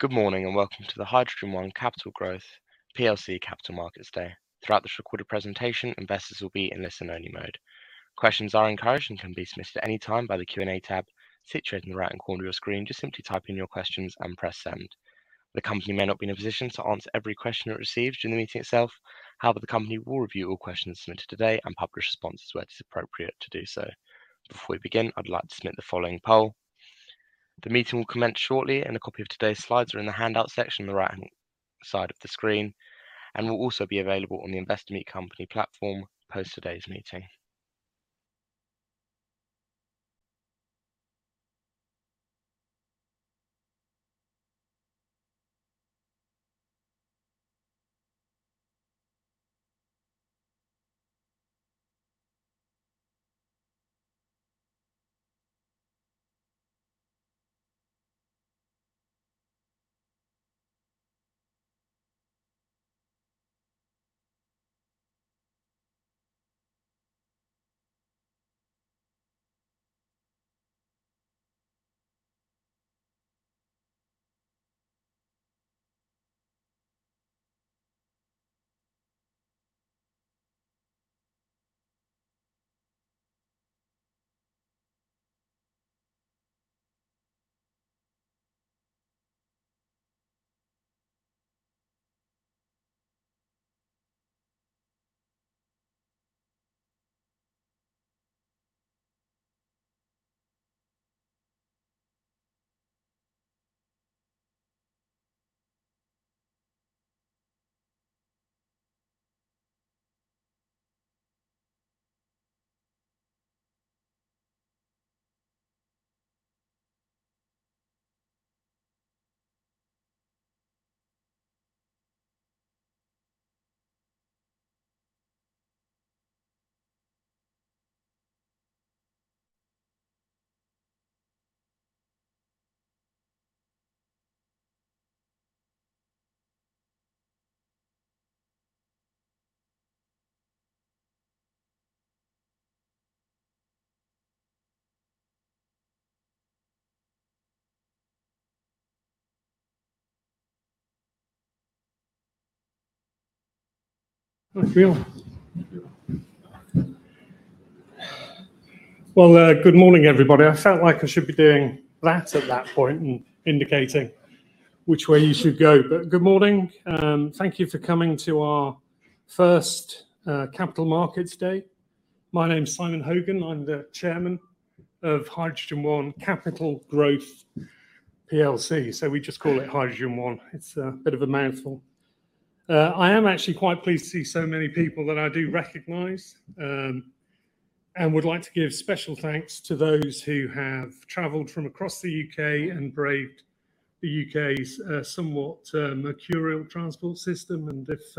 Good morning and welcome to the HydrogenOne Capital Growth PLC Capital Markets Day. Throughout this recorded presentation, investors will be in listen-only mode. Questions are encouraged and can be submitted at any time by the Q&A tab situated in the right-hand corner of your screen. Just simply type in your questions and press send. The company may not be in position to answer every question it receives during the meeting itself. However, the company will review all questions submitted today and publish responses where it is appropriate to do so. Before we begin, I'd like to submit the following poll. The meeting will commence shortly, and a copy of today's slides are in the handout section on the right hand side of the screen and will also be available on the Investor Meet Company platform post today's meeting. How are you feeling? Well, good morning, everybody. I felt like I should be doing that at that point and indicating which way you should go. Good morning. Thank you for coming to our first Capital Markets Day. My name is Simon Hogan. I'm the Chairman of HydrogenOne Capital Growth PLC, so we just call it HydrogenOne. It's a bit of a mouthful. I am actually quite pleased to see so many people that I do recognize and would like to give special thanks to those who have traveled from across the U.K. and braved the U.K.'s somewhat mercurial transport system. If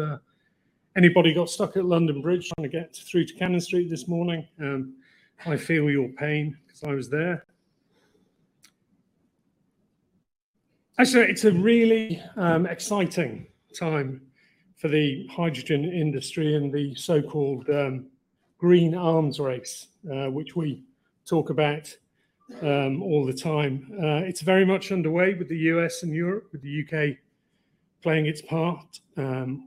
anybody gottuck at London Bridge trying to get through to Cannon Street this morning, I feel your pain 'cause I was there. Actually, it's a really exciting time for the hydrogen industry and the so-called green arms race, which we talk about all the time. It's very much underway with the U.S. and Europe, with the U.K. playing its part.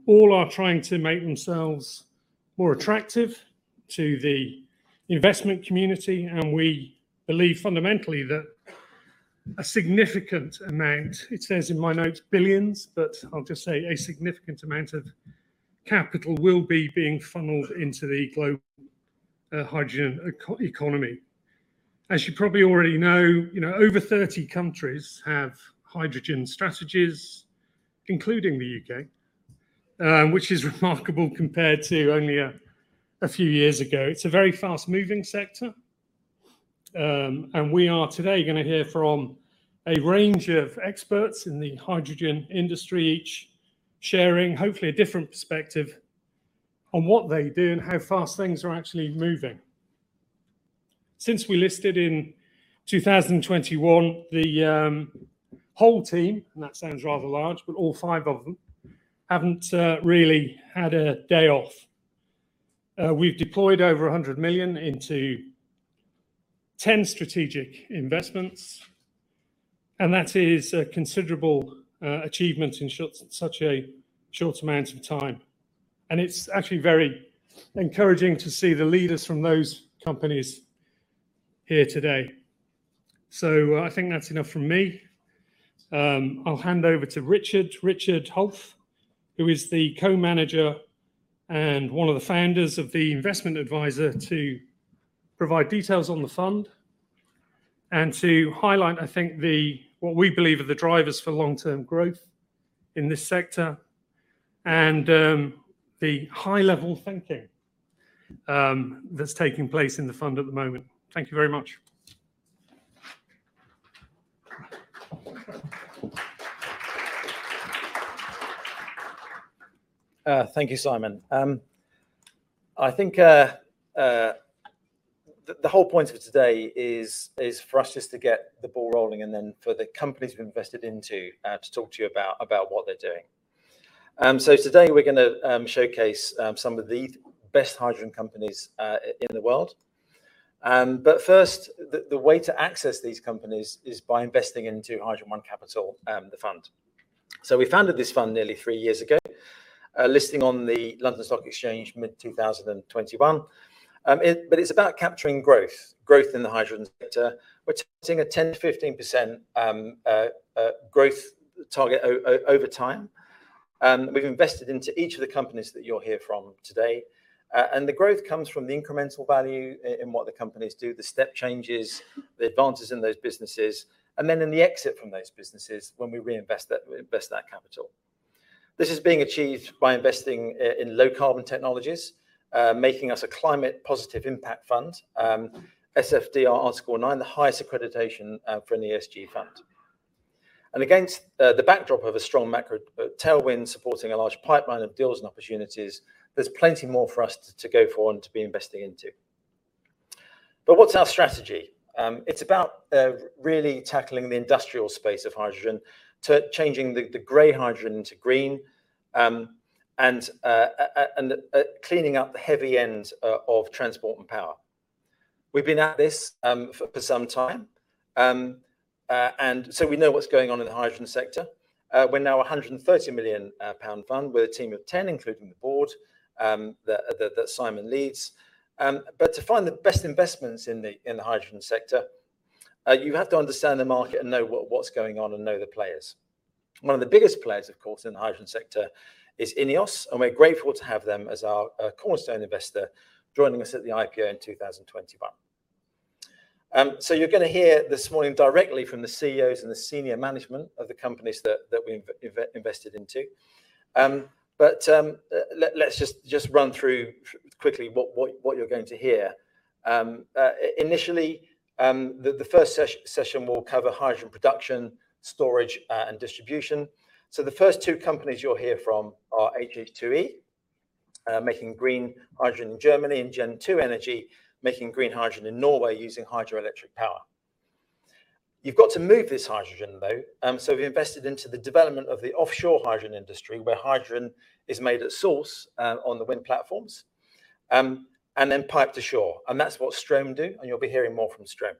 All are trying to make themselves more attractive to the investment community, we believe fundamentally that a significant amount, it says in my notes, billions, but I'll just say a significant amount of capital will be being funneled into the global hydrogen eco-economy. You probably already know, you know, over 30 countries have hydrogen strategies, including the U.K., which is remarkable compared to only a few years ago. It's a very fast-moving sector. We are today gonna hear from a range of experts in the hydrogen industry, each sharing hopefully a different perspective on what they do and how fast things are actually moving. Since we listed in 2021, the whole team, and that sounds rather large, but all five of them, haven't really had a day off. We've deployed over 100 million into 10 strategic investments, and that is a considerable achievement in such a short amount of time. It's actually very encouraging to see the leaders from those companies here today. I think that's enough from me. I'll hand over to Richard Hulf, who is the Co-Manager and one of the founders of the investment advisor, to provide details on the fund and to highlight what we believe are the drivers for long-term growth in this sector and the high-level thinking that's taking place in the fund at the moment. Thank you very much. Thank you, Simon. I think the whole point of today is for us just to get the ball rolling for the companies we've invested into to talk to you about what they're doing. Today we're gonna showcase some of the best hydrogen companies in the world. First, the way to access these companies is by investing into HydrogenOne Capital, the fund. We founded this fund nearly years ago, listing on the London Stock Exchange mid-2021. It's about capturing growth in the hydrogen sector. We're targeting a 10-15% growth target over time. We've invested into each of the companies that you'll hear from today. The growth comes from the incremental value in what the companies do, the step changes, the advances in those businesses, and then in the exit from those businesses when we reinvest that capital. This is being achieved by investing in low carbon technologies, making us a climate positive impact fund. SFDR Article 9, the highest accreditation for an ESG fund. Against the backdrop of a strong macro tailwind supporting a large pipeline of deals and opportunities, there's plenty more for us to go forward and to be investing into. What's our strategy? It's about really tackling the industrial space of hydrogen, changing the gray hydrogen to green, and cleaning up the heavy end of transport and power. We've been at this for some time, we know what's going on in the hydrogen sector. We're now a 130 million pound fund. We're a team of 10, including the board, that Simon leads. To find the best investments in the hydrogen sector, you have to understand the market and know what's going on and know the players. One of the biggest players, of course, in the hydrogen sector is INEOS, we're grateful to have them as our cornerstone investor joining us at the IPO in 2021. You're gonna hear this morning directly from the CEOs and the senior management of the companies that we've invested into. Let's just run through quickly what you're going to hear. Initially, the first session will cover hydrogen production, storage, and distribution. The first two companies you'll hear from are HH2E, making green hydrogen in Germany, and Gen2 Energy, making green hydrogen in Norway using hydroelectric power. You've got to move this hydrogen, though, so we've invested into the development of the offshore hydrogen industry, where hydrogen is made at source, on the wind platforms, and then piped to shore. That's what Strohm do, and you'll be hearing more from Strohm.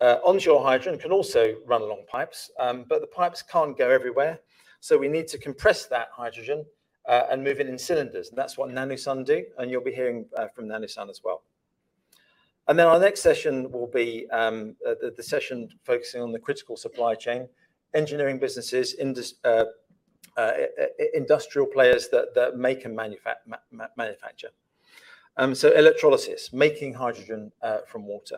Onshore hydrogen can also run along pipes, but the pipes can't go everywhere, so we need to compress that hydrogen and move it in cylinders, and that's what NanoSUN do, and you'll be hearing from NanoSUN as well. Our next session will be the session focusing on the critical supply chain, engineering businesses, industrial players that make and manufacture. Electrolysis, making hydrogen from water.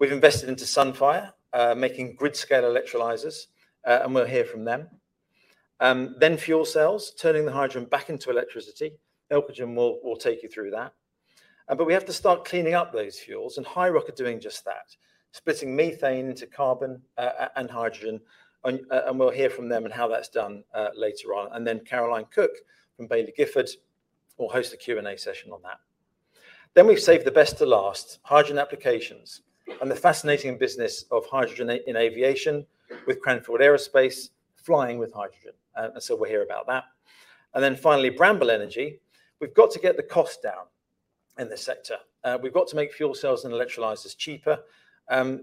We've invested into Sunfire, making grid-scale electrolyzers, we'll hear from them. Fuel cells, turning the hydrogen back into electricity. Elcogen will take you through that. We have to start cleaning up those fuels, HiiROC are doing just that, splitting methane into carbon and hydrogen, and we'll hear from them on how that's done later on. Caroline Cook from Baillie Gifford will host a Q&A session on that. We've saved the best to last, hydrogen applications, and the fascinating business of hydrogen in aviation with Cranfield Aerospace, flying with hydrogen. We'll hear about that. Finally, Bramble Energy. We've got to get the cost down in this sector. We've got to make fuel cells and electrolyzers cheaper.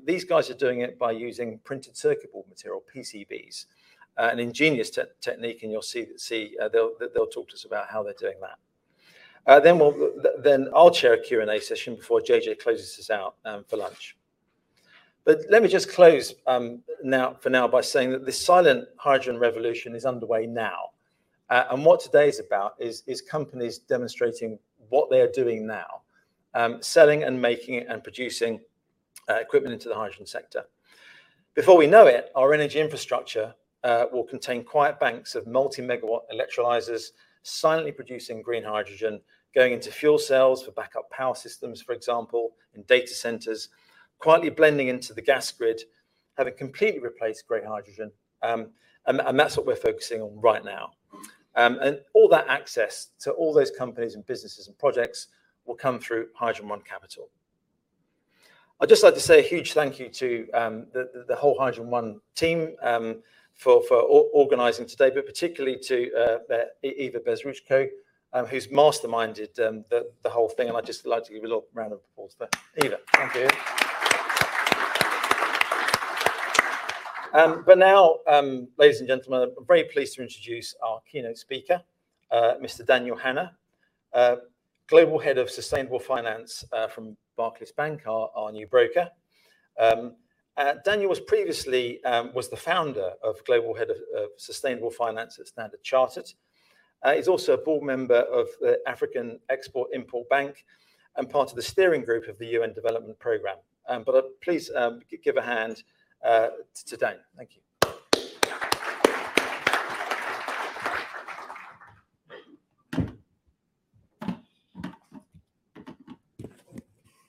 These guys are doing it by using printed circuit board material, PCBs, an ingenious technique, and you'll see they'll talk to us about how they're doing that. Then we'll then I'll chair a Q&A session before JJ closes us out for lunch. Let me just close now, for now by saying that this silent hydrogen revolution is underway now. What today is about is companies demonstrating what they are doing now, selling and making and producing equipment into the hydrogen sector. Before we know it, our energy infrastructure will contain quiet banks of multi-megawatt electrolyzers silently producing green hydrogen, going into fuel cells for backup power systems, for example, in data centers, quietly blending into the gas grid, having completely replaced gray hydrogen. And that's what we're focusing on right now. All that access to all those companies and businesses and projects will come through HydrogenOne Capital. I'd just like to say a huge thank you to the whole HydrogenOne team for organizing today, but particularly to Eva Bezruczko, who's masterminded the whole thing. I'd just like to give a little round of applause to Eva. Thank you. Now, ladies and gentlemen, I'm very pleased to introduce our keynote speaker, Mr. Daniel Hanna, Global Head of Sustainable Finance, from Barclays Bank, our new broker. Daniel was previously, was the founder of Global Head of Sustainable Finance at Standard Chartered. He's also a board member of the African Export-Import Bank and part of the steering group of the UN Development Programme. Please give a hand to Dan. Thank you.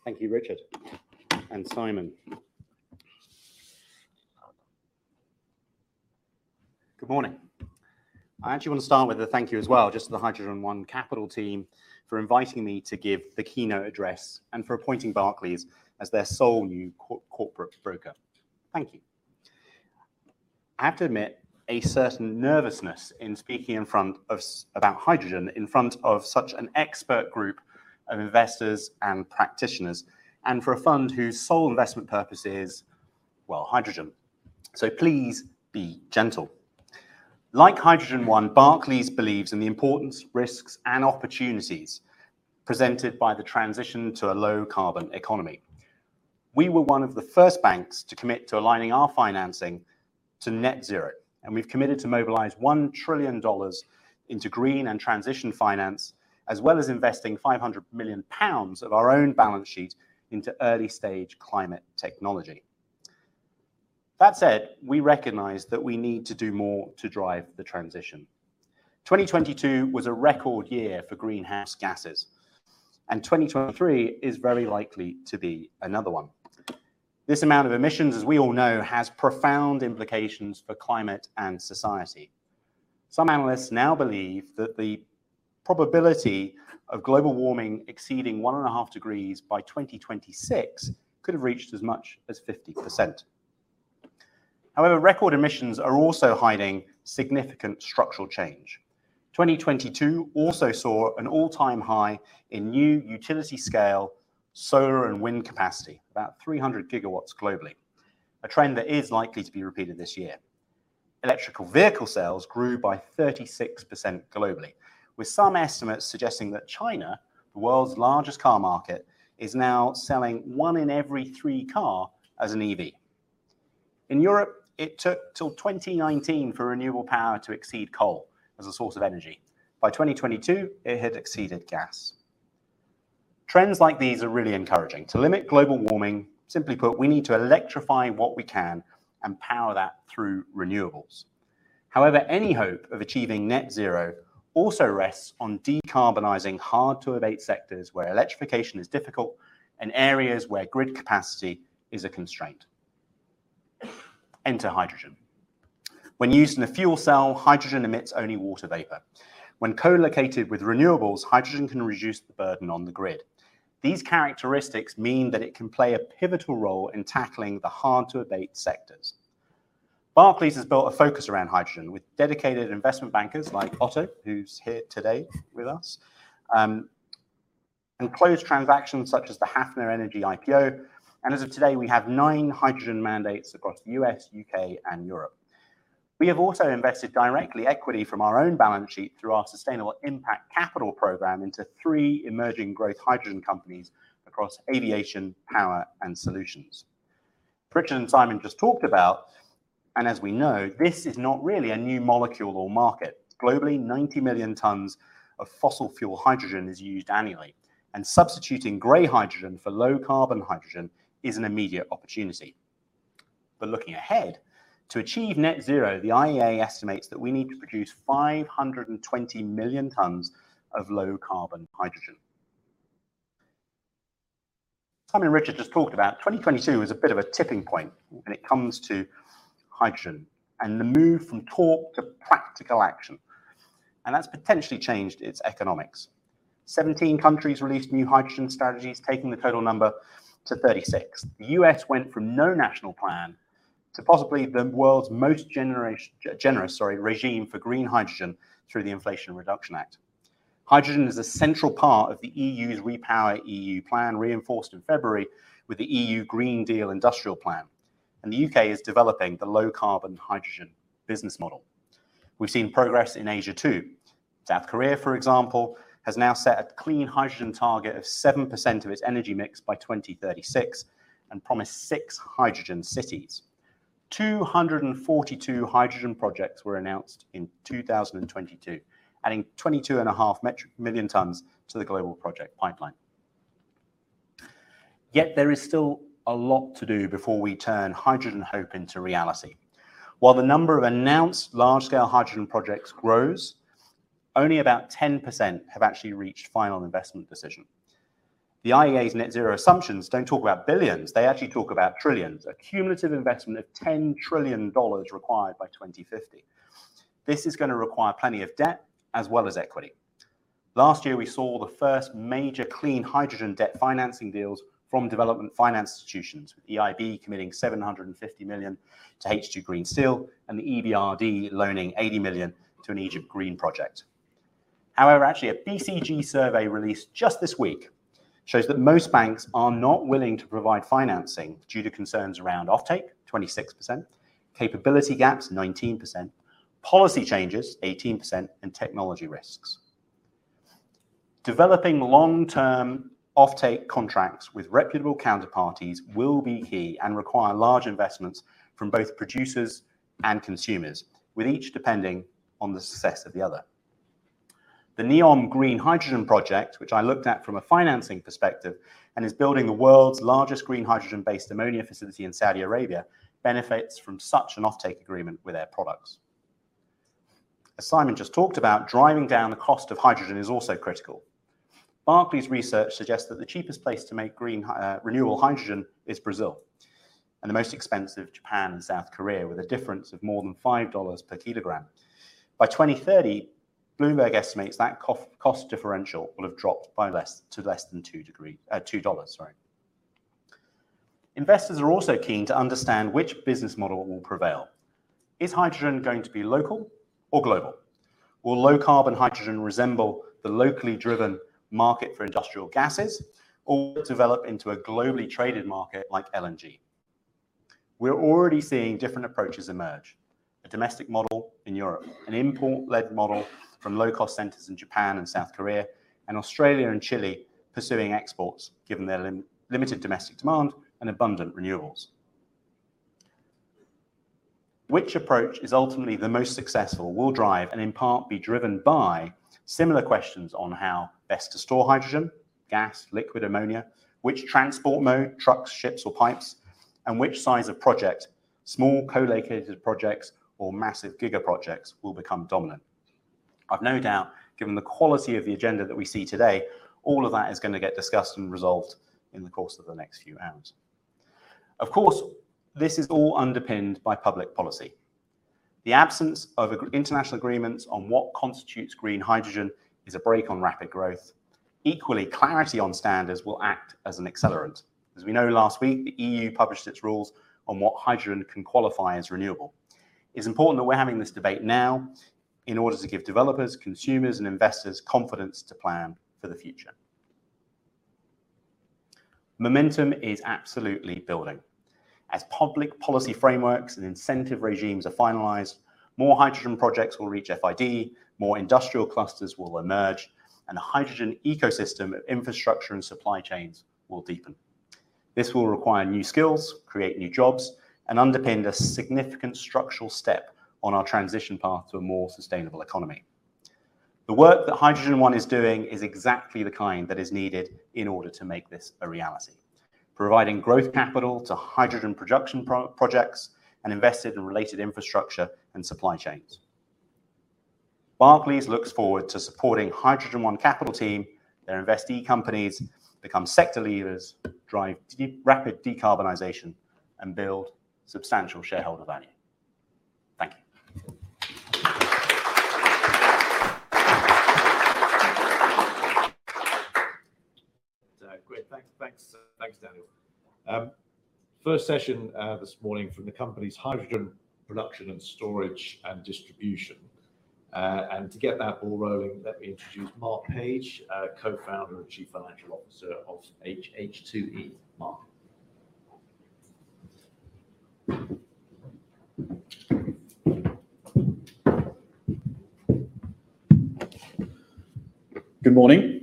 Thank you, Richard and Simon. Good morning. I actually want to start with a thank you as well just to the HydrogenOne Capital team for inviting me to give the keynote address and for appointing Barclays as their sole new corporate broker. Thank you. I have to admit a certain nervousness in speaking about hydrogen in front of such an expert group of investors and practitioners, and for a fund whose sole investment purpose is, well, hydrogen. Please be gentle. Like HydrogenOne, Barclays believes in the importance, risks, and opportunities presented by the transition to a low-carbon economy. We were one of the first banks to commit to aligning our financing to net zero, and we've committed to mobilize $1 trillion into green and transition finance, as well as investing 500 million pounds of our own balance sheet into early-stage climate technology. That said, we recognize that we need to do more to drive the transition. 2022 was a record year for greenhouse gases, 2023 is very likely to be another one. This amount of emissions, as we all know, has profound implications for climate and society. Some analysts now believe that the probability of global warming exceeding 1.5 degrees by 2026 could have reached as much as 50%. However, record emissions are also hiding significant structural change. 2022 also saw an all-time high in new utility-scale solar and wind capacity, about 300 GW globally, a trend that is likely to be repeated this year. Electrical vehicle sales grew by 36% globally, with some estimates suggesting that China, the world's largest car market, is now selling 1 in every 3 car as an EV. In Europe, it took till 2019 for renewable power to exceed coal as a source of energy. By 2022, it had exceeded gas. Trends like these are really encouraging. To limit global warming, simply put, we need to electrify what we can and power that through renewables. Any hope of achieving net zero also rests on decarbonizing hard-to-abate sectors where electrification is difficult and areas where grid capacity is a constraint. Enter hydrogen. When used in a fuel cell, hydrogen emits only water vapor. When co-located with renewables, hydrogen can reduce the burden on the grid. These characteristics mean that it can play a pivotal role in tackling the hard-to-abate sectors. Barclays has built a focus around hydrogen with dedicated investment bankers like Otto, who's here today with us, closed transactions such as the Haffner Energy IPO. As of today, we have nine hydrogen mandates across the U.S., U.K., and Europe. We have also invested directly equity from our own balance sheet through our Sustainable Impact Capital program into emerging growth hydrogen companies across aviation, power, and solutions. Richard and Simon just talked about. As we know, this is not really a new molecule or market. Globally, 90 million tons of fossil fuel hydrogen is used annually. Substituting gray hydrogen for low-carbon hydrogen is an immediate opportunity. Looking ahead, to achieve net zero, the IEA estimates that we need to produce 520 million tons of low-carbon hydrogen. Simon and Richard just talked about 2022 as a bit of a tipping point when it comes to hydrogen and the move from talk to practical action, and that's potentially changed its economics. 17 countries released new hydrogen strategies, taking the total number to 36. The U.S. went from no national plan to possibly the world's most generous, sorry, regime for green hydrogen through the Inflation Reduction Act. Hydrogen is a central part of the E.U.'s REPowerEU plan, reinforced in February with the Green Deal Industrial Plan, and the U.K. is developing the low-carbon hydrogen business model. We've seen progress in Asia too. South Korea, for example, has now set a clean hydrogen target of 7% of its energy mix by 2036 and promised 6 hydrogen cities. 242 hydrogen projects were announced in 2022, adding 22.5 million metric tons to the global project pipeline. Yet there is still a lot to do before we turn hydrogen hope into reality. While the number of announced large-scale hydrogen projects grows, only about 10% have actually reached final investment decision. The IEA's net zero assumptions don't talk about billions, they actually talk about trillions, a cumulative investment of $10 trillion required by 2050. This is gonna require plenty of debt as well as equity. Last year, we saw the first major clean hydrogen debt financing deals from development finance institutions, with EIB committing $750 million to H2 Green Steel and the EBRD loaning $80 million to an Egypt green project. Actually, a BCG survey released just this week shows that most banks are not willing to provide financing due to concerns around offtake, 26%, capability gaps, 19%, policy changes, 18%, and technology risks. Developing long-term offtake contracts with reputable counterparties will be key and require large investments from both producers and consumers, with each depending on the success of the other. The Neom Green Hydrogen project, which I looked at from a financing perspective and is building the world's largest green hydrogen-based ammonia facility in Saudi Arabia, benefits from such an offtake agreement with their products. As Simon just talked about, driving down the cost of hydrogen is also critical. Barclays research suggests that the cheapest place to make renewable hydrogen is Brazil, and the most expensive Japan and South Korea, with a difference of more than $5 per kilogram. By 2030, Bloomberg estimates that cost differential will have dropped to less than $2, sorry. Investors are also keen to understand which business model will prevail. Is hydrogen going to be local or global? Will low-carbon hydrogen resemble the locally driven market for industrial gases or develop into a globally traded market like LNG? We're already seeing different approaches emerge. A domestic model in Europe, an import-led model from low-cost centers in Japan and South Korea, and Australia and Chile pursuing exports given their limited domestic demand and abundant renewables. Which approach is ultimately the most successful will drive, and in part be driven by, similar questions on how best to store hydrogen, gas, liquid ammonia, which transport mode, trucks, ships or pipes, and which size of project, small co-located projects or massive giga-projects, will become dominant. I've no doubt, given the quality of the agenda that we see today, all of that is gonna get discussed and resolved in the course of the next few hours. Of course, this is all underpinned by public policy. The absence of international agreements on what constitutes green hydrogen is a brake on rapid growth. Equally, clarity on standards will act as an accelerant. As we know, last week, the EU published its rules on what hydrogen can qualify as renewable. It's important that we're having this debate now in order to give developers, consumers, and investors confidence to plan for the future. Momentum is absolutely building. As public policy frameworks and incentive regimes are finalized, more hydrogen projects will reach FID, more industrial clusters will emerge, and a hydrogen ecosystem of infrastructure and supply chains will deepen. This will require new skills, create new jobs, and underpin a significant structural step on our transition path to a more sustainable economy. The work that HydrogenOne is doing is exactly the kind that is needed in order to make this a reality, providing growth capital to hydrogen production projects and invested in related infrastructure and supply chains. Barclays looks forward to supporting HydrogenOne Capital team, their investee companies become sector leaders, drive rapid decarbonization, and build substantial shareholder value. Thank you. Great. Thanks, Daniel. First session this morning from the company's hydrogen production and storage and distribution. To get that ball rolling, let me introduce Mark Page, co-founder and chief financial officer of HH2E. Mark. Good morning.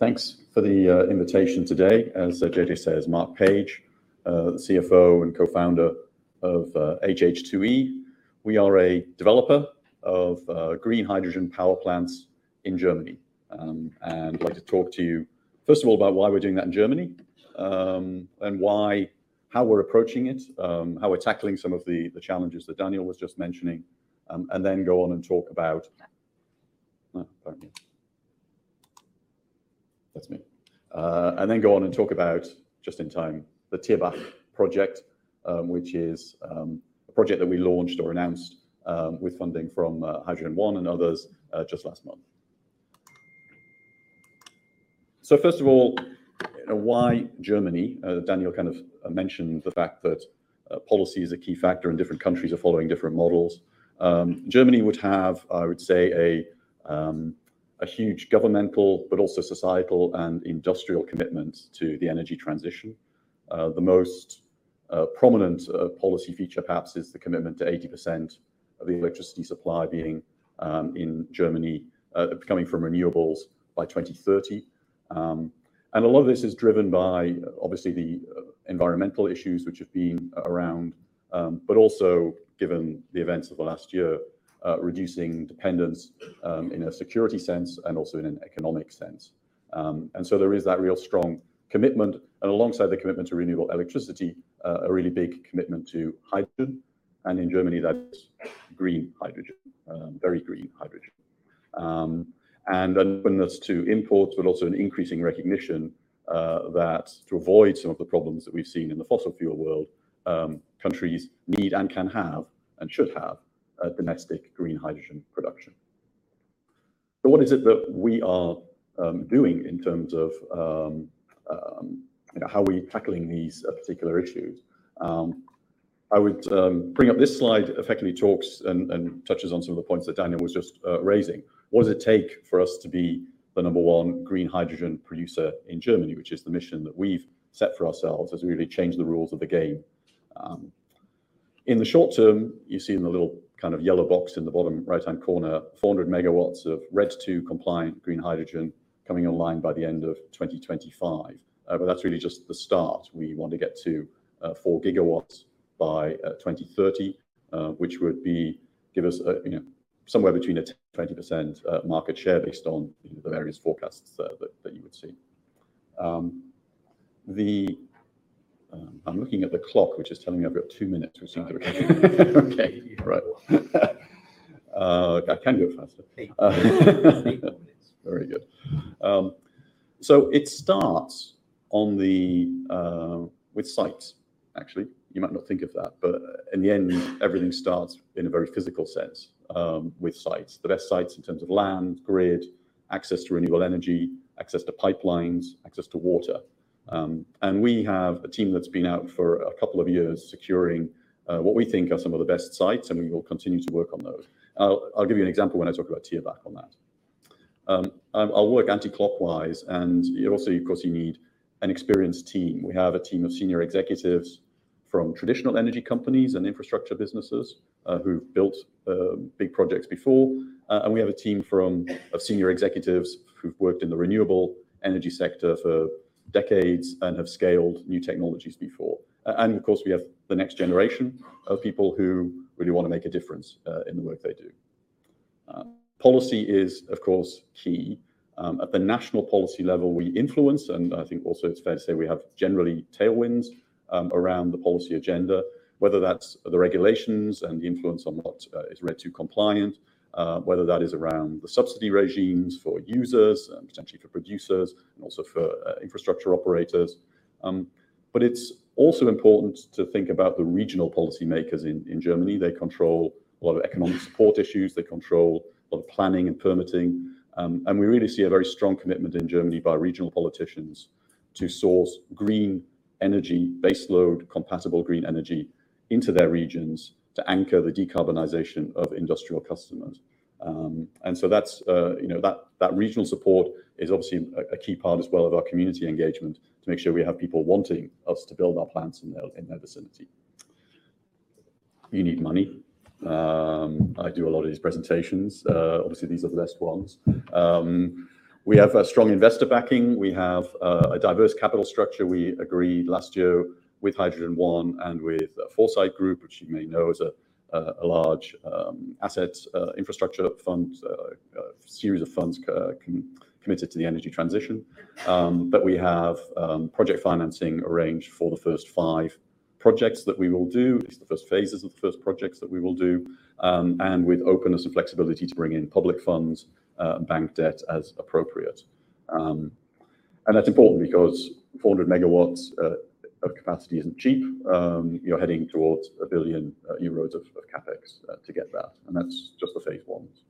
Thanks for the invitation today. As JJ says, Mark Page, the CFO and Co-founder of HH2E. We are a developer of green hydrogen power plants in Germany. I'd like to talk to you first of all about why we're doing that in Germany, and how we're approaching it, how we're tackling some of the challenges that Daniel was just mentioning, and then go on and talk about. Pardon me. That's me. Then go on and talk about, just in time, the Thierbach project, which is a project that we launched or announced, with funding from HydrogenOne and others, just last month. First of all, why Germany? Daniel kind of mentioned the fact that policy is a key factor and different countries are following different models. Germany would have, I would say, a huge governmental but also societal and industrial commitment to the energy transition. The most prominent policy feature perhaps is the commitment to 80% of the electricity supply being in Germany, coming from renewables by 2030. A lot of this is driven by obviously the environmental issues which have been around, but also given the events of the last year, reducing dependence in a security sense and also in an economic sense. There is that real strong commitment and alongside the commitment to renewable electricity, a really big commitment to hydrogen, and in Germany that's green hydrogen, very green hydrogen. And an openness to imports, but also an increasing recognition that to avoid some of the problems that we've seen in the fossil fuel world, countries need and can have and should have a domestic green hydrogen production. What is it that we are doing in terms of, you know, how are we tackling these particular issues? I would bring up this slide effectively talks and touches on some of the points that Daniel was just raising. What does it take for us to be the number one green hydrogen producer in Germany, which is the mission that we've set for ourselves as we really change the rules of the game? In the short term, you see in the little kind of yellow box in the bottom right-hand corner, 400 megawatts of RED II compliant green hydrogen coming online by the end of 2025. That's really just the start. We want to get 4 gigawatts by 2030, which would give us a, you know, somewhere between a 20% market share based on, you know, the various forecasts that you would see. I'm looking at the clock, which is telling me I've got two minutes, which seems like okay. Right. I can go faster. Very good. It starts on the with sites, actually. You might not think of that, but in the end, everything starts in a very physical sense, with sites. The best sites in terms of land, grid, access to renewable energy, access to pipelines, access to water. We have a team that's been out for a couple of years securing what we think are some of the best sites, and we will continue to work on those. I'll give you an example when I talk about Thierbach on that. I'll work anti-clockwise you also, of course, you need an experienced team. We have a team of senior executives from traditional energy companies and infrastructure businesses who've built big projects before. We have a team of senior executives who've worked in the renewable energy sector for decades and have scaled new technologies before. Of course, we have the next generation of people who really wanna make a difference in the work they do. Policy is, of course, key. At the national policy level, we influence, and I think also it's fair to say we have generally tailwinds around the policy agenda, whether that's the regulations and the influence on what is RED II compliant, whether that is around the subsidy regimes for users, potentially for producers and also for infrastructure operators. It's also important to think about the regional policymakers in Germany. They control a lot of economic support issues. They control a lot of planning and permitting. We really see a very strong commitment in Germany by regional politicians to source green energy, baseload compatible green energy into their regions to anchor the decarbonization of industrial customers. That's, you know, that regional support is obviously a key part as well of our community engagement to make sure we have people wanting us to build our plants in their vicinity. You need money. I do a lot of these presentations. Obviously, these are the best ones. We have a strong investor backing. We have a diverse capital structure. We agreed last year with HydrogenOne and with Foresight Group, which you may know is a large asset infrastructure fund, a series of funds committed to the energy transition. We have project financing arranged for the first five projects that we will do. It's the first phases of the first projects that we will do, with openness and flexibility to bring in public funds, bank debt as appropriate. That's important because 400 megawatts of capacity isn't cheap. You're heading towards 1 billion euros of CapEx to get that, and that's just the phase ones.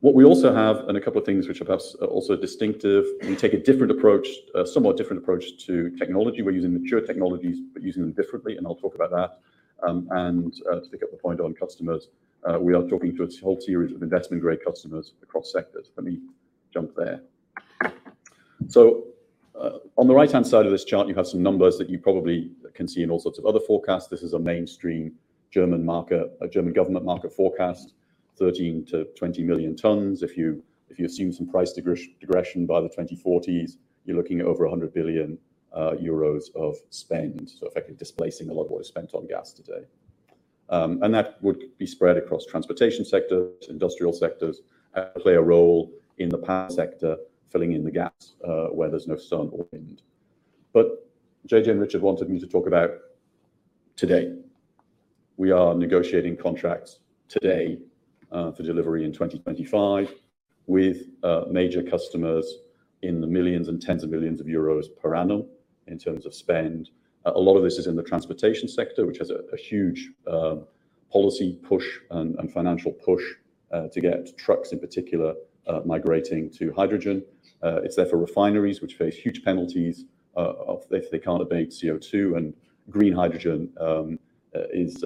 What we also have, and a couple of things which are perhaps also distinctive, we take a different approach, a somewhat different approach to technology. We're using mature technologies, but using them differently, and I'll talk about that. To pick up a point on customers, we are talking to a whole series of investment-grade customers across sectors. Let me jump there. On the right-hand side of this chart, you have some numbers that you probably can see in all sorts of other forecasts. This is a mainstream German market, a German government market forecast, 13-20 million tons. If you assume some price degression by the 2040s, you're looking at over 100 billion euros of spend, so effectively displacing a lot of what is spent on gas today. That would be spread across transportation sectors, industrial sectors, play a role in the power sector, filling in the gaps, where there's no sun or wind. JJ and Richard wanted me to talk about today. We are negotiating contracts today for delivery in 2025 with major customers in the millions and tens of millions of EUR per annum in terms of spend. A lot of this is in the transportation sector, which has a huge policy push and financial push to get trucks in particular migrating to hydrogen. It's there for refineries which face huge penalties if they can't abate CO2, and green hydrogen is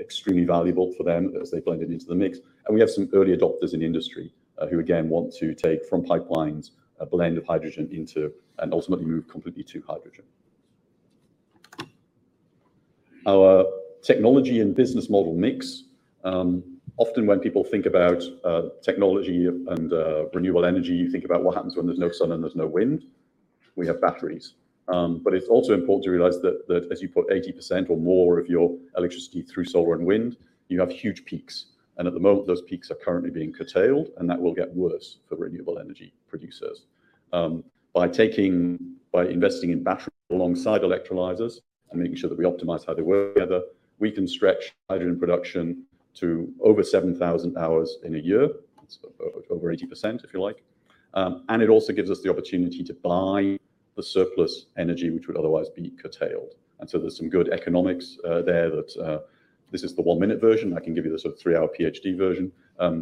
extremely valuable for them as they blend it into the mix. We have some early adopters in industry who again want to take from pipelines a blend of hydrogen into and ultimately move completely to hydrogen. Our technology and business model mix, often when people think about technology and renewable energy, you think about what happens when there's no sun and there's no wind. We have batteries. It's also important to realize that as you put 80% or more of your electricity through solar and wind, you have huge peaks. At the moment, those peaks are currently being curtailed, and that will get worse for renewable energy producers. By taking, by investing in batteries alongside electrolyzers and making sure that we optimize how they work together, we can stretch hydrogen production to over 7,000 hours in a year. It's over 80%, if you like. It also gives us the opportunity to buy the surplus energy which would otherwise be curtailed. There's some good economics there that this is the 1-minute version. I can give you the sort of three-hour PhD version.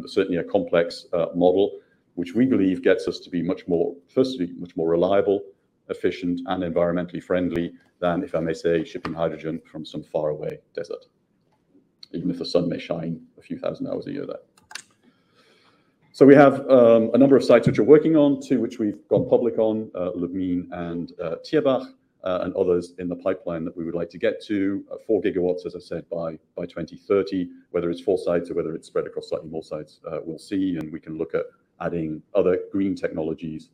Certainly a complex model, which we believe gets us to be much more, firstly, much more reliable, efficient, and environmentally friendly than, if I may say, shipping hydrogen from some faraway desert, even if the sun may shine a few thousand hours a year there. We have a number of sites which we're working on, 2 which we've gone public on, Lubmin and Thierbach, and others in the pipeline that we would like to get to. 4 gigawatts, as I said, by 2030, whether it's 4 sites or whether it's spread across slightly more sites, we'll see. We can look at adding other green technologies,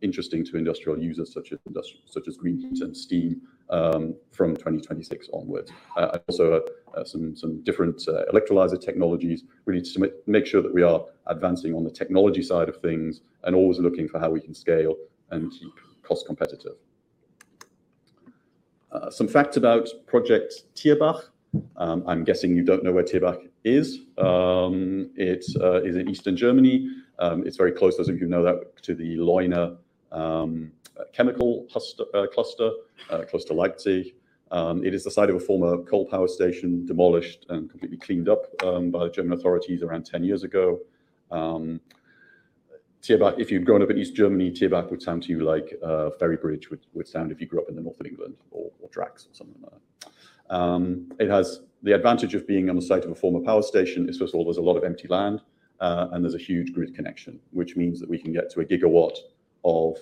interesting to industrial users such as industrial, such as green heat and steam, from 2026 onwards. Also, some different electrolyzer technologies. We need to make sure that we are advancing on the technology side of things and always looking for how we can scale and be cost competitive. Some facts about Project Thierbach. I'm guessing you don't know where Thierbach is. It is in Eastern Germany. It's very close, those of you who know that, to the Leuna chemical cluster, close to Leipzig. It is the site of a former coal power station demolished and completely cleaned up by the German authorities around 10 years ago. Thierbach, if you've grown up in East Germany, Thierbach would sound to you like Ferrybridge would sound if you grew up in the North of England or Drax or something like that. It has the advantage of being on the site of a former power station. First of all, there's a lot of empty land, and there's a huge grid connection, which means that we can get to 1 gigawatt of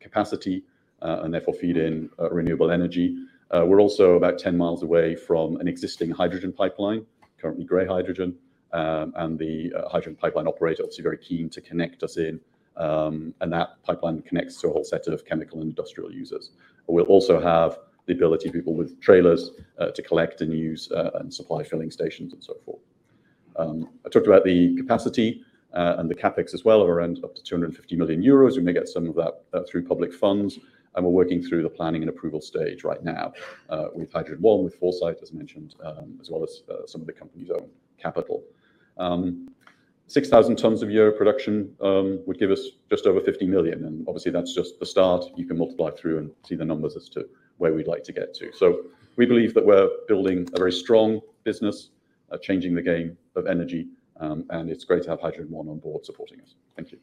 capacity, and therefore feed in renewable energy. We're also about 10 miles away from an existing hydrogen pipeline, currently gray hydrogen. The hydrogen pipeline operator obviously very keen to connect us in. That pipeline connects to a whole set of chemical and industrial users. We'll also have the ability, people with trailers, to collect and use, and supply filling stations and so forth. I talked about the capacity, and the CapEx as well of around up to 250 million euros. We may get some of that through public funds, and we're working through the planning and approval stage right now with Hydrogen One, with Foresight, as mentioned, as well as some of the company's own capital. 6,000 tons of EUR production would give us just over 50 million, and obviously that's just the start. You can multiply through and see the numbers as to where we'd like to get to. We believe that we're building a very strong business, changing the game of energy, and it's great to have Hydrogen One on board supporting us. Thank you.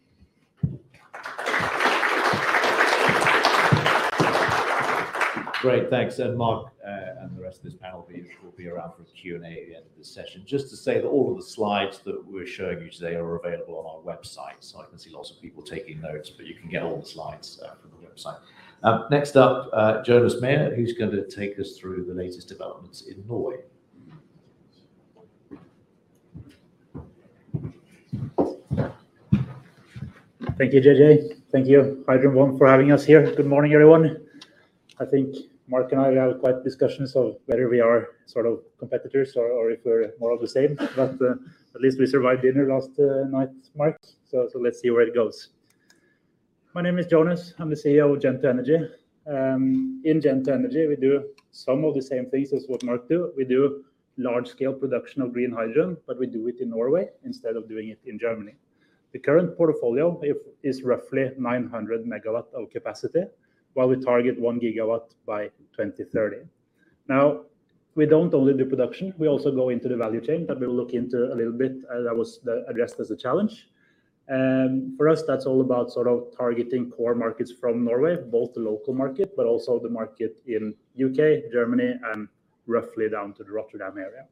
Great. Thanks. Mark, and the rest of this panel will be around for the Q&A at the end of this session. Just to say that all of the slides that we're showing you today are available on our website. I can see lots of people taking notes, but you can get all the slides from the website. Next up, Jonas Meyer, who's gonna take us through the latest developments in Norway. Thank you, JJ. Thank you, HydrogenOne, for having us here. Good morning, everyone. I think Mark and I have had quite discussions of whether we are sort of competitors or if we're more of the same. At least we survived dinner last night, Mark. Let's see where it goes. My name is Jonas. I'm the CEO of Gen2 Energy. In Gen2 Energy, we do some of the same things as what Mark do. We do large scale production of green hydrogen, but we do it in Norway instead of doing it in Germany. The current portfolio is roughly 900 megawatt of capacity, while we target 1 gigawatt by 2030. We don't only do production, we also go into the value chain that we'll look into a little bit. That was addressed as a challenge. For us, that's all about sort of targeting core markets from Norway, both the local market, but also the market in U.K., Germany, and roughly down to the Rotterdam area.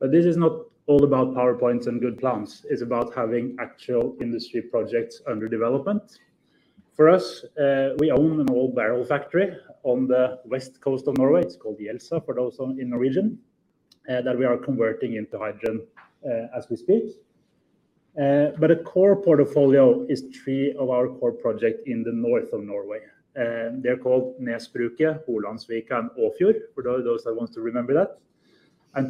This is not all about PowerPoints and good plans. It's about having actual industry projects under development. For us, we own an old barrel factory on the west coast of Norway. It's called Jelsa for those on, in Norwegian, that we are converting into hydrogen as we speak. A core portfolio is three of our core project in the north of Norway. They're called Nesbruket, Holandsvika, and Åfjord for those that want to remember that.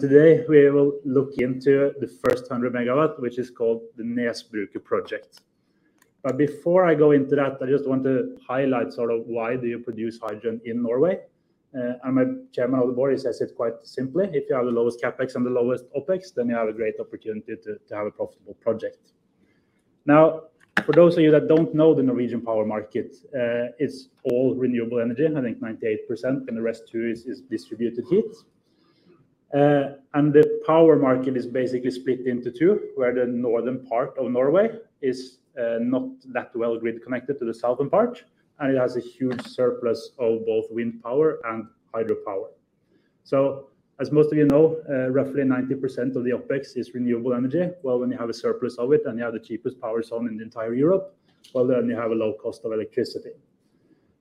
Today, we will look into the first 100 megawatt, which is called the Nesbruket project. Before I go into that, I just want to highlight sort of why do you produce hydrogen in Norway. My chairman of the board, he says it quite simply. If you have the lowest CapEx and the lowest OpEx, you have a great opportunity to have a profitable project. For those of you that don't know the Norwegian power market, it's all renewable energy. I think 98%, the rest too is distributed heat. The power market is basically split into two, where the northern part of Norway is not that well grid connected to the southern part, it has a huge surplus of both wind power and hydropower. As most of you know, roughly 90% of the OpEx is renewable energy. Well, when you have a surplus of it, you have the cheapest power zone in the entire Europe, well, you have a low cost of electricity.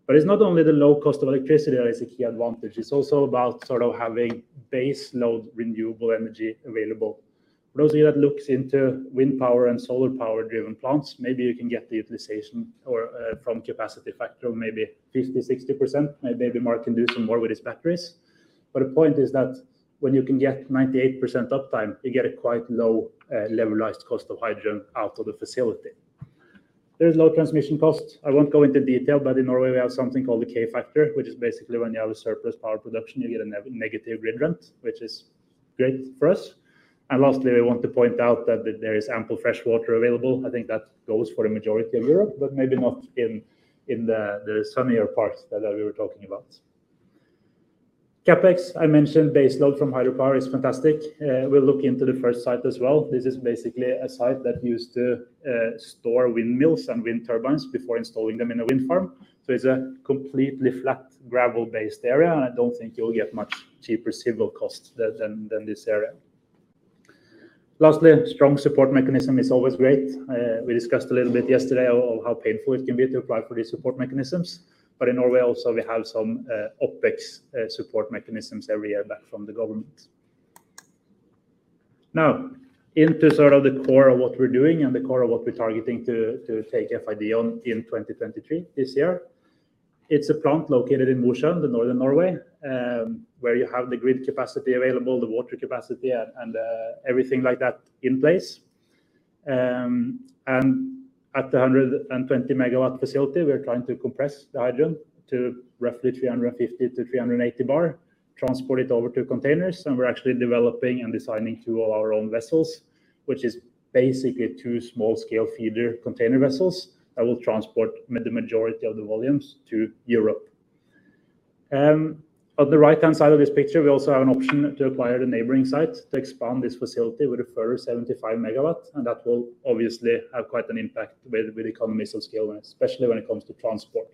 It's not only the low cost of electricity that is a key advantage. It's also about sort of having base load renewable energy available. For those of you that looks into wind power and solar power driven plants, maybe you can get the utilization or from capacity factor of maybe 50%, 60%. Maybe Mark can do some more with his batteries. The point is that when you can get 98% uptime, you get a quite low, levelized cost of hydrogen out of the facility. There is low transmission costs. I won't go into detail, but in Norway we have something called the k-factor, which is basically when you have a surplus power production, you get a negative grid rent, which is great for us. Lastly, we want to point out that there is ample fresh water available. I think that goes for a majority of Europe, but maybe not in the sunnier parts that we were talking about. CapEx, I mentioned base load from hydropower is fantastic. We'll look into the first site as well. This is basically a site that used to store windmills and wind turbines before installing them in a wind farm. It's a completely flat gravel-based area, and I don't think you'll get much cheaper civil costs than this area. Lastly, strong support mechanism is always great. We discussed a little bit yesterday on how painful it can be to apply for these support mechanisms. In Norway also, we have some OpEx support mechanisms every year back from the government. Into sort of the core of what we're doing and the core of what we're targeting to take FID on in 2023, this year. It's a plant located in Mosjøen, northern Norway, where you have the grid capacity available, the water capacity, and everything like that in place. At the 120 MW facility, we're trying to compress the hydrogen to roughly 350-380 bar, transport it over to containers, and we're actually developing and designing two of our own vessels, which is basically two small scale feeder container vessels that will transport the majority of the volumes to Europe. At the right-hand side of this picture, we also have an option to acquire the neighboring site to expand this facility with a further 75 MW, and that will obviously have quite an impact with economies of scale, and especially when it comes to transport.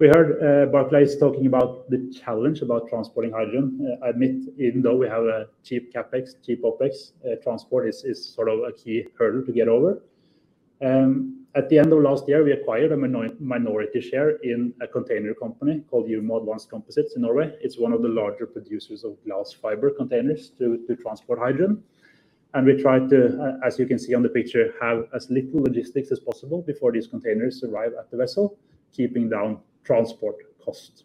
We heard Barclays talking about the challenge about transporting hydrogen. I admit even though we have a cheap CapEx, cheap OpEx, transport is sort of a key hurdle to get over. At the end of last year, we acquired a minority share in a container company called Umoe Advanced Composites in Norway. It's one of the larger producers of glass fiber containers to transport hydrogen. We tried to, as you can see on the picture, have as little logistics as possible before these containers arrive at the vessel, keeping down transport costs.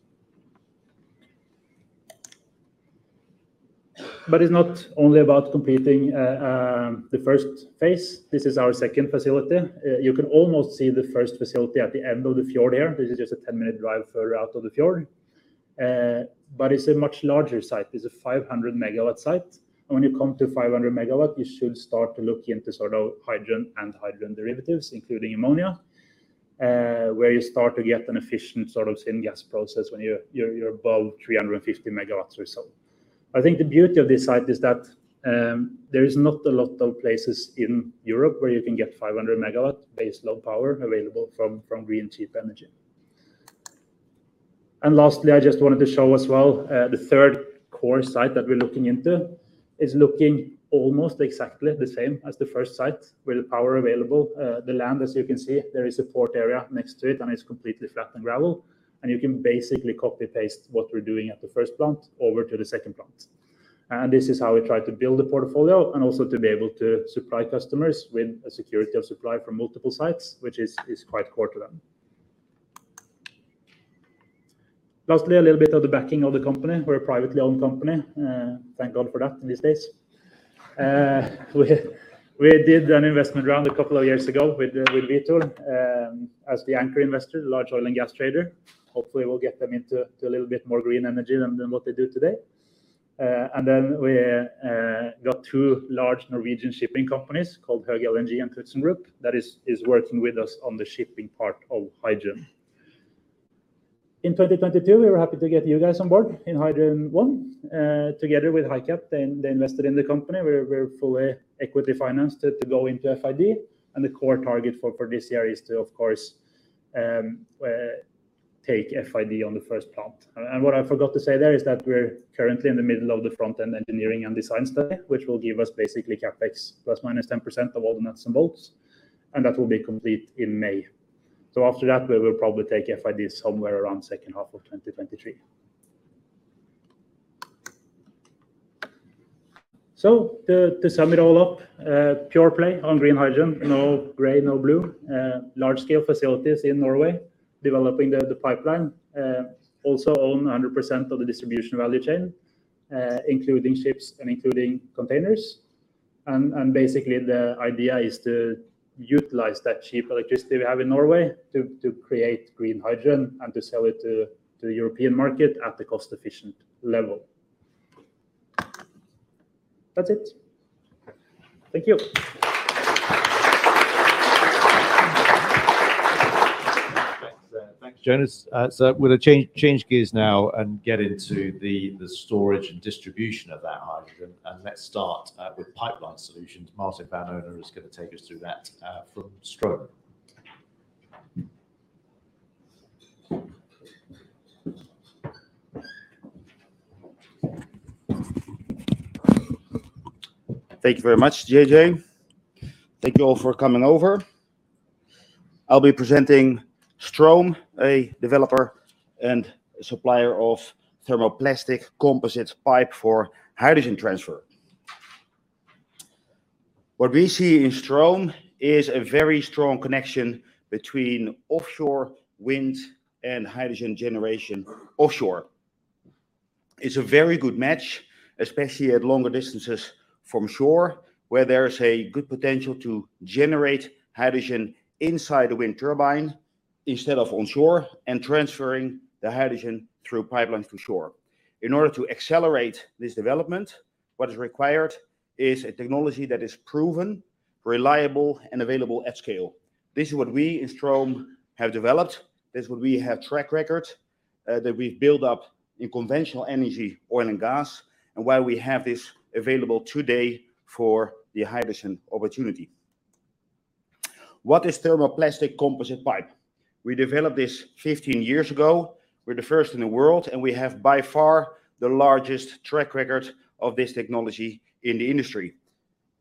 It's not only about completing the Phase I. This is our second facility. You can almost see the first facility at the end of the fjord there. This is just a 10-minute drive further out of the fjord. It's a much larger site. It's a 500 megawatt site. When you come to 500 megawatt, you should start to look into sort of hydrogen and hydrogen derivatives, including ammonia, where you start to get an efficient sort of syngas process when you're above 350 MW or so. I think the beauty of this site is that there is not a lot of places in Europe where you can get 500 MW base load power available from green cheap energy. Lastly, I just wanted to show as well, the third core site that we're looking into is looking almost exactly the same as the first site with power available. The land, as you can see, there is a port area next to it, and it's completely flat and gravel. You can basically copy-paste what we're doing at the first plant over to the second plant. This is how we try to build the portfolio and also to be able to supply customers with a security of supply from multiple sites, which is quite core to them. Lastly, a little bit of the backing of the company. We're a privately owned company. Thank God for that in these days. We did an investment round two years ago with Vitol as the anchor investor, large oil and gas trader. Hopefully, we'll get them into a little bit more green energy than what they do today. We got two large Norwegian shipping companies called Höegh LNG and Knutsen Group that is working with us on the shipping part of hydrogen. In 2022, we were happy to get you guys on board in Hydrogen One together with Hkap. They invested in the company. We're fully equity financed to go into FID. The core target for this year is to, of course, take FID on the 1st plant. What I forgot to say there is that we're currently in the middle of the front end engineering and design study, which will give us basically CapEx ±10% of all the nuts and bolts, and that will be complete in May. After that, we will probably take FID somewhere around second half of 2023. To sum it all up, pure play on green hydrogen, no gray, no blue. Large scale facilities in Norway developing the pipeline. Also own 100% of the distribution value chain, including ships and including containers. Basically the idea is to utilize that cheap electricity we have in Norway to create green hydrogen and to sell it to European market at the cost efficient level. That's it. Thank you. Thanks. Thanks, Jonas. We're gonna change gears now and get into the storage and distribution of that hydrogen, and let's start with pipeline solutions. Martin van Onna is gonna take us through that from Strohm. Thank you very much, JJ. Thank you all for coming over. I'll be presenting Strohm, a developer and supplier of thermoplastic composite pipe for hydrogen transfer. We see in Strohm a very strong connection between offshore wind and hydrogen generation offshore. It's a very good match, especially at longer distances from shore, where there is a good potential to generate hydrogen inside the wind turbine instead of onshore and transferring the hydrogen through pipelines to shore. In order to accelerate this development, what is required is a technology that is proven, reliable, and available at scale. This is what we in Strohm have developed. This is what we have track record that we've built up in conventional energy, oil and gas, and why we have this available today for the hydrogen opportunity. What is thermoplastic composite pipe? We developed this 15 years ago. We're the first in the world, and we have by far the largest track record of this technology in the industry.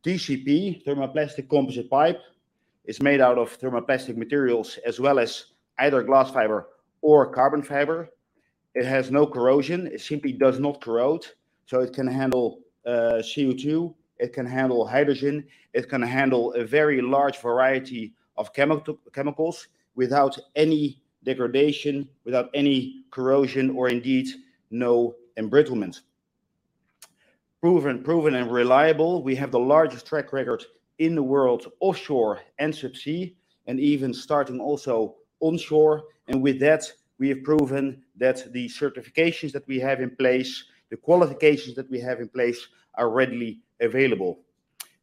TCP, thermoplastic composite pipe, is made out of thermoplastic materials, as well as either glass fiber or carbon fiber. It has no corrosion. It simply does not corrode, so it can handle, CO2, it can handle hydrogen, it can handle a very large variety of chemicals without any degradation, without any corrosion, or indeed no embrittlement. Proven and reliable, we have the largest track record in the world offshore and subsea, and even starting also onshore. With that, we have proven that the certifications that we have in place, the qualifications that we have in place are readily available.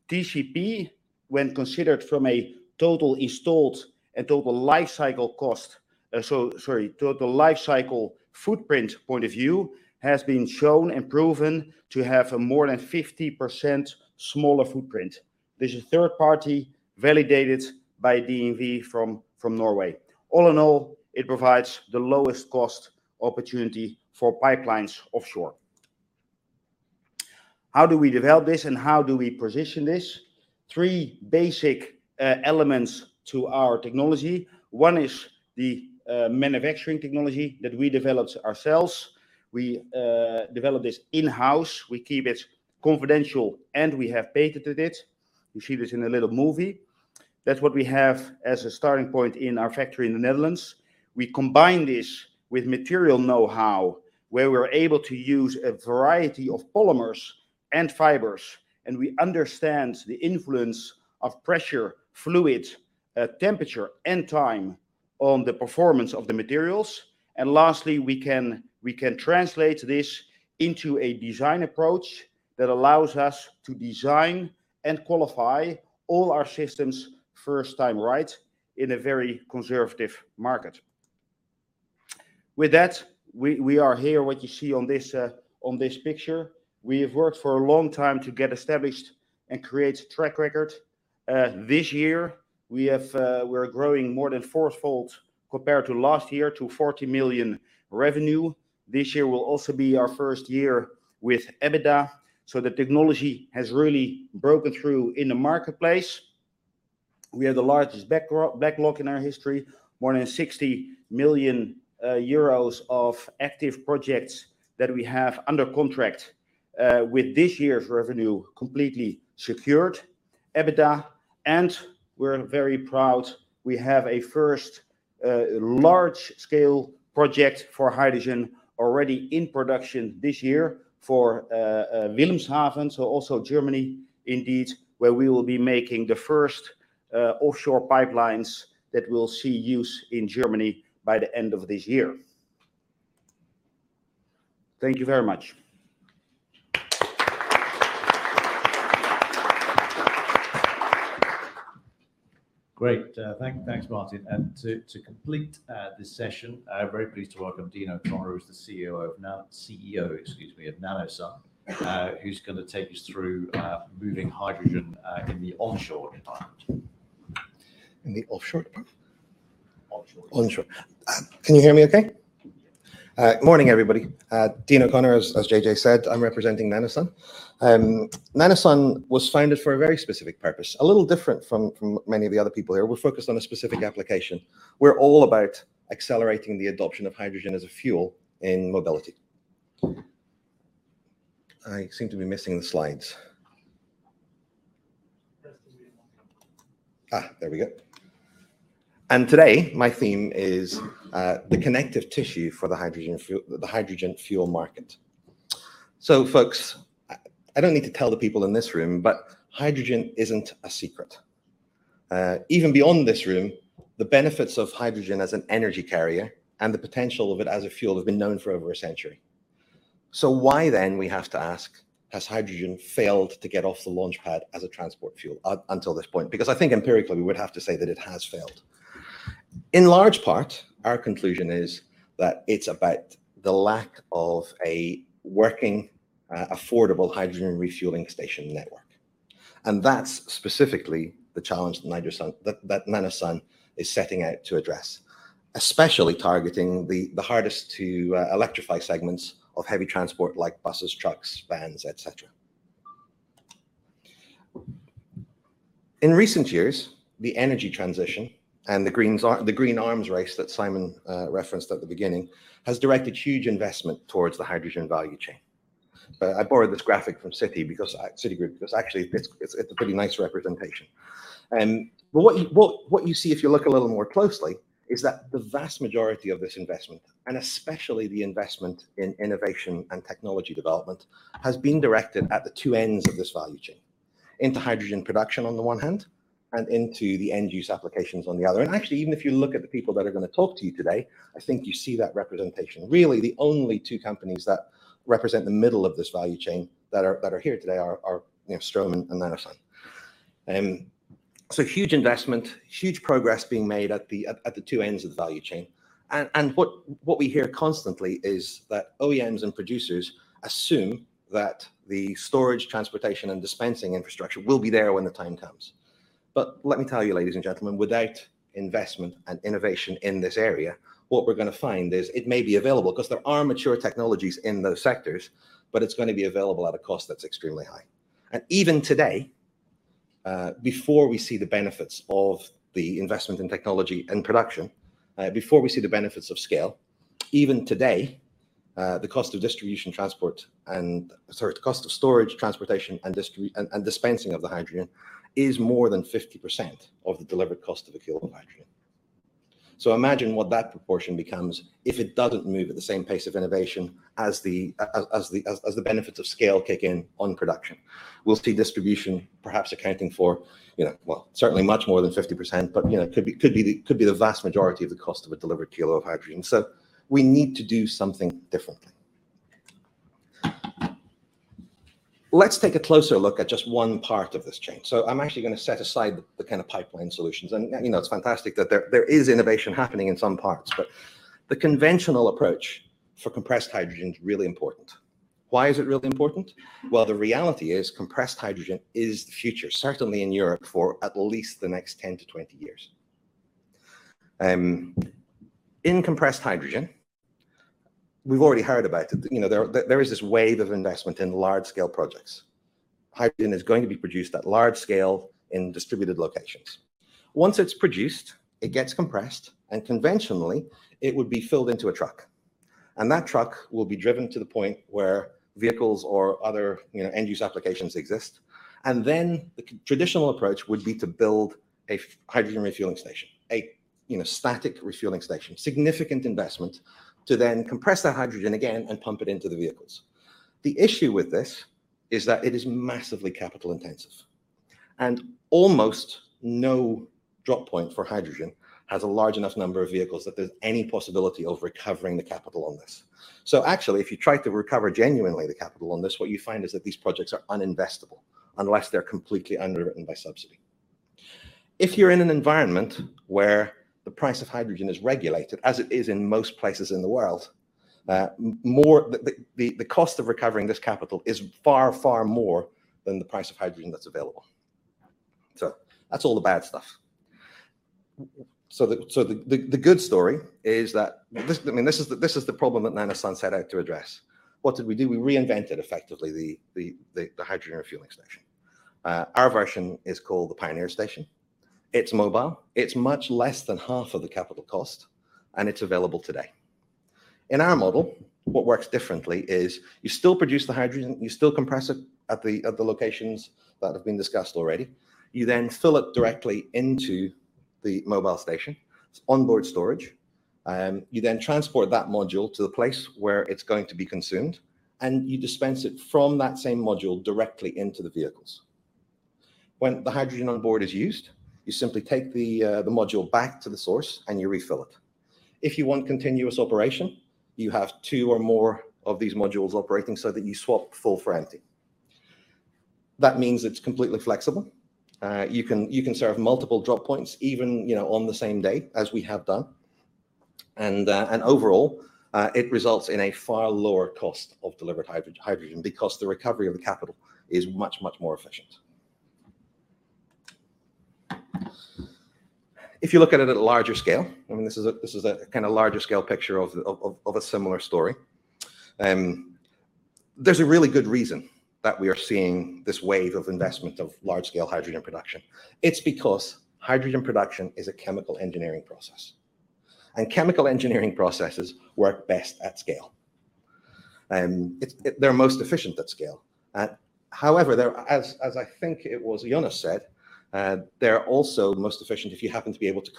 TCP, when considered from a total installed and total life cycle cost, total life cycle footprint point of view, has been shown and proven to have a more than 50% smaller footprint. This is third party validated by DNV from Norway. All in all, it provides the lowest cost opportunity for pipelines offshore. How do we develop this and how do we position this? Three basic elements to our technology. One is the manufacturing technology that we developed ourselves. We developed this in-house. We keep it confidential, we have patented it. You see this in a little movie. That's what we have as a starting point in our factory in the Netherlands. We combine this with material knowhow, where we're able to use a variety of polymers and fibers, and we understand the influence of pressure, fluid, temperature, and time on the performance of the materials. Lastly, we can translate this into a design approach that allows us to design and qualify all our systems first time right in a very conservative market. With that, we are here, what you see on this, on this picture. We have worked for a long time to get established and create a track record. This year we're growing more than fourfold compared to last year to 40 million revenue. This year will also be our first year with EBITDA. The technology has really broken through in the marketplace. We have the largest backlog in our history. More than 60 million euros of active projects that we have under contract with this year's revenue completely secured. EBITDA, we're very proud, we have a first large scale project for hydrogen already in production this year for Wilhelmshaven, also Germany indeed, where we will be making the first offshore pipelines that will see use in Germany by the end of this year. Thank you very much. Great. Thanks, Martin. To complete, this session, very pleased to welcome Dean O'Connor, who's the CEO, excuse me, of NanoSUN, who's gonna take us through, moving hydrogen, in the onshore environment. In the offshore environment? Onshore. Onshore. can you hear me okay? morning, everybody. Dean O'Connor, as JJ said. I'm representing NanoSUN. NanoSUN was founded for a very specific purpose, a little different from many of the other people here. We're focused on a specific application. We're all about accelerating the adoption of hydrogen as a fuel in mobility. I seem to be missing the slides. Press the button on the remote. There we go. Today my theme is the connective tissue for the hydrogen fuel market. Folks, I don't need to tell the people in this room, but hydrogen isn't a secret. Even beyond this room, the benefits of hydrogen as an energy carrier and the potential of it as a fuel have been known for over a century. Why then we have to ask, has hydrogen failed to get off the launchpad as a transport fuel until this point? I think empirically we would have to say that it has failed. In large part, our conclusion is that it's about the lack of a working, affordable hydrogen refueling station network, and that's specifically the challenge that NanoSUN is setting out to address, especially targeting the hardest to electrify segments of heavy transport like buses, trucks, vans, et cetera. In recent years, the energy transition and the green arms race that Simon referenced at the beginning, has directed huge investment towards the hydrogen value chain. I borrowed this graphic from Citi because Citigroup, 'cause actually it's a pretty nice representation. But what you see if you look a little more closely is that the vast majority of this investment, and especially the investment in innovation and technology development, has been directed at the two ends of this value chain. Into hydrogen production on the one hand, and into the end use applications on the other. Actually, even if you look at the people that are gonna talk to you today, I think you see that representation. Really, the only two companies that represent the middle of this value chain that are here today are, you know, Strohm and NanoSUN. Huge investment, huge progress being made at the two ends of the value chain. What we hear constantly is that OEMs and producers assume that the storage, transportation, and dispensing infrastructure will be there when the time comes. But let me tell you, ladies and gentlemen, without investment and innovation in this area, what we're gonna find is it may be available, because there are mature technologies in those sectors, but it's gonna be available at a cost that's extremely high. Even today, before we see the benefits of the investment in technology and production, before we see the benefits of scale, even today, the cost of distribution transport. Sorry, the cost of storage, transportation, and dispensing of the hydrogen is more than 50% of the delivered cost of a kilo of hydrogen. Imagine what that proportion becomes if it doesn't move at the same pace of innovation as the benefits of scale kick in on production. We'll see distribution perhaps accounting for, you know, well, certainly much more than 50%, but, you know, could be the vast majority of the cost of a delivered kilo of hydrogen. We need to do something differently. Let's take a closer look at just one part of this chain. I'm actually gonna set aside the kind of pipeline solutions. you know, it's fantastic that there is innovation happening in some parts, but the conventional approach for compressed hydrogen is really important. Why is it really important? Well, the reality is compressed hydrogen is the future, certainly in Europe for at least the next 10-20 years. In compressed hydrogen, we've already heard about it. You know, there is this wave of investment in large scale projects. Hydrogen is going to be produced at large scale in distributed locations. Once it's produced, it gets compressed, and conventionally, it would be filled into a truck, and that truck will be driven to the point where vehicles or other, you know, end use applications exist. Then the traditional approach would be to build a hydrogen refueling station, a, you know, static refueling station, significant investment to then compress that hydrogen again and pump it into the vehicles. The issue with this is that it is massively capital intensive, and almost no drop point for hydrogen has a large enough number of vehicles that there's any possibility of recovering the capital on this. Actually, if you try to recover genuinely the capital on this, what you find is that these projects are uninvestable unless they're completely underwritten by subsidy. If you're in an environment where the price of hydrogen is regulated, as it is in most places in the world, the cost of recovering this capital is far, far more than the price of hydrogen that's available. That's all the bad stuff. The good story is that I mean, this is the problem that NanoSUN set out to address. What did we do? We reinvented effectively the hydrogen refueling station. Our version is called the Pioneer Station. It's mobile, it's much less than half of the capital cost, and it's available today. In our model, what works differently is you still produce the hydrogen, you still compress it at the locations that have been discussed already. You fill it directly into the mobile station. It's onboard storage. You transport that module to the place where it's going to be consumed, and you dispense it from that same module directly into the vehicles. When the hydrogen on board is used, you simply take the module back to the source and you refill it. If you want continuous operation, you have two or more of these modules operating so that you swap full for empty. That means it's completely flexible. You can serve multiple drop points even, you know, on the same day as we have done, and overall, it results in a far lower cost of delivered hydrogen because the recovery of the capital is much more efficient. If you look at it at a larger scale, I mean, this is a kind of larger scale picture of a similar story, there's a really good reason that we are seeing this wave of investment of large scale hydrogen production. It's because hydrogen production is a chemical engineering process, and chemical engineering processes work best at scale. They're most efficient at scale. However, as I think it was Jonas said, they're also most efficient if you happen to be able to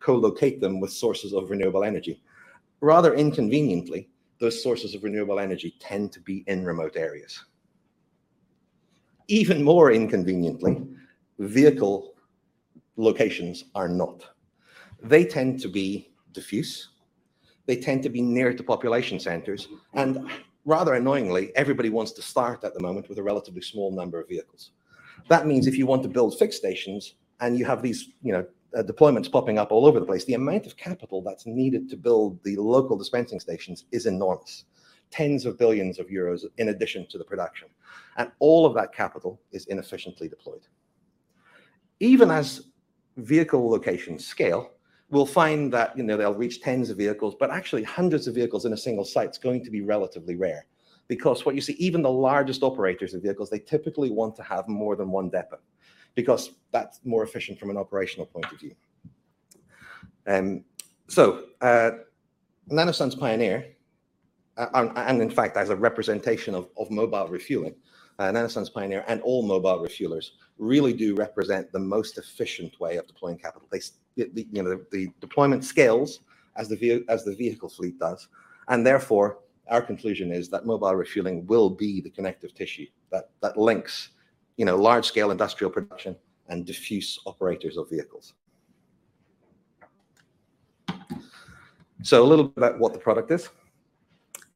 collocate them with sources of renewable energy. Rather inconveniently, those sources of renewable energy tend to be in remote areas. Even more inconveniently, vehicle locations are not. They tend to be diffuse, they tend to be nearer to population centers, rather annoyingly, everybody wants to start at the moment with a relatively small number of vehicles. That means if you want to build fixed stations and you have these, you know, deployments popping up all over the place, the amount of capital that's needed to build the local dispensing stations is enormous. Tens of billions of EUR in addition to the production, all of that capital is inefficiently deployed. Even as vehicle locations scale, we'll find that, you know, they'll reach tens of vehicles, but actually hundreds of vehicles in a single site's going to be relatively rare because what you see, even the largest operators of vehicles, they typically want to have more than one depot because that's more efficient from an operational point of view. NanoSUN's Pioneer and in fact, as a representation of mobile refueling, NanoSUN's Pioneer and all mobile refuelers really do represent the most efficient way of deploying capital. The, you know, the deployment scales as the vehicle fleet does, and therefore, our conclusion is that mobile refueling will be the connective tissue that links, you know, large scale industrial production and diffuse operators of vehicles. A little bit about what the product is.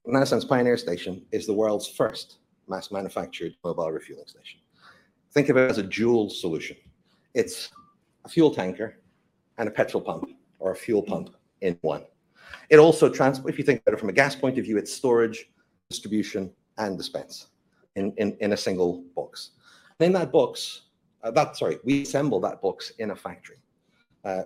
NanoSUN's Pioneer Station is the world's first mass manufactured mobile refueling station. Think of it as a dual solution. It's a fuel tanker and a petrol pump or a fuel pump in one. It also if you think about it from a gas point of view, it's storage, distribution, and dispense in a single box. Sorry, we assemble that box in a factory,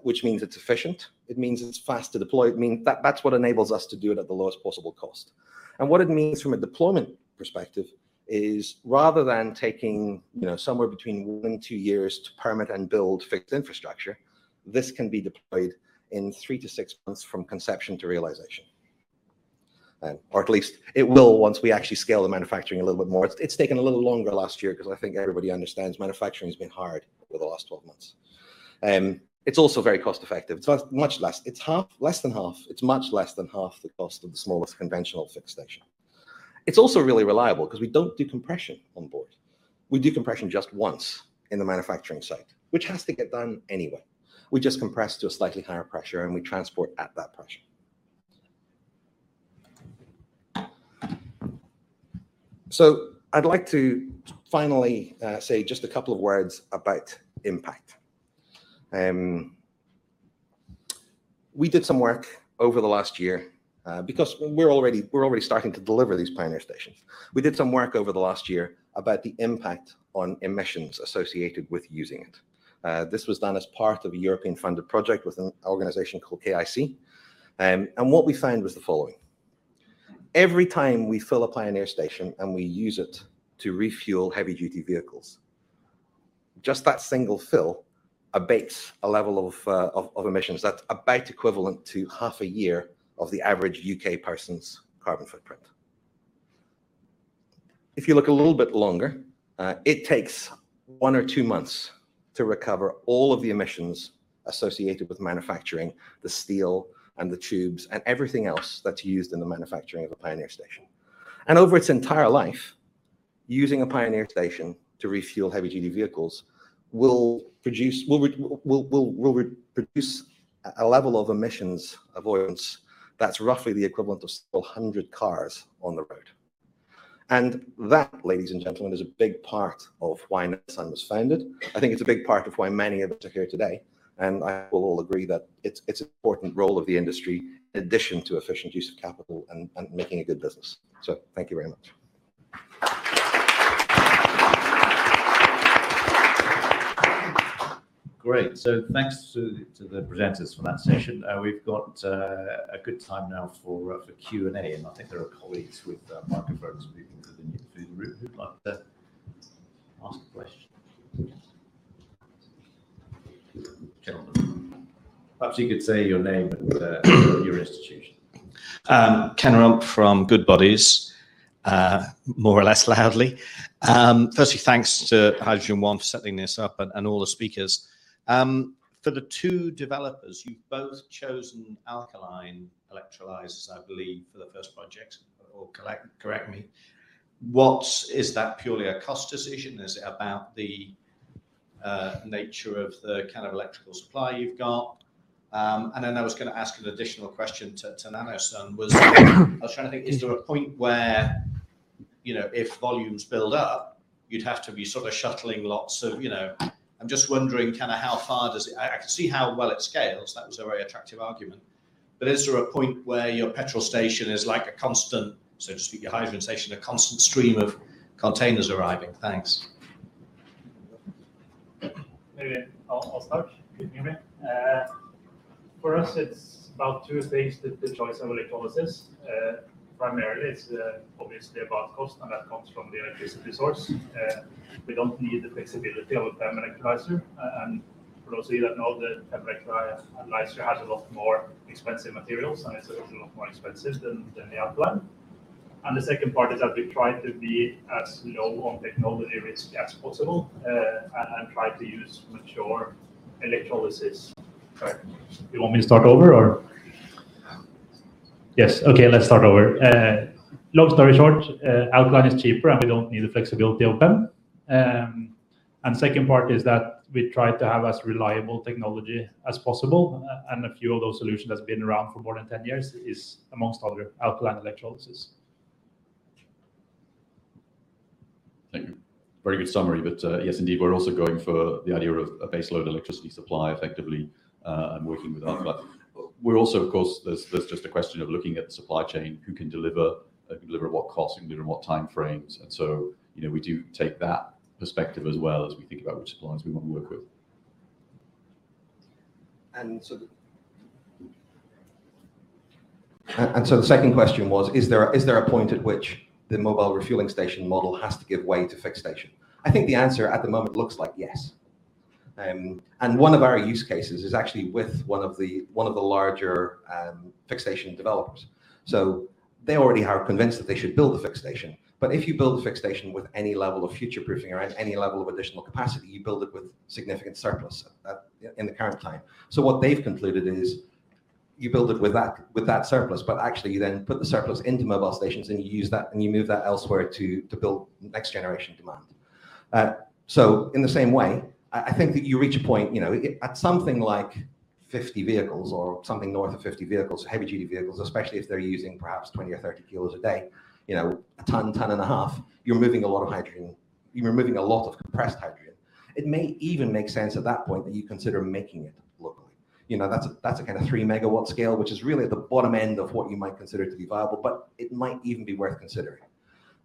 which means it's efficient. It means it's fast to deploy. That's what enables us to do it at the lowest possible cost. What it means from a deployment perspective is rather than taking, you know, somewhere between one and two years to permit and build fixed infrastructure, this can be deployed in three to six months from conception to realization. Or at least it will once we actually scale the manufacturing a little bit more. It's taken a little longer last year 'cause I think everybody understands manufacturing's been hard over the last 12 months. It's also very cost-effective. It's much less. It's half, less than half. It's much less than half the cost of the smallest conventional fixed station. It's also really reliable 'cause we don't do compression on board. We do compression just once in the manufacturing site, which has to get done anyway. We just compress to a slightly higher pressure, and we transport at that pressure. I'd like to finally say just a couple of words about impact. We did some work over the last year because we're already starting to deliver these Pioneer Stations. We did some work over the last year about the impact on emissions associated with using it. This was done as part of a European-funded project with an organization called KIC. What we found was the following: every time we fill a Pioneer station, and we use it to refuel heavy-duty vehicles, just that single fill abates a level of emissions that's about equivalent to half a year of the average UK person's carbon footprint. If you look a little bit longer, it takes one or two months to recover all of the emissions associated with manufacturing the steel and the tubes and everything else that's used in the manufacturing of a Pioneer station. Over its entire life, using a Pioneer Station to refuel heavy-duty vehicles will produce a level of emissions avoidance that's roughly the equivalent of 400 cars on the road. That, ladies and gentlemen, is a big part of why NanoSUN was founded. I think it's a big part of why many of us are here today, and I think we'll all agree that it's an important role of the industry in addition to efficient use of capital and making a good business. Thank you very much. Great. Thanks to the presenters for that session. We've got a good time now for Q&A, and I think there are colleagues with microphones moving through the room. Who'd like to ask a question? Gentlemen. Perhaps you could say your name and your institution. Ken Rumph from Goodbody, more or less loudly. Firstly, thanks to HydrogenOne for setting this up and all the speakers. For the 2 developers, you've both chosen alkaline electrolyzers, I believe, for the 1st projects, or correct me. Is that purely a cost decision? Is it about the nature of the kind of electrical supply you've got? Then I was gonna ask an additional question to NanoSUN, I was trying to think, is there a point where, you know, if volumes build up, you'd have to be sort of shuttling lots of, you know... I can see how well it scales. That was a very attractive argument. Is there a point where your petrol station is like a constant, so to speak, your hydrogen station, a constant stream of containers arriving? Thanks. Maybe I'll start. Can you hear me? For us, it's about two things that the choice of electrolysis, primarily it's obviously about cost, and that comes from the electricity source. We don't need the flexibility of a PEM electrolyzer, and for those of you that know, the PEM electrolyzer has a lot more expensive materials, and it's a lot more expensive than the alkaline. The second part is that we try to be as low on technology risk as possible, and try to use mature electrolysis. Sorry. You want me to start over or? Yes. Okay, let's start over. Long story short, alkaline is cheaper, and we don't need the flexibility of PEM. Second part is that we try to have as reliable technology as possible, and a few of those solutions that's been around for more than 10 years is, amongst other, alkaline electrolysis. Thank you. Very good summary. Yes, indeed, we're also going for the idea of a baseload electricity supply effectively, and working with alkaline. We're also, of course, there's just a question of looking at the supply chain, who can deliver, can deliver at what cost, can deliver in what time frames. You know, we do take that perspective as well as we think about which suppliers we want to work with. The second question was, is there a point at which the mobile refueling station model has to give way to fixed station? I think the answer at the moment looks like yes. One of our use cases is actually with one of the larger fixed station developers. They already are convinced that they should build a fixed station. If you build a fixed station with any level of future-proofing or any level of additional capacity, you build it with significant surplus at, in the current time. What they've concluded is you build it with that surplus, but actually you then put the surplus into mobile stations, you use that, and you move that elsewhere to build next-generation demand. In the same way, I think that you reach a point, you know, at something like 50 vehicles or something north of 50 vehicles, heavy-duty vehicles, especially if they're using perhaps 20 or 30 kilos a day, you know, a ton and a half, you're moving a lot of hydrogen. You're removing a lot of compressed hydrogen. It may even make sense at that point that you consider making it locally. You know, that's a, that's a kind of 3 megawat scale, which is really at the bottom end of what you might consider to be viable, but it might even be worth considering.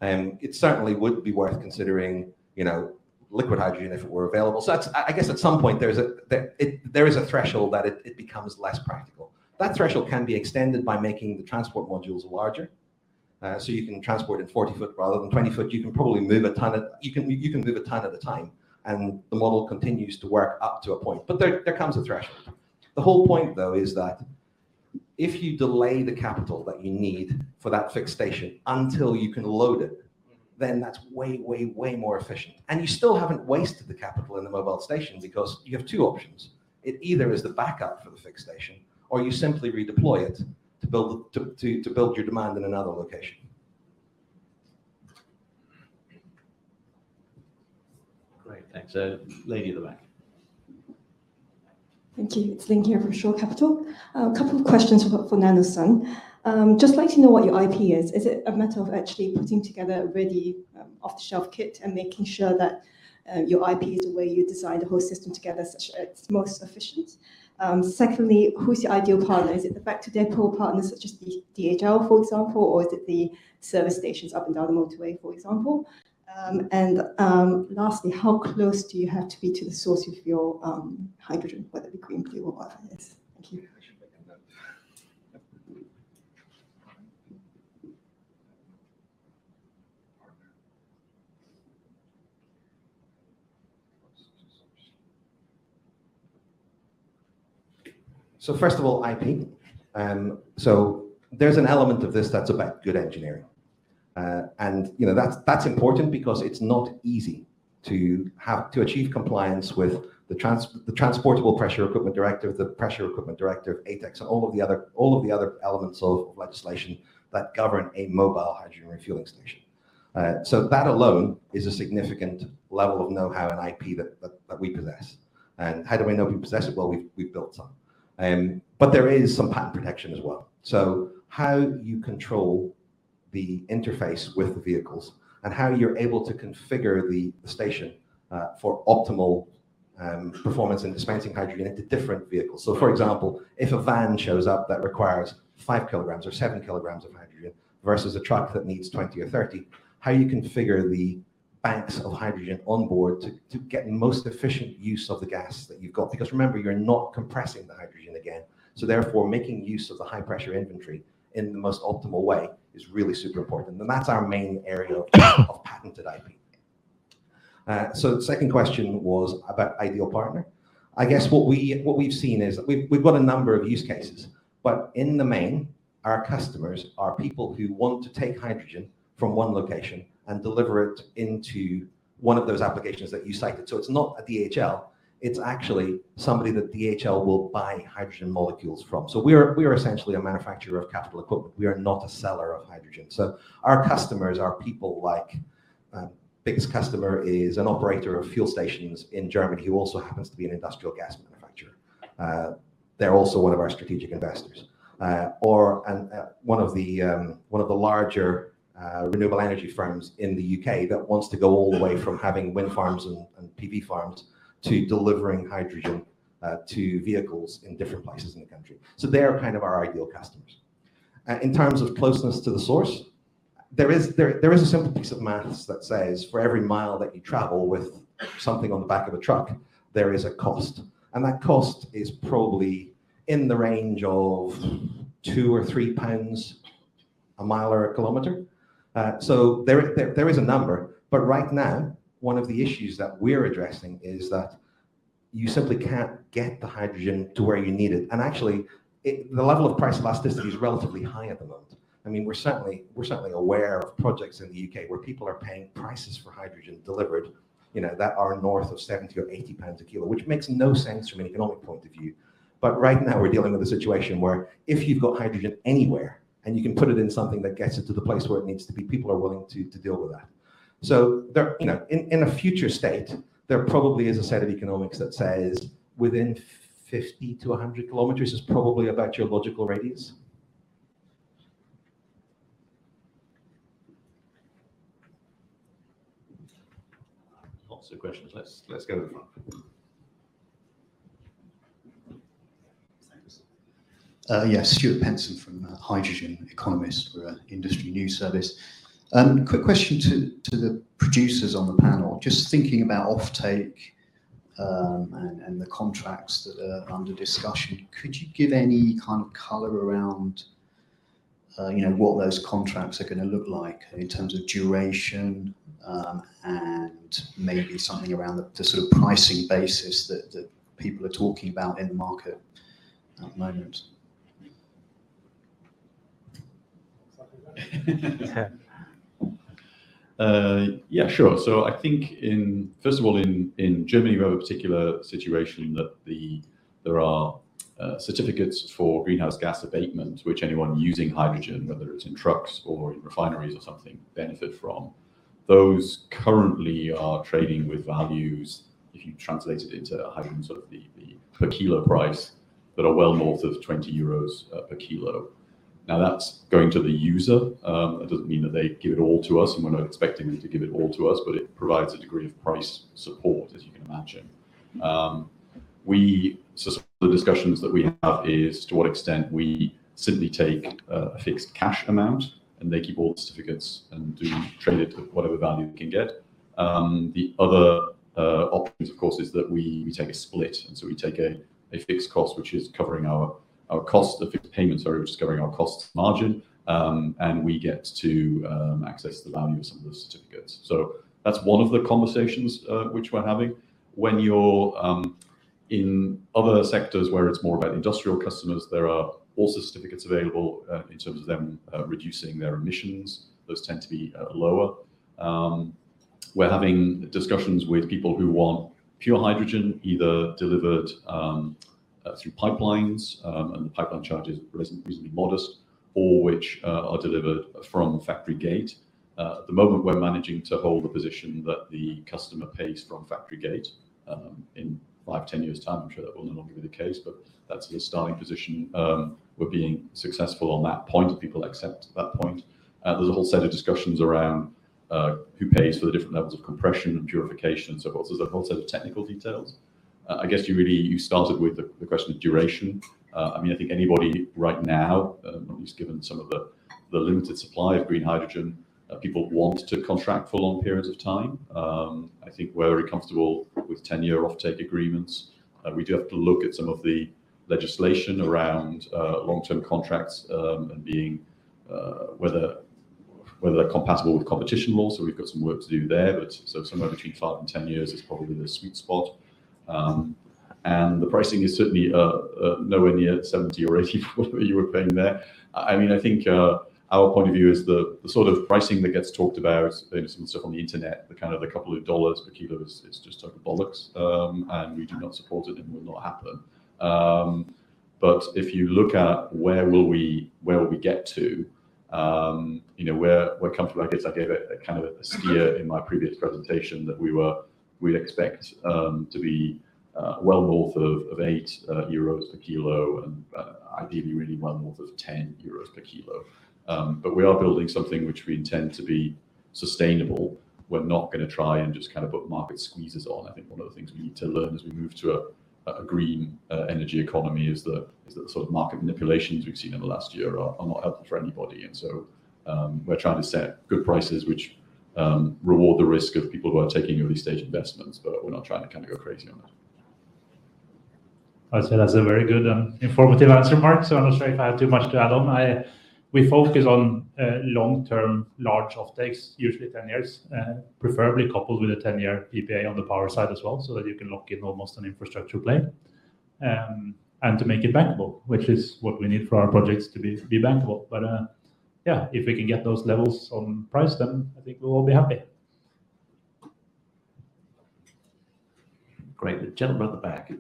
It certainly would be worth considering, you know, liquid hydrogen if it were available. I guess at some point there is a threshold that it becomes less practical. That threshold can be extended by making the transport modules larger, so you can transport it 40 foot rather than 20 foot. You can probably move a ton at a time, and the model continues to work up to a point. There, there comes a threshold. The whole point though is that if you delay the capital that you need for that fixed station until you can load it, then that's way, way more efficient. You still haven't wasted the capital in the mobile station because you have two options. It either is the backup for the fixed station, or you simply redeploy it to build your demand in another location. Great, thanks. lady at the back. Thank you. It's Lynn here from Shore Capital. A couple of questions for NanoSUN. Just like to know what your IP is. Is it a matter of actually putting together a ready off-the-shelf kit and making sure that your IP is the way you design the whole system together such that it's most efficient? Secondly, who's your ideal partner? Is it the back-to-depot partners such as DHL, for example, or is it the service stations up and down the motorway, for example? Lastly, how close do you have to be to the source of your hydrogen, whether it be green, blue or whatever it is? Thank you. I should begin that. Partner. Close to the source. First of all, IP. There's an element of this that's about good engineering. You know, that's important because it's not easy to achieve compliance with the Transportable Pressure Equipment Directive, the Pressure Equipment Directive, ATEX, and all of the other elements of legislation that govern a mobile hydrogen refueling station. That alone is a significant level of know-how and IP that we possess. How do we know we possess it? Well, we've built some. There is some patent protection as well. How you control the interface with the vehicles and how you're able to configure the station for optimal performance in dispensing hydrogen into different vehicles. For example, if a van shows up that requires five kilograms or seven Kilograms of hydrogen versus a truck that needs 20 or 30, how you configure the banks of hydrogen on board to get most efficient use of the gas that you've got. Remember, you're not compressing the hydrogen again. Therefore, making use of the high pressure inventory in the most optimal way is really super important. That's our main area of patented IP. The second question was about ideal partner. I guess what we've seen is we've got a number of use cases. In the main, our customers are people who want to take hydrogen from 1 location and deliver it into one of those applications that you cited. It's not a DHL, it's actually somebody that DHL will buy hydrogen molecules from. We're essentially a manufacturer of capital equipment. We are not a seller of hydrogen. Our customers are people like, biggest customer is an operator of fuel stations in Germany who also happens to be an industrial gas manufacturer. They're also one of our strategic investors. Or, and one of the larger renewable energy firms in the U.K. that wants to go all the way from having wind farms and PV farms to delivering hydrogen to vehicles in different places in the country. They're kind of our ideal customers. In terms of closeness to the source, there is a simple piece of math that says for every mile that you travel with something on the back of a truck, there is a cost. That cost is probably in the range of GBP two or three a mile or a kilometer. There is a number, but right now one of the issues that we're addressing is that you simply can't get the hydrogen to where you need it. Actually, the level of price elasticity is relatively high at the moment. I mean, we're certainly aware of projects in the U.K. where people are paying prices for hydrogen delivered, you know, that are north of 70 or 80 a kilo, which makes no sense from an economic point of view. Right now we're dealing with a situation where if you've got hydrogen anywhere and you can put it in something that gets it to the place where it needs to be, people are willing to deal with that. There, you know, in a future state, there probably is a set of economics that says within 50 to 100 km is probably about your logical radius. Lots of questions. Let's go to the front. Thanks. Yeah, Stuart Penson from Hydrogen Economist. We're a industry news service. Quick question to the producers on the panel. Just thinking about offtake, and the contracts that are under discussion, could you give any kind of color around, you know, what those contracts are gonna look like in terms of duration, and maybe something around the sort of pricing basis that people are talking abou in the market at the moment? Exactly that. yeah, sure. I think first of all, in Germany we have a particular situation that there are certificates for greenhouse gas abatement, which anyone using hydrogen, whether it's in trucks or in refineries or something, benefit from. Those currently are trading with values, if you translate it into hydrogen, sort of the per kilo price, that are well north of 20 euros per kilo. That's going to the user. That doesn't mean that they give it all to us, and we're not expecting them to give it all to us, but it provides a degree of price support, as you can imagine. The discussions that we have is to what extent we simply take a fixed cash amount, and they keep all the certificates and do trade it at whatever value they can get. The other option of course, is that we take a split, we take a fixed cost which is covering our cost, the fixed payments are just covering our costs margin, and we get to access the value of some of the certificates. That's one of the conversations which we're having. When you're in other sectors where it's more about industrial customers, there are also certificates available in terms of them reducing their emissions. Those tend to be lower. We're having discussions with people who want pure hydrogen, either delivered through pipelines, and the pipeline charge is reasonably modest, or which are delivered from factory gate. At the moment, we're managing to hold the position that the customer pays from factory gate. In 5, 10 years' time, I'm sure that will no longer be the case, but that's the starting position. We're being successful on that point. People accept that point. There's a whole set of discussions around who pays for the different levels of compression and purification and so forth. There's a whole set of technical details. I guess you really, you started with the question of duration. I mean, I think anybody right now, at least given some of the limited supply of green hydrogen, people want to contract for long periods of time. I think we're very comfortable with 10-year offtake agreements. We do have to look at some of the legislation around long-term contracts, and being whether they're compatible with competition laws. We've got some work to do there. Somewhere between 5 and 10 years is probably the sweet spot. The pricing is certainly nowhere near 70 or 84 paying there. I mean, I think, our point of view is the sort of pricing that gets talked about, maybe some stuff on the internet, the kind of a couple of USD per kilo is just total bollocks, and we do not support it and will not happen. If you look at where will we get to, you know, we're comfortable. I guess I gave a kind of a steer in my previous presentation that we'd expect to be well north of 8 euros per kilo and ideally really well north of 10 euros per kilo. We are building something which we intend to be sustainable. We're not gonna try and just kind of put market squeezes on. I think one of the things we need to learn as we move to a green energy economy is the sort of market manipulations we've seen in the last year are not helpful for anybody. We're trying to set good prices which reward the risk of people who are taking early-stage investments, but we're not trying to kind of go crazy on that. I'd say that's a very good and informative answer, Mark, so I'm not sure if I have too much to add on. We focus on long-term, large offtakes, usually 10 years, preferably coupled with a 10-year PPA on the power side as well, so that you can lock in almost an infrastructure play. To make it bankable, which is what we need for our projects to be bankable. Yeah, if we can get those levels on price, I think we'll all be happy. Great. The gentleman at the back.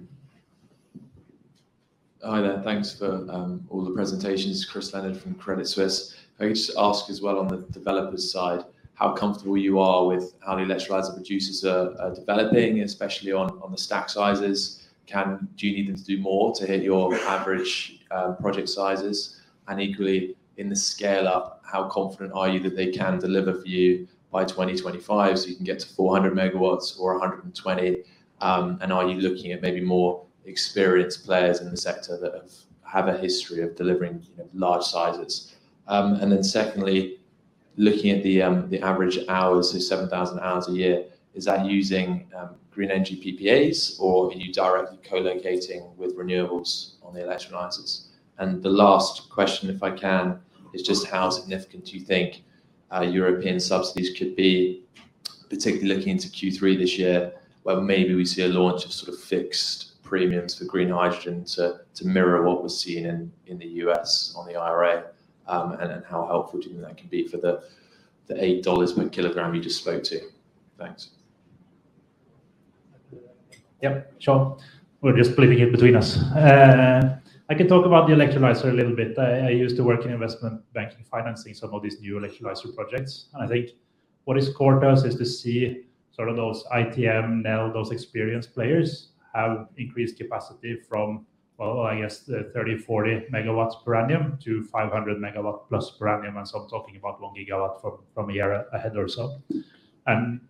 Hi there. Thanks for all the presentations. Christopher Leonard from Credit Suisse. If I could just ask as well on the developers' side, how comfortable you are with how the electrolyser producers are developing, especially on the stack sizes. Do you need them to do more to hit your average project sizes? Equally, in the scale-up, how confident are you that they can deliver for you by 2025 so you can get to 400 MW or 120? Are you looking at maybe more experienced players in the sector that have a history of delivering, you know, large sizes? Secondly, looking at the average hours, so 7,000 hours a year, is that using green energy PPAs, or are you directly co-locating with renewables on the electrolysers? The last question, if I can, is just how significant do you think European subsidies could be, particularly looking into Q3 this year, where maybe we see a launch of sort of fixed premiums for green hydrogen to mirror what we're seeing in the U.S. on the IRA, and then how helpful do you think that can be for the $8 per kilogram you just spoke to? Thanks. Yeah, sure. We're just splitting it between us. I can talk about the electrolyzer a little bit. I used to work in investment banking, financing some of these new electrolyzer projects. I think what is core to us is to see sort of those ITM, Nel, those experienced players have increased capacity from, well, I guess the 30, 40 MW per annum to 500 MW plus per annum. I'm talking about 1 GW from one year ahead or so.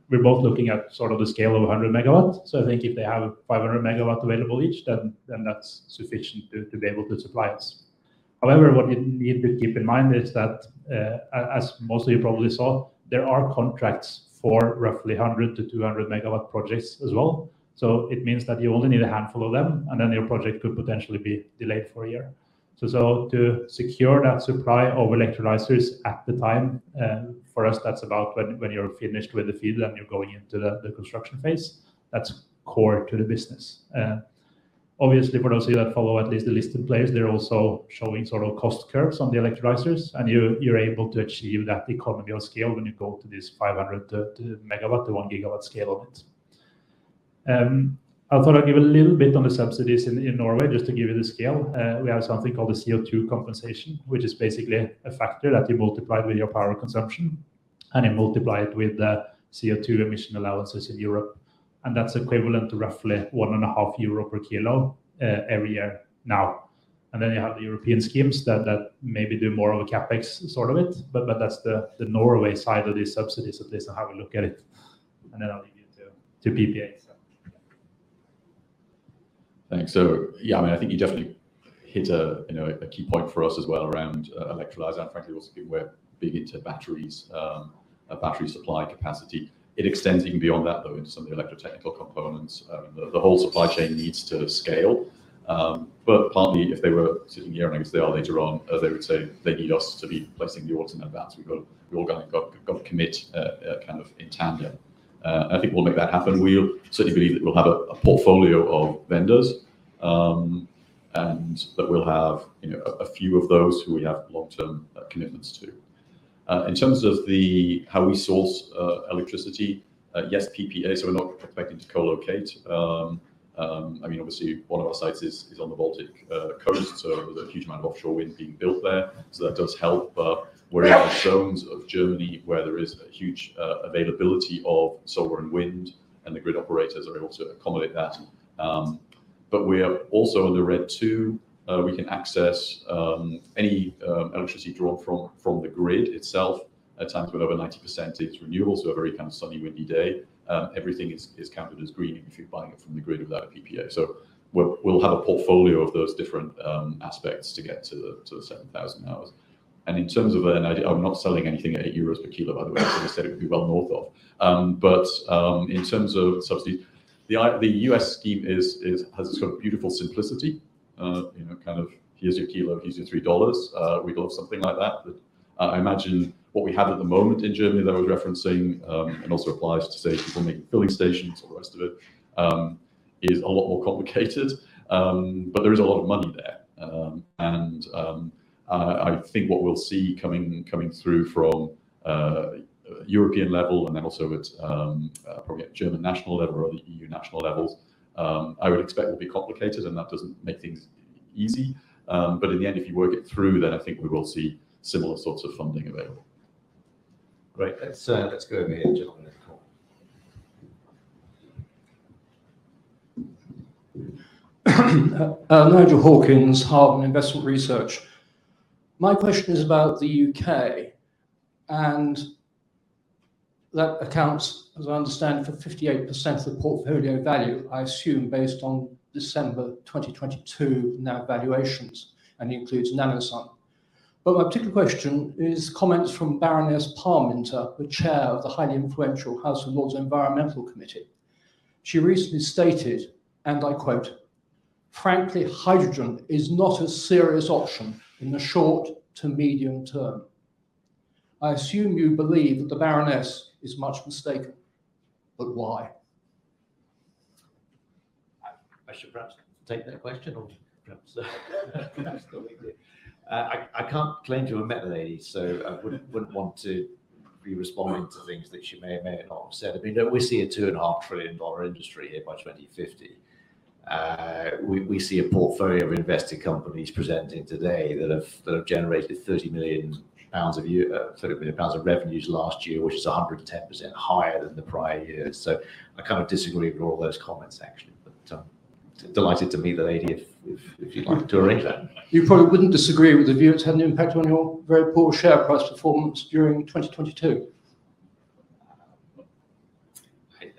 We're both looking at sort of the scale of 100 MW. I think if they have 500 MW available each, then that's sufficient to be able to supply us. However, what you need to keep in mind is that, as most of you probably saw, there are contracts for roughly 100-200 megawatt projects as well. It means that you only need a handful of them, and then your project could potentially be delayed for a year. To secure that supply of electrolysers at the time, for us, that's about when you're finished with the feed, then you're going into the construction phase. That's core to the business. Obviously, for those of you that follow at least the listed players, they're also showing sort of cost curves on the electrolysers, and you're able to achieve that economy of scale when you go to this 500 to megawatt, to 1 gigawatt scale of it. I thought I'd give a little bit on the subsidies in Norway, just to give you the scale. We have something called the CO2 compensation, which is basically a factor that you multiply with your power consumption. You multiply it with the CO2 emission allowances in Europe, and that's equivalent to roughly 1.5 euro per kilo every year now. Then you have the European schemes that maybe do more of a CapEx sort of it, but that's the Norway side of these subsidies at least to have a look at it. Then I'll leave you to PPAs. Thanks. I mean, I think you definitely hit a, you know, a key point for us as well around electrolyzers and frankly also we're big into batteries, battery supply capacity. It extends even beyond that though, into some of the electrotechnical components. The whole supply chain needs to scale. Partly if they were sitting here, and I guess they are later on, they would say they need us to be placing the orders in advance. We've got, we've all got to commit kind of in tandem. I think we'll make that happen. We certainly believe that we'll have a portfolio of vendors, but we'll have, you know, a few of those who we have long-term commitments to. In terms of how we source electricity, yes, PPA, so we're not expecting to co-locate. I mean, obviously one of our sites is on the Baltic coast, so there's a huge amount of offshore wind being built there, so that does help. We're in zones of Germany where there is a huge availability of solar and wind, and the grid operators are able to accommodate that. We are also under RED II. We can access any electricity drawn from the grid itself at times when over 90% is renewable. A very kind of sunny, windy day, everything is counted as green if you're buying it from the grid without a PPA. We'll have a portfolio of those different aspects to get to the 7,000 hours. In terms of I'm not selling anything at 8 euros per kilo, by the way. As I said, it would be well north of. In terms of subsidies, the US scheme is has this sort of beautiful simplicity, you know, kind of here's your kilo, here's your $3. We don't have something like that, but I imagine what we have at the moment in Germany that I was referencing, and also applies to, say, people making filling stations or the rest of it, is a lot more complicated. There is a lot of money there. I think what we'll see coming through from a European level and then also at, probably at German national level or the EU national levels, I would expect will be complicated, and that doesn't make things easy. In the end, if you work it through, then I think we will see similar sorts of funding available. Great. Let's, let's go over here, the gentleman in the top. Nigel Hawkins, Hardman Investment Research. My question is about the U.K., and that accounts, as I understand, for 58% of the portfolio value, I assume, based on December 2022 net valuations, and includes NanoSUN. My particular question is comments from Baroness Parminter, the Chair of the highly influential House of Lords Environmental Committee. She recently stated, and I quote, "Frankly, hydrogen is not a serious option in the short to medium term." I assume you believe that the Baroness is much mistaken, but why? I should perhaps take that question or perhaps... Absolutely. I can't claim to have met the lady, so I wouldn't want to be responding to things that she may or may not have said. I mean, look, we see a $2.5 trillion industry here by 2050. We see a portfolio of invested companies presenting today that have generated 30 million pounds of revenues last year, which is 110% higher than the prior year. I kind of disagree with all those comments, actually. Delighted to meet the lady if you'd like to arrange that. You probably wouldn't disagree with the view it's had an impact on your very poor share price performance during 2022.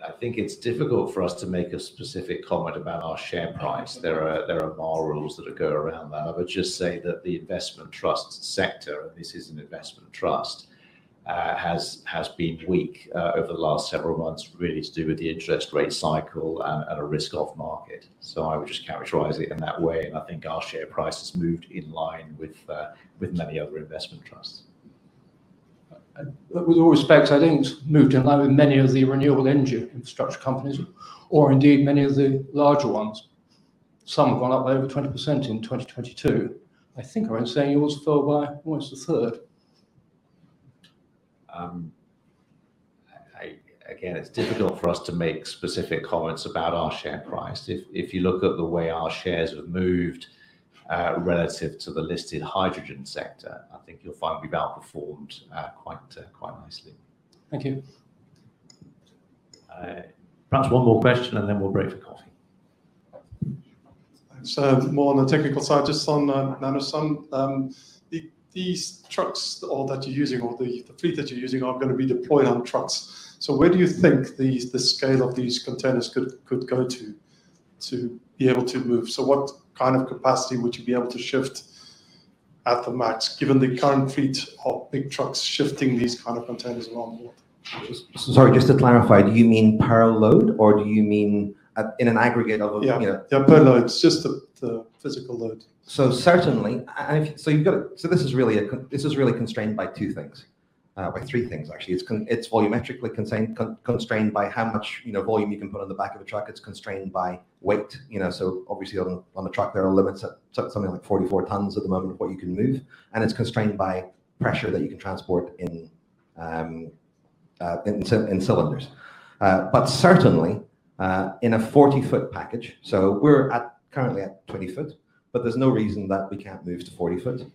I think it's difficult for us to make a specific comment about our share price. There are MAA rules that go around that. I would just say that the investment trust sector, and this is an investment trust, has been weak over the last several months, really to do with the interest rate cycle and a risk off market. I would just characterize it in that way, and I think our share price has moved in line with many other investment trusts. With all respect, I think it's moved in line with many of the renewable energy infrastructure companies, or indeed many of the larger ones. Some have gone up by over 20% in 2022. I think I heard saying yours fell by almost a third. I, again, it's difficult for us to make specific comments about our share price. If you look at the way our shares have moved relative to the listed hydrogen sector, I think you'll find we've outperformed quite nicely. Thank you. Perhaps one more question, and then we'll break for coffee. More on the technical side, just on NanoSUN. These trucks all that you're using or the fleet that you're using are gonna be deployed on trucks. Where do you think these, the scale of these containers could go to be able to move? What kind of capacity would you be able to shift at the max, given the current fleet of big trucks shifting these kind of containers around the world? Just. Sorry, just to clarify, do you mean per load, or do you mean at, in an aggregate of, you know? Yeah. Yeah, per load. It's just the physical load. Certainly, and if... This is really constrained by two things, by three things actually. It's volumetrically constrained by how much, you know, volume you can put on the back of a truck. It's constrained by weight, you know, so obviously on the, on the truck there are limits at something like 44 tons at the moment of what you can move. It's constrained by pressure that you can transport in. In cylinders. Certainly, in a 40-foot package, so we're at, currently at 20 foot, but there's no reason that we can't move to 40 foot.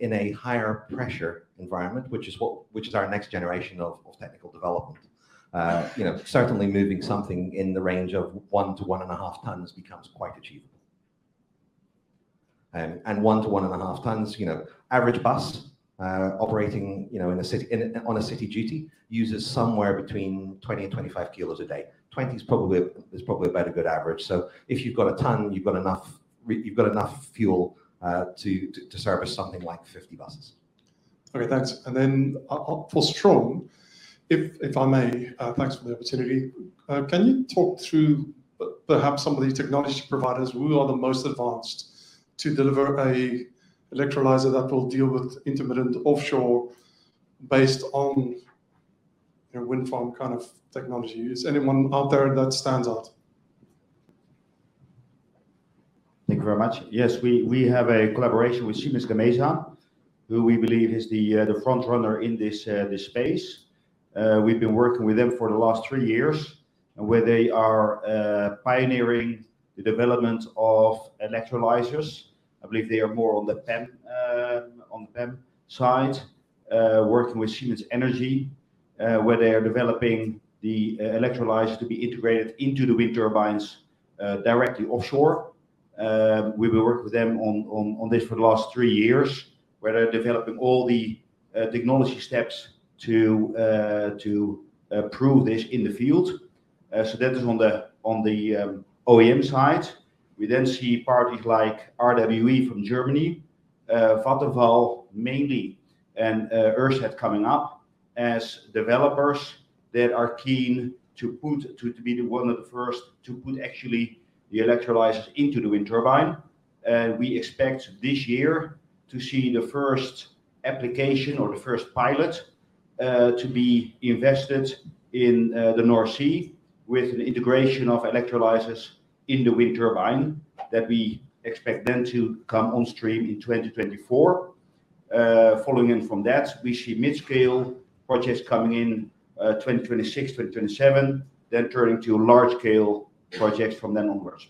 In a higher pressure environment, which is our next generation of technical development, you know, certainly moving something in the range of 1 to 1.5 tons becomes quite achievable. 1 to 1.5 tons, you know, average bus, operating in a city, on a city duty uses somewhere between 20 and 25 kilos a day. 20 is probably about a good average. If you've got a ton, you've got enough fuel, to service something like 50 buses. Okay, thanks. For Strohm, if I may, thanks for the opportunity. Can you talk through perhaps some of these technology providers who are the most advanced to deliver an electrolyzer that will deal with intermittent offshore based on their wind farm kind of technology? Is anyone out there that stands out? Thank you very much. Yes, we have a collaboration with Siemens Gamesa, who we believe is the front runner in this space. We've been working with them for the last three years, where they are pioneering the development of electrolyzers. I believe they are more on the PEM side, working with Siemens Energy, where they are developing the electrolyzers to be integrated into the wind turbines directly offshore. We've been working with them on this for the last three years, where they're developing all the technology steps to prove this in the field. That is on the OEM side. We see parties like RWE from Germany, Vattenfall mainly, and Ørsted coming up as developers that are keen to be the one of the first to put actually the electrolyzers into the wind turbine. We expect this year to see the first application or the first pilot to be invested in the North Sea with an integration of electrolyzers in the wind turbine that we expect then to come on stream in 2024. Following in from that, we see mid-scale projects coming in 2026, 2027, then turning to large scale projects from then onwards.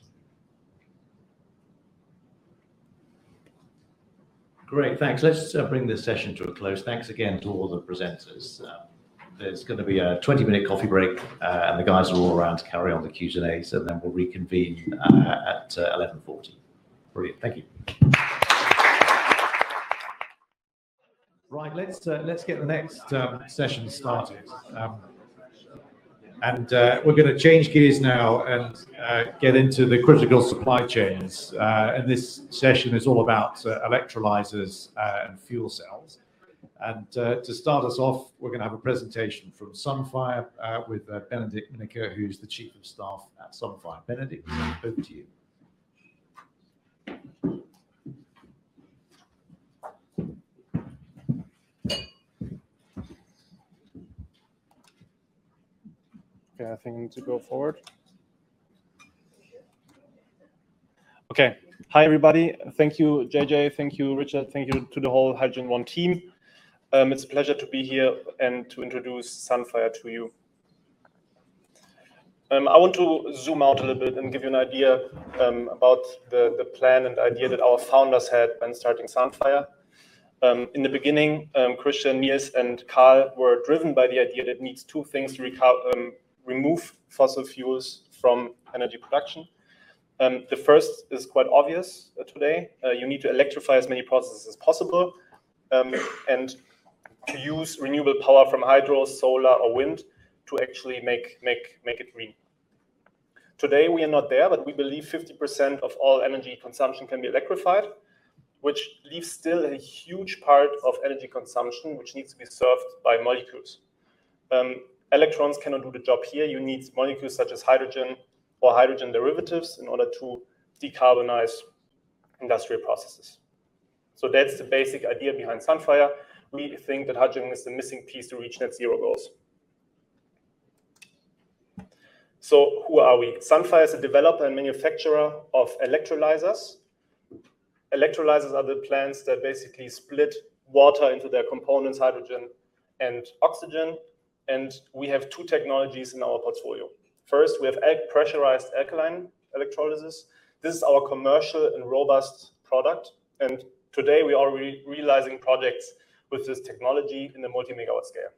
Great. Thanks. Let's bring this session to a close. Thanks again to all the presenters. There's gonna be a 20-minute coffee break, and the guys are all around to carry on the Q&A. We'll reconvene at 11:40. Brilliant. Thank you. Right. Let's get the next session started. We're gonna change gears now and get into the critical supply chains. This session is all about electrolyzers and fuel cells. To start us off, we're gonna have a presentation from Sunfire, with Benedikt Minneker, who's the Chief of Staff at Sunfire. Benedikt, over to you. Okay. I think I need to go forward. Okay. Hi, everybody. Thank you, JJ. Thank you, Richard. Thank you to the whole HydrogenOne team. It's a pleasure to be here and to introduce Sunfire to you. I want to zoom out a little bit and give you an idea about the plan and idea that our founders had when starting Sunfire. In the beginning, Christian, Nils, and Karl were driven by the idea that it needs two things to remove fossil fuels from energy production. The first is quite obvious today. You need to electrify as many processes as possible and to use renewable power from hydro, solar, or wind to actually make it green. Today, we are not there, we believe 50% of all energy consumption can be electrified, which leaves still a huge part of energy consumption which needs to be served by molecules. Electrons cannot do the job here. You need molecules such as hydrogen or hydrogen derivatives in order to decarbonize industrial processes. That's the basic idea behind Sunfire. We think that hydrogen is the missing piece to reach net zero goals. Who are we? Sunfire is a developer and manufacturer of electrolyzers. Electrolyzers are the plants that basically split water into their components, hydrogen and oxygen, and we have two technologies in our portfolio. First, we have pressurized alkaline electrolysis. This is our commercial and robust product, and today we are realizing projects with this technology in the multi-megawatt scale.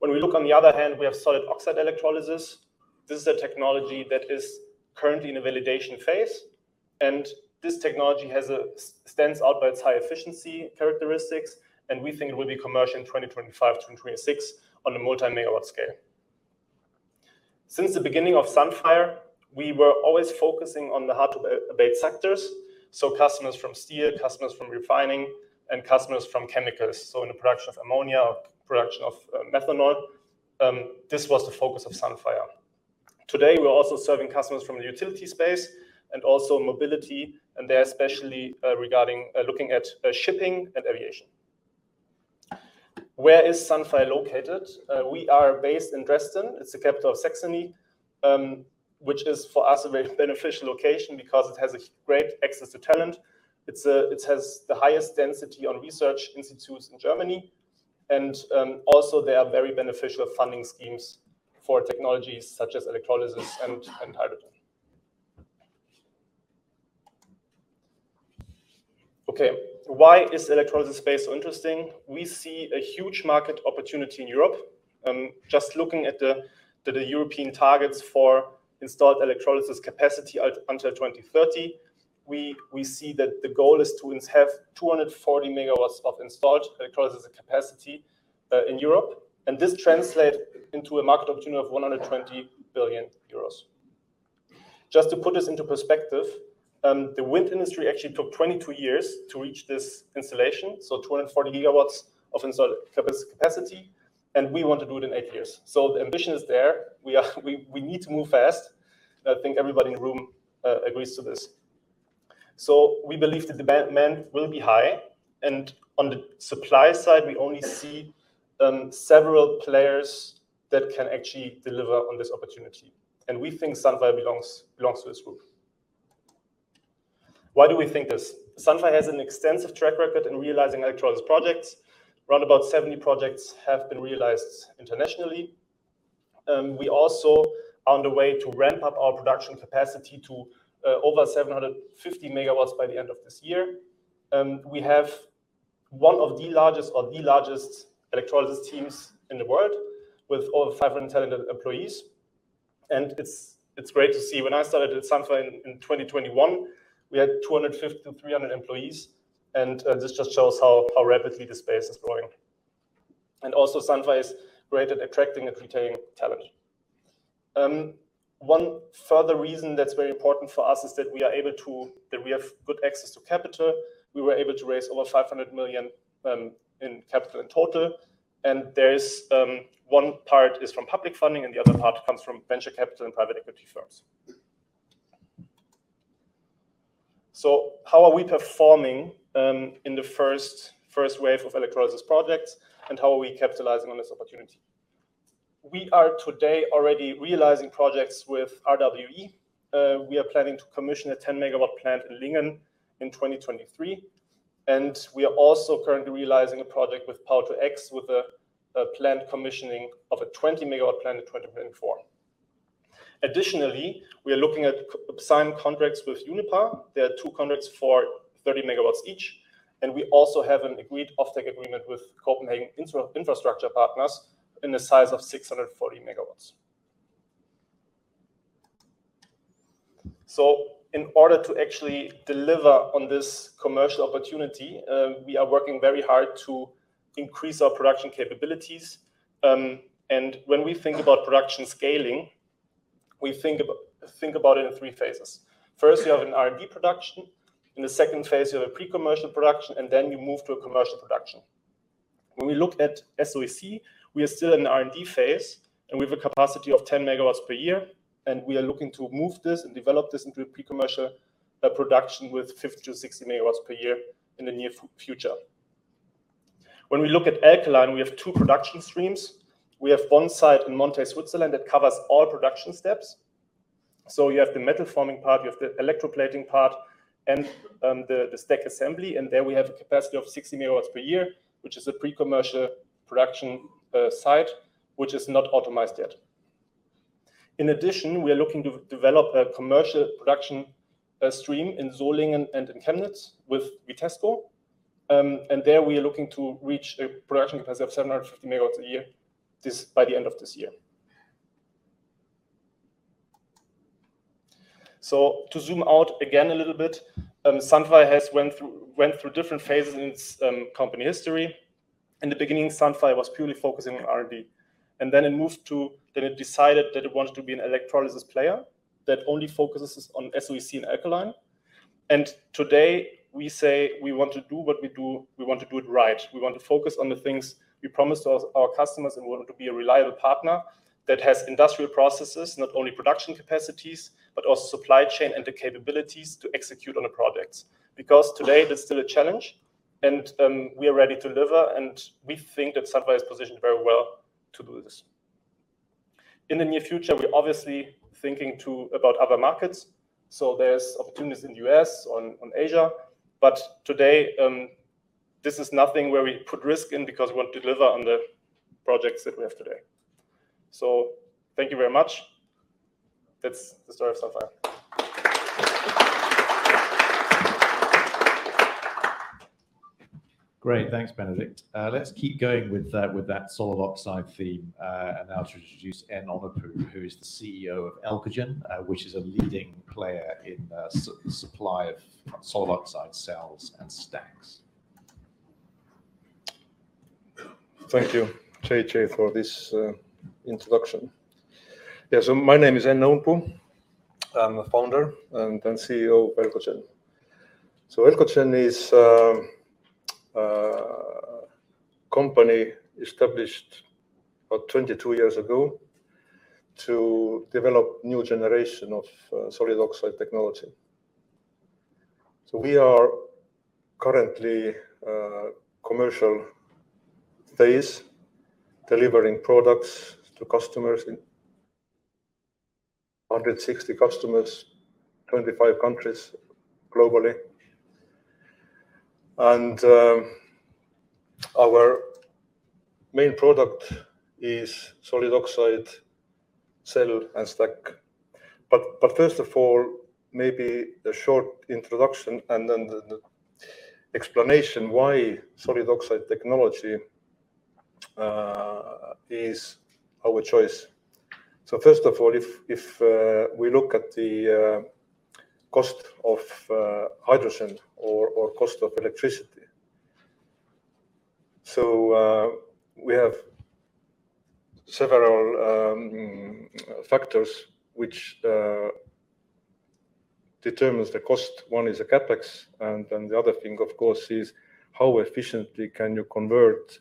When we look on the other hand, we have solid oxide electrolysis. This is a technology that is currently in a validation phase, and this technology stands out by its high efficiency characteristics, and we think it will be commercial in 2025, 2026 on a multi-megawatt scale. Since the beginning of Sunfire, we were always focusing on the hard to abate sectors, so customers from steel, customers from refining, and customers from chemicals. In the production of ammonia or production of methanol, this was the focus of Sunfire. Today, we're also serving customers from the utility space and also mobility, and there especially, regarding looking at shipping and aviation. Where is Sunfire located? We are based in Dresden. It's the capital of Saxony. Which is for us a very beneficial location because it has a great access to talent. It's, it has the highest density on research institutes in Germany, and also there are very beneficial funding schemes for technologies such as electrolysis and hydrogen. Okay, why is the electrolysis space so interesting? We see a huge market opportunity in Europe. Just looking at the European targets for installed electrolysis capacity until 2030, we see that the goal is to have 240 MW of installed electrolysis capacity in Europe. This translates into a market opportunity of 120 billion euros. Just to put this into perspective, the wind industry actually took 22 years to reach this installation, so 240 GW of installed capacity, and we want to do it in eight years. The ambition is there. We need to move fast, I think everybody in the room agrees to this. We believe the demand will be high, and on the supply side, we only see several players that can actually deliver on this opportunity. We think Sunfire belongs to this group. Why do we think this? Sunfire has an extensive track record in realizing electrolysis projects. Round about 70 projects have been realized internationally. We also are on the way to ramp up our production capacity to over 750 MW by the end of this year. We have one of the largest or the largest electrolysis teams in the world with over 510 employees. It's great to see. When I started at Sunfire in 2021, we had 250-300 employees, and this just shows how rapidly the space is growing. Also Sunfire is great at attracting and retaining talent. One further reason that's very important for us is that we have good access to capital. We were able to raise over 500 million in capital in total. There is one part is from public funding and the other part comes from venture capital and private equity firms. How are we performing in the first wave of electrolysis projects, and how are we capitalizing on this opportunity? We are today already realizing projects with RWE. We are planning to commission a 10-MW plant in Lingan in 2023. We are also currently realizing a project with Power2X with a planned commissioning of a 20 MW plant in 2024. Additionally, we are looking at signing contracts with Uniper. There are two contracts for 30 MW each. We also have an agreed off-take agreement with Copenhagen Infrastructure Partners in the size of 640 megawatts. In order to actually deliver on this commercial opportunity, we are working very hard to increase our production capabilities. When we think about production scaling, we think about it in Phase III. First, you have an R&D production. In the second phase, you have a pre-commercial production. Then you move to a commercial production. When we look at SOEC, we are still in the R&D phase, we have a capacity of 10 megawatts per year, we are looking to move this and develop this into a pre-commercial production with 50-60 megawatts per year in the near future. When we look at alkaline, we have two production streams. We have one site in Monthey, Switzerland, that covers all production steps. You have the metal forming part, you have the electroplating part, the stack assembly, there we have a capacity of 60 megawatts per year, which is a pre-commercial production site, which is not automized yet. In addition, we are looking to develop a commercial production stream in Solingen and in Chemnitz with Vitesco. There we are looking to reach a production capacity of 750 megawatts a year by the end of this year. To zoom out again a little bit, Sunfire has went through different phases in its company history. In the beginning, Sunfire was purely focusing on R&D. It decided that it wanted to be an electrolysis player that only focuses on SOEC and alkaline. Today we say we want to do what we do, we want to do it right. We want to focus on the things we promised our customers, and we want to be a reliable partner that has industrial processes, not only production capacities, but also supply chain and the capabilities to execute on the products. Today that's still a challenge, and we are ready to deliver, and we think that Sunfire is positioned very well to do this. In the near future, we're obviously thinking too about other markets. There's opportunities in the US, on Asia. Today, this is nothing where we put risk in because we want to deliver on the projects that we have today. Thank you very much. That's the story of Sunfire. Great. Thanks, Benedikt. Let's keep going with with that solid oxide theme. Now to introduce Enn Õunpuu, who is the CEO of Elcogen, which is a leading player in supply of solid oxide cells and stacks. Thank you, JJ, for this introduction. My name is Enn Õunpuu. I'm the founder and CEO of Elcogen. Elcogen is a company established about 22 years ago to develop new generation of solid oxide technology. We are currently commercial phase, delivering products to customers in 160 customers, 25 countries globally. Our main product is solid oxide cell and stack. But first of all, maybe a short introduction and then the explanation why solid oxide technology is our choice. First of all, if we look at the cost of hydrogen or cost of electricity. We have several factors which determines the cost. One is a CapEx, and then the other thing, of course, is how efficiently can you convert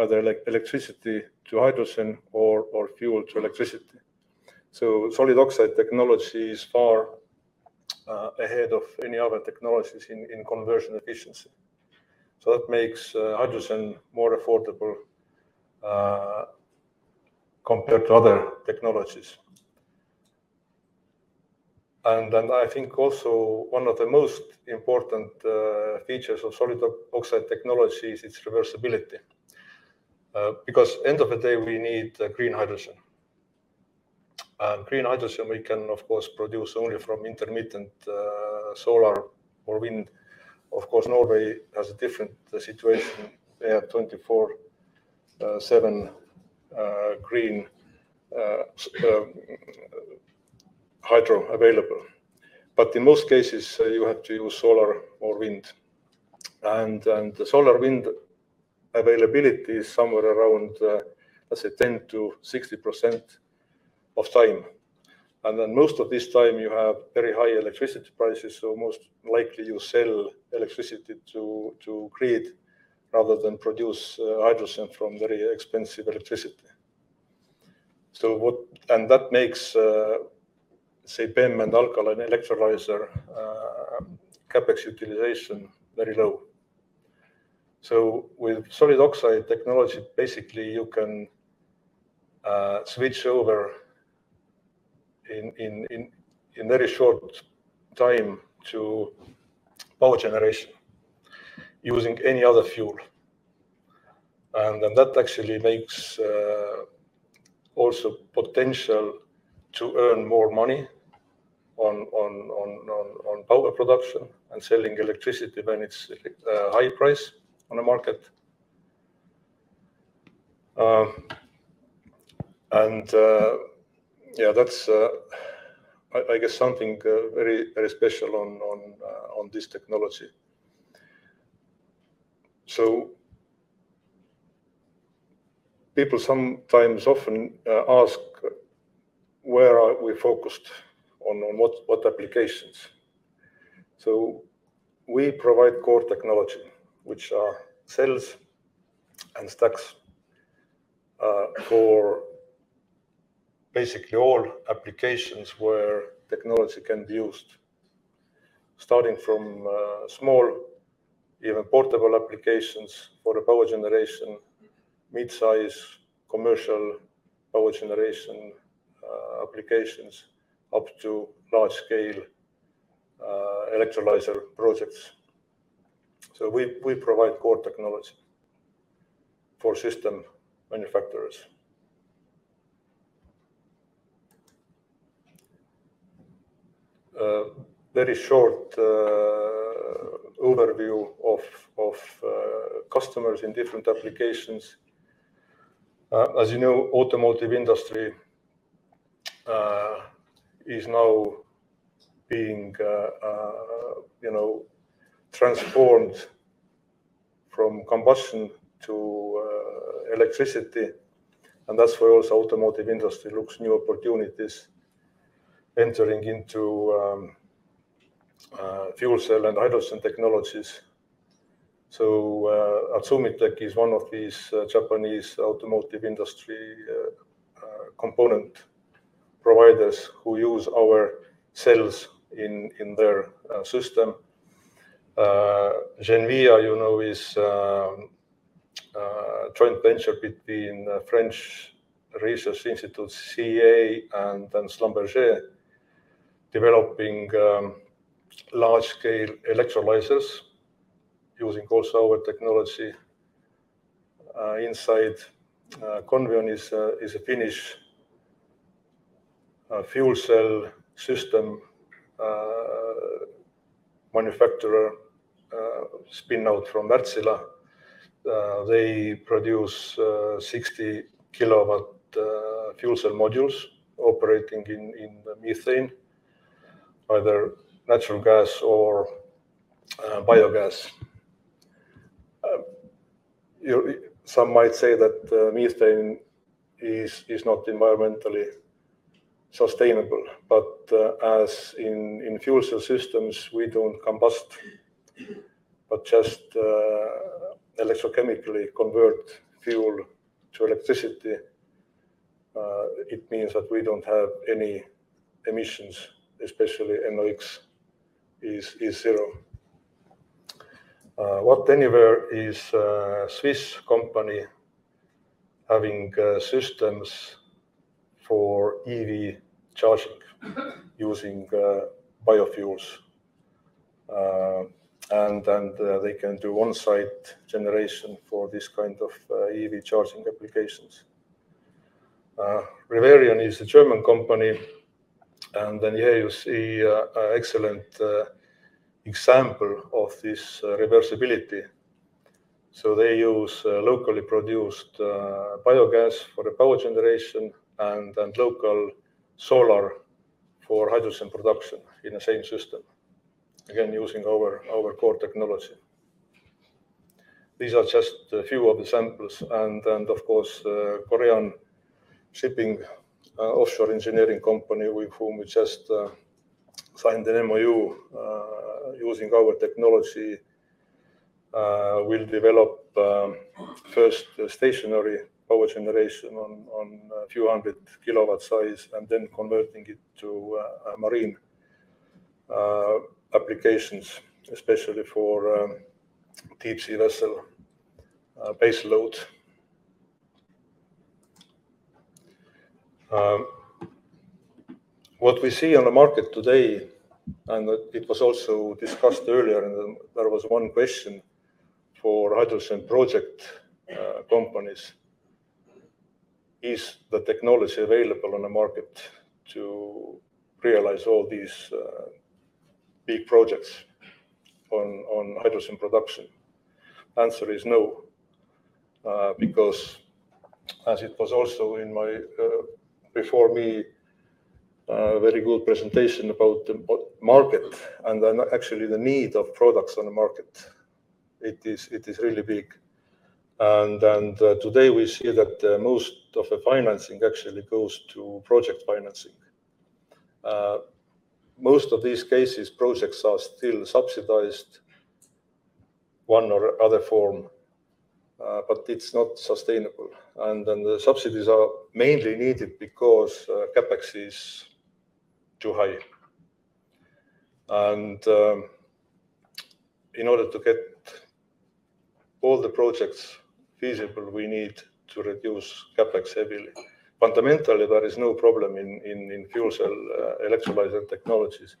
either electricity to hydrogen or fuel to electricity. Solid oxide technology is far ahead of any other technologies in conversion efficiency. That makes hydrogen more affordable compared to other technologies. I think also one of the most important features of solid oxide technology is its reversibility. Because end of the day, we need green hydrogen. Green hydrogen we can of course produce only from intermittent solar or wind. Of course, Norway has a different situation. They have 24 7 green hydro available. In most cases, you have to use solar or wind. The solar wind availability is somewhere around, I'd say 10%-60% of time. Most of this time you have very high electricity prices, so most likely you sell electricity to grid rather than produce hydrogen from very expensive electricity. That makes say PEM and alkaline electrolyzer CapEx utilization very low. With solid oxide technology, basically you can switch over in very short time to power generation using any other fuel. And then that actually makes also potential to earn more money on power production and selling electricity when it's high price on the market. And yeah, that's I guess something very special on this technology. People sometimes often ask where are we focused on what applications. We provide core technology, which are cells and stacks, for basically all applications where technology can be used, starting from small, even portable applications for power generation, mid-size commercial power generation applications, up to large scale electrolyzer projects. We provide core technology for system manufacturers. Very short overview of customers in different applications. As you know, automotive industry is now being, you know, transformed from combustion to electricity, and that's where also automotive industry looks new opportunities entering into fuel cell and hydrogen technologies. Atsumitec is one of these Japanese automotive industry component providers who use our cells in their system. Genvia, you know, is joint venture between French research institute CEA and Schlumberger, developing large scale electrolyzers using also our technology. Inside, Convion is a Finnish fuel cell system manufacturer, spin out from Wärtsilä. They produce 60 kilowatt fuel cell modules operating in methane, either natural gas or biogas. Some might say that methane is not environmentally sustainable. As in fuel cell systems, we don't combust, but just electrochemically convert fuel to electricity. It means that we don't have any emissions, especially NOx is zero. WattAnyWhere is a Swiss company having systems for EV charging using biofuels, and they can do on-site generation for this kind of EV charging applications. Reverion is a German company, and here you see an excellent example of this reversibility. They use locally produced biogas for the power generation and local solar for hydrogen production in the same system, again, using our core technology. These are just a few of the samples, and of course, a Korean shipping, offshore engineering company with whom we just signed an MOU, using our technology, will develop first stationary power generation on a few hundred kilowatt size and then converting it to marine applications, especially for deep sea vessel, base load. What we see on the market today, and it was also discussed earlier, and there was one question for hydrogen project companies, is the technology available on the market to realize all these big projects on hydrogen production? Answer is no, because as it was also in my before me, very good presentation about the market and actually the need of products on the market, it is really big. Today we see that most of the financing actually goes to project financing. Most of these cases, projects are still subsidized one or other form, but it's not sustainable. The subsidies are mainly needed because CapEx is too high. In order to get all the projects feasible, we need to reduce CapEx heavily. Fundamentally, there is no problem in, in fuel cell, electrolyzer technologies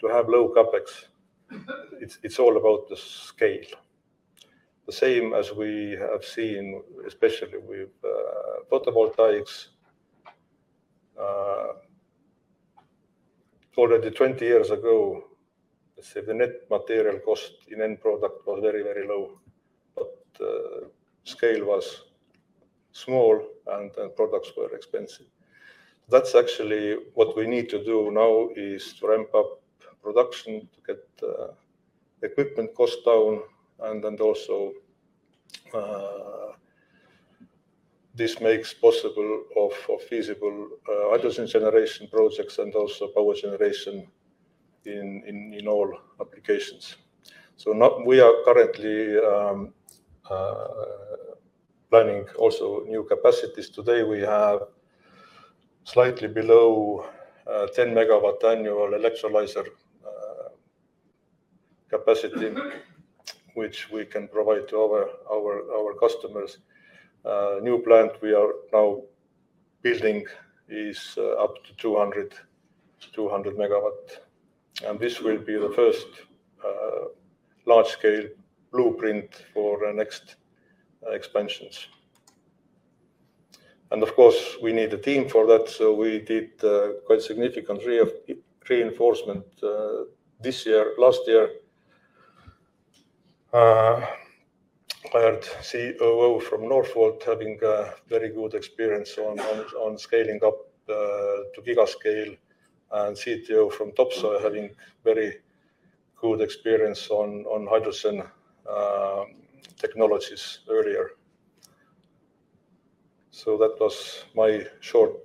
to have low CapEx. It's, it's all about the scale. The same as we have seen, especially with photovoltaics. Already 20 years ago, let's say the net material cost in end product was very, very low, but scale was small and products were expensive. That's actually what we need to do now is to ramp up production to get equipment cost down and also this makes possible feasible hydrogen generation projects and also power generation in all applications. Now we are currently planning also new capacities. Today, we have slightly below 10 megawatt annual electrolyzer capacity which we can provide to our customers. New plant we are now building is up to 200 megawatt, and this will be the first large scale blueprint for our next expansions. Of course, we need a team for that, so we did quite significant reinforcement this year. Last year, hired COO from Northvolt, having a very good experience on scaling up to giga scale, and CTO from Topsoe, having very good experience on hydrogen technologies earlier. That was my short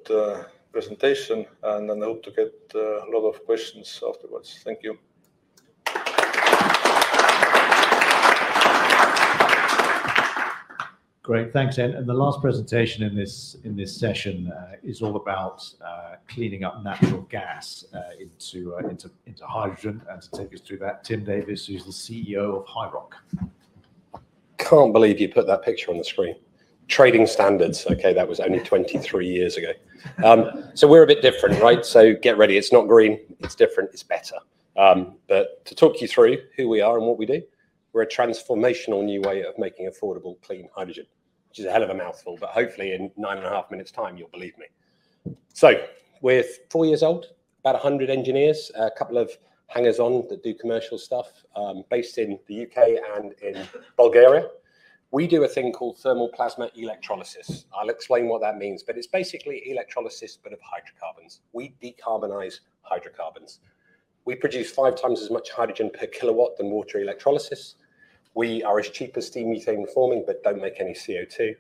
presentation. I hope to get a lot of questions afterwards. Thank you. Great. Thanks. The last presentation in this session is all about cleaning up natural gas into hydrogen. To take us through that, Tim Davies, who's the CEO of HiiROC. Can't believe you put that picture on the screen. Trading standards. That was only 23 years ago. We're a bit different, right? Get ready. It's not green. It's different. It's better. To talk you through who we are and what we do, we're a transformational new way of making affordable clean hydrogen, which is a hell of a mouthful, but hopefully in nine and a half minutes time you'll believe me. We're four years old, about 100 engineers, a couple of hangers on that do commercial stuff, based in the U.K. and in Bulgaria. We do a thing called Thermal Plasma Electrolysis. I'll explain what that means, it's basically electrolysis but of hydrocarbons. We decarbonize hydrocarbons. We produce five times as much hydrogen per kilowatt than water electrolysis. We are as cheap as steam methane reforming, but don't make any CO2.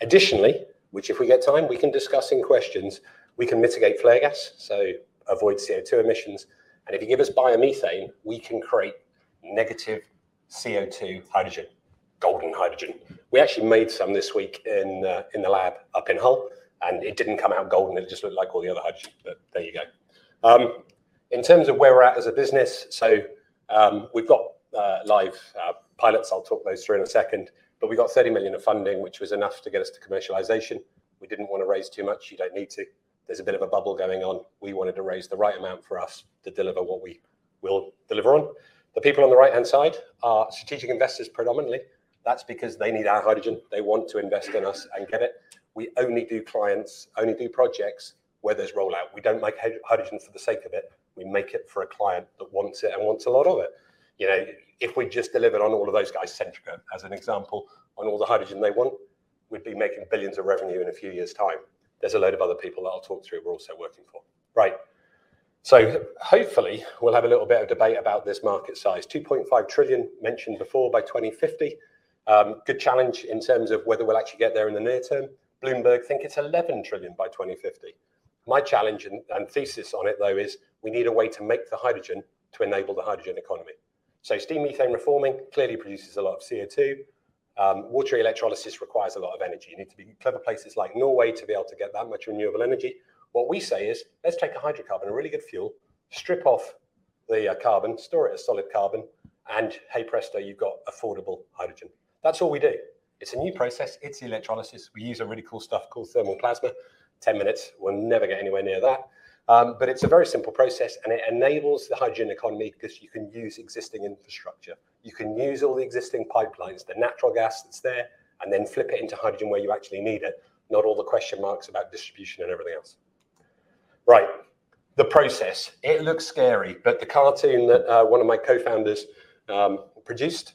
Additionally, which if we get time we can discuss in questions, we can mitigate flare gas, so avoid CO2 emissions. If you give us biomethane, we can create negative CO2 hydrogen. Golden hydrogen. We actually made some this week in the lab up in Hull and it didn't come out golden it just looked like all the other hydrogen but there you go. In terms of where we're at as a business, we've got live pilots, I'll talk those through in a second, but we got 30 million of funding which was enough to get us to commercialization. We didn't wanna raise too much. You don't need to. There's a bit of a bubble going on. We wanted to raise the right amount for us to deliver what we will deliver on. The people on the right-hand side are strategic investors predominantly. That's because they need our hydrogen. They want to invest in us and get it. We only do clients, only do projects where there's rollout. We don't make hydrogen for the sake of it. We make it for a client that wants it and wants a lot of it. You know, if we just delivered on all of those guys, Centrica as an example, on all the hydrogen they want, we'd be making billions of revenue in a few years' time. There's a load of other people that I'll talk through we're also working for. Right. Hopefully we'll have a little bit of debate about this market size, $2.5 trillion mentioned before by 2050. Good challenge in terms of whether we'll actually get there in the near term. Bloomberg think it's $11 trillion by 2050. My challenge and thesis on it though is we need a way to make the hydrogen to enable the hydrogen economy. Steam methane reforming clearly produces a lot of CO2. Water electrolysis requires a lot of energy. You need to be in clever places like Norway to be able to get that much renewable energy. What we say is, "Let's take a hydrocarbon, a really good fuel, strip off the carbon, store it as solid carbon and hey presto you've got affordable hydrogen." That's all we do. It's a new process. It's electrolysis. We use a really cool stuff called thermal plasma. 10 minutes, we'll never get anywhere near that. It's a very simple process and it enables the hydrogen economy because you can use existing infrastructure. You can use all the existing pipelines, the natural gas that's there and then flip it into hydrogen where you actually need it, not all the question marks about distribution and everything else. Right. The process, it looks scary but the cartoon that one of my co-founders produced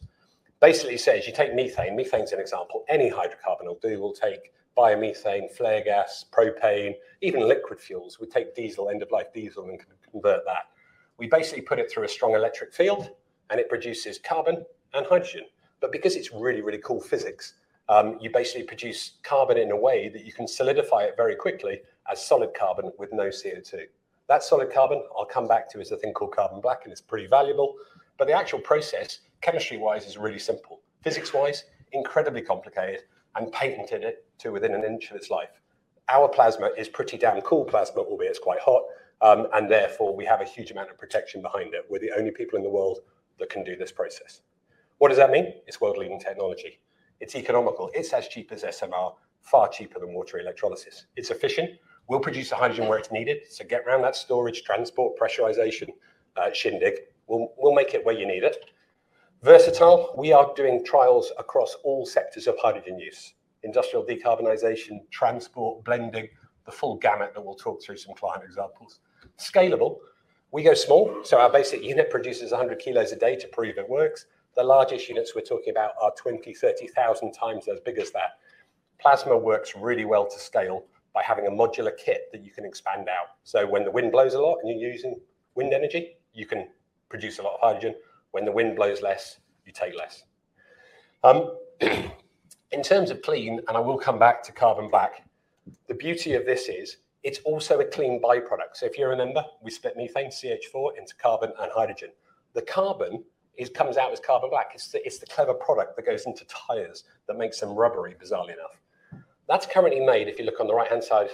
basically says you take methane's an example, any hydrocarbon will do. We'll take biomethane, flare gas, propane, even liquid fuels. We take diesel, end-of-life diesel and can convert that. We basically put it through a strong electric field and it produces carbon and hydrogen, but because it's really, really cool physics, you basically produce carbon in a way that you can solidify it very quickly as solid carbon with no CO2. That solid carbon I'll come back to is a thing called carbon black and it's pretty valuable but the actual process chemistry-wise is really simple, physics-wise incredibly complicated and patented it to within an inch of its life. Our plasma is pretty damn cool plasma, albeit it's quite hot. Therefore we have a huge amount of protection behind it. We're the only people in the world that can do this process. What does that mean? It's world-leading technology. It's economical. It's as cheap as SMR, far cheaper than water electrolysis. It's efficient. We'll produce the hydrogen where it's needed so get round that storage, transport, pressurization, shindig we'll make it where you need it. Versatile, we are doing trials across all sectors of hydrogen use, industrial decarbonization, transport, blending the full gamut. We'll talk through some client examples. Scalable, we go small so our basic unit produces 100 kilos a day to prove it works. The largest units we're talking about are 20, 30 thousand times as big as that. Plasma works really well to scale by having a modular kit that you can expand out, so when the wind blows a lot and you're using wind energy you can produce a lot of hydrogen, when the wind blows less you take less. In terms of clean and I will come back to carbon black, the beauty of this is it's also a clean by-product. If you remember we split methane CH4 into carbon and hydrogen. The carbon comes out as carbon black. It's the, it's the clever product that goes into tires that makes them rubbery bizarrely enough. That's currently made if you look on the right-hand side,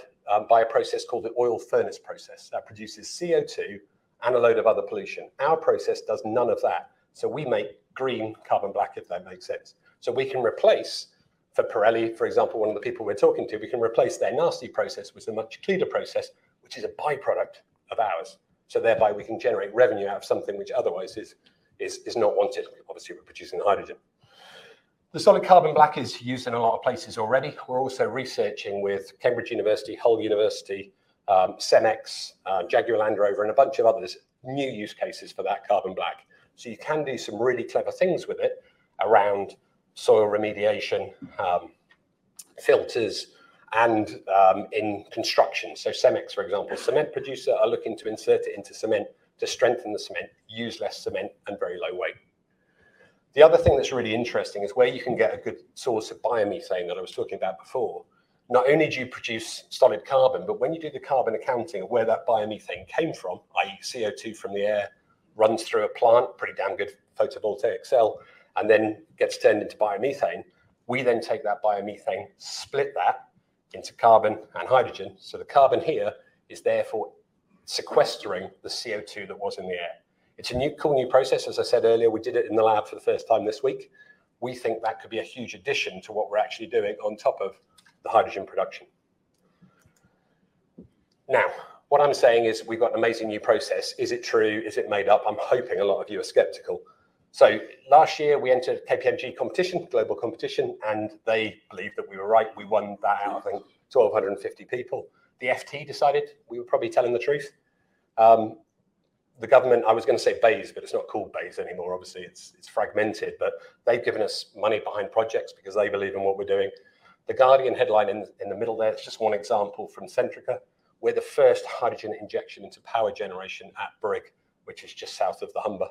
by a process called the oil furnace process that produces CO2 and a load of other pollution. Our process does none of that, we make green carbon black if that makes sense. We can replace for Pirelli for example one of the people we're talking to we can replace their nasty process with a much cleaner process which is a by-product of ours so thereby we can generate revenue out of something which otherwise is not wanted obviously we're producing hydrogen. The solid carbon black is used in a lot of places already. We're also researching with Cambridge University, Hull University, Cemex, Jaguar Land Rover and a bunch of others new use cases for that carbon black. You can do some really clever things with it around soil remediation, filters and in construction. Cemex, for example, cement producer, are looking to insert it into cement to strengthen the cement, use less cement and very low weight. The other thing that's really interesting is where you can get a good source of biomethane that I was talking about before. Not only do you produce solid carbon but when you do the carbon accounting of where that biomethane came from i.e., CO2 from the air runs through a plant pretty damn good photovoltaic cell and then gets turned into biomethane. We then take that biomethane, split that into carbon and hydrogen. The carbon here is therefore sequestering the CO2 that was in the air. It's a cool new process as I said earlier we did it in the lab for the first time this week. We think that could be a huge addition to what we're actually doing on top of the hydrogen production. What I'm saying is we've got an amazing new process. Is it true? Is it made up? I'm hoping a lot of you are skeptical. Last year we entered KPMG competition, global competition and they believed that we were right. We won that out of I think 1,250 people. The FT decided we were probably telling the truth. The government I was gonna say BEIS but it's not called BEIS anymore obviously it's fragmented but they've given us money behind projects because they believe in what we're doing. The Guardian headline in the middle there, it's just one example from Centrica, we're the first hydrogen injection into power generation at Brigg, which is just south of the Humber.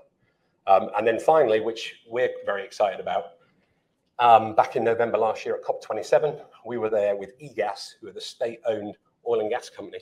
Finally, which we're very excited about, back in November last year at COP27, we were there with EGAS, who are the state-owned oil and gas company.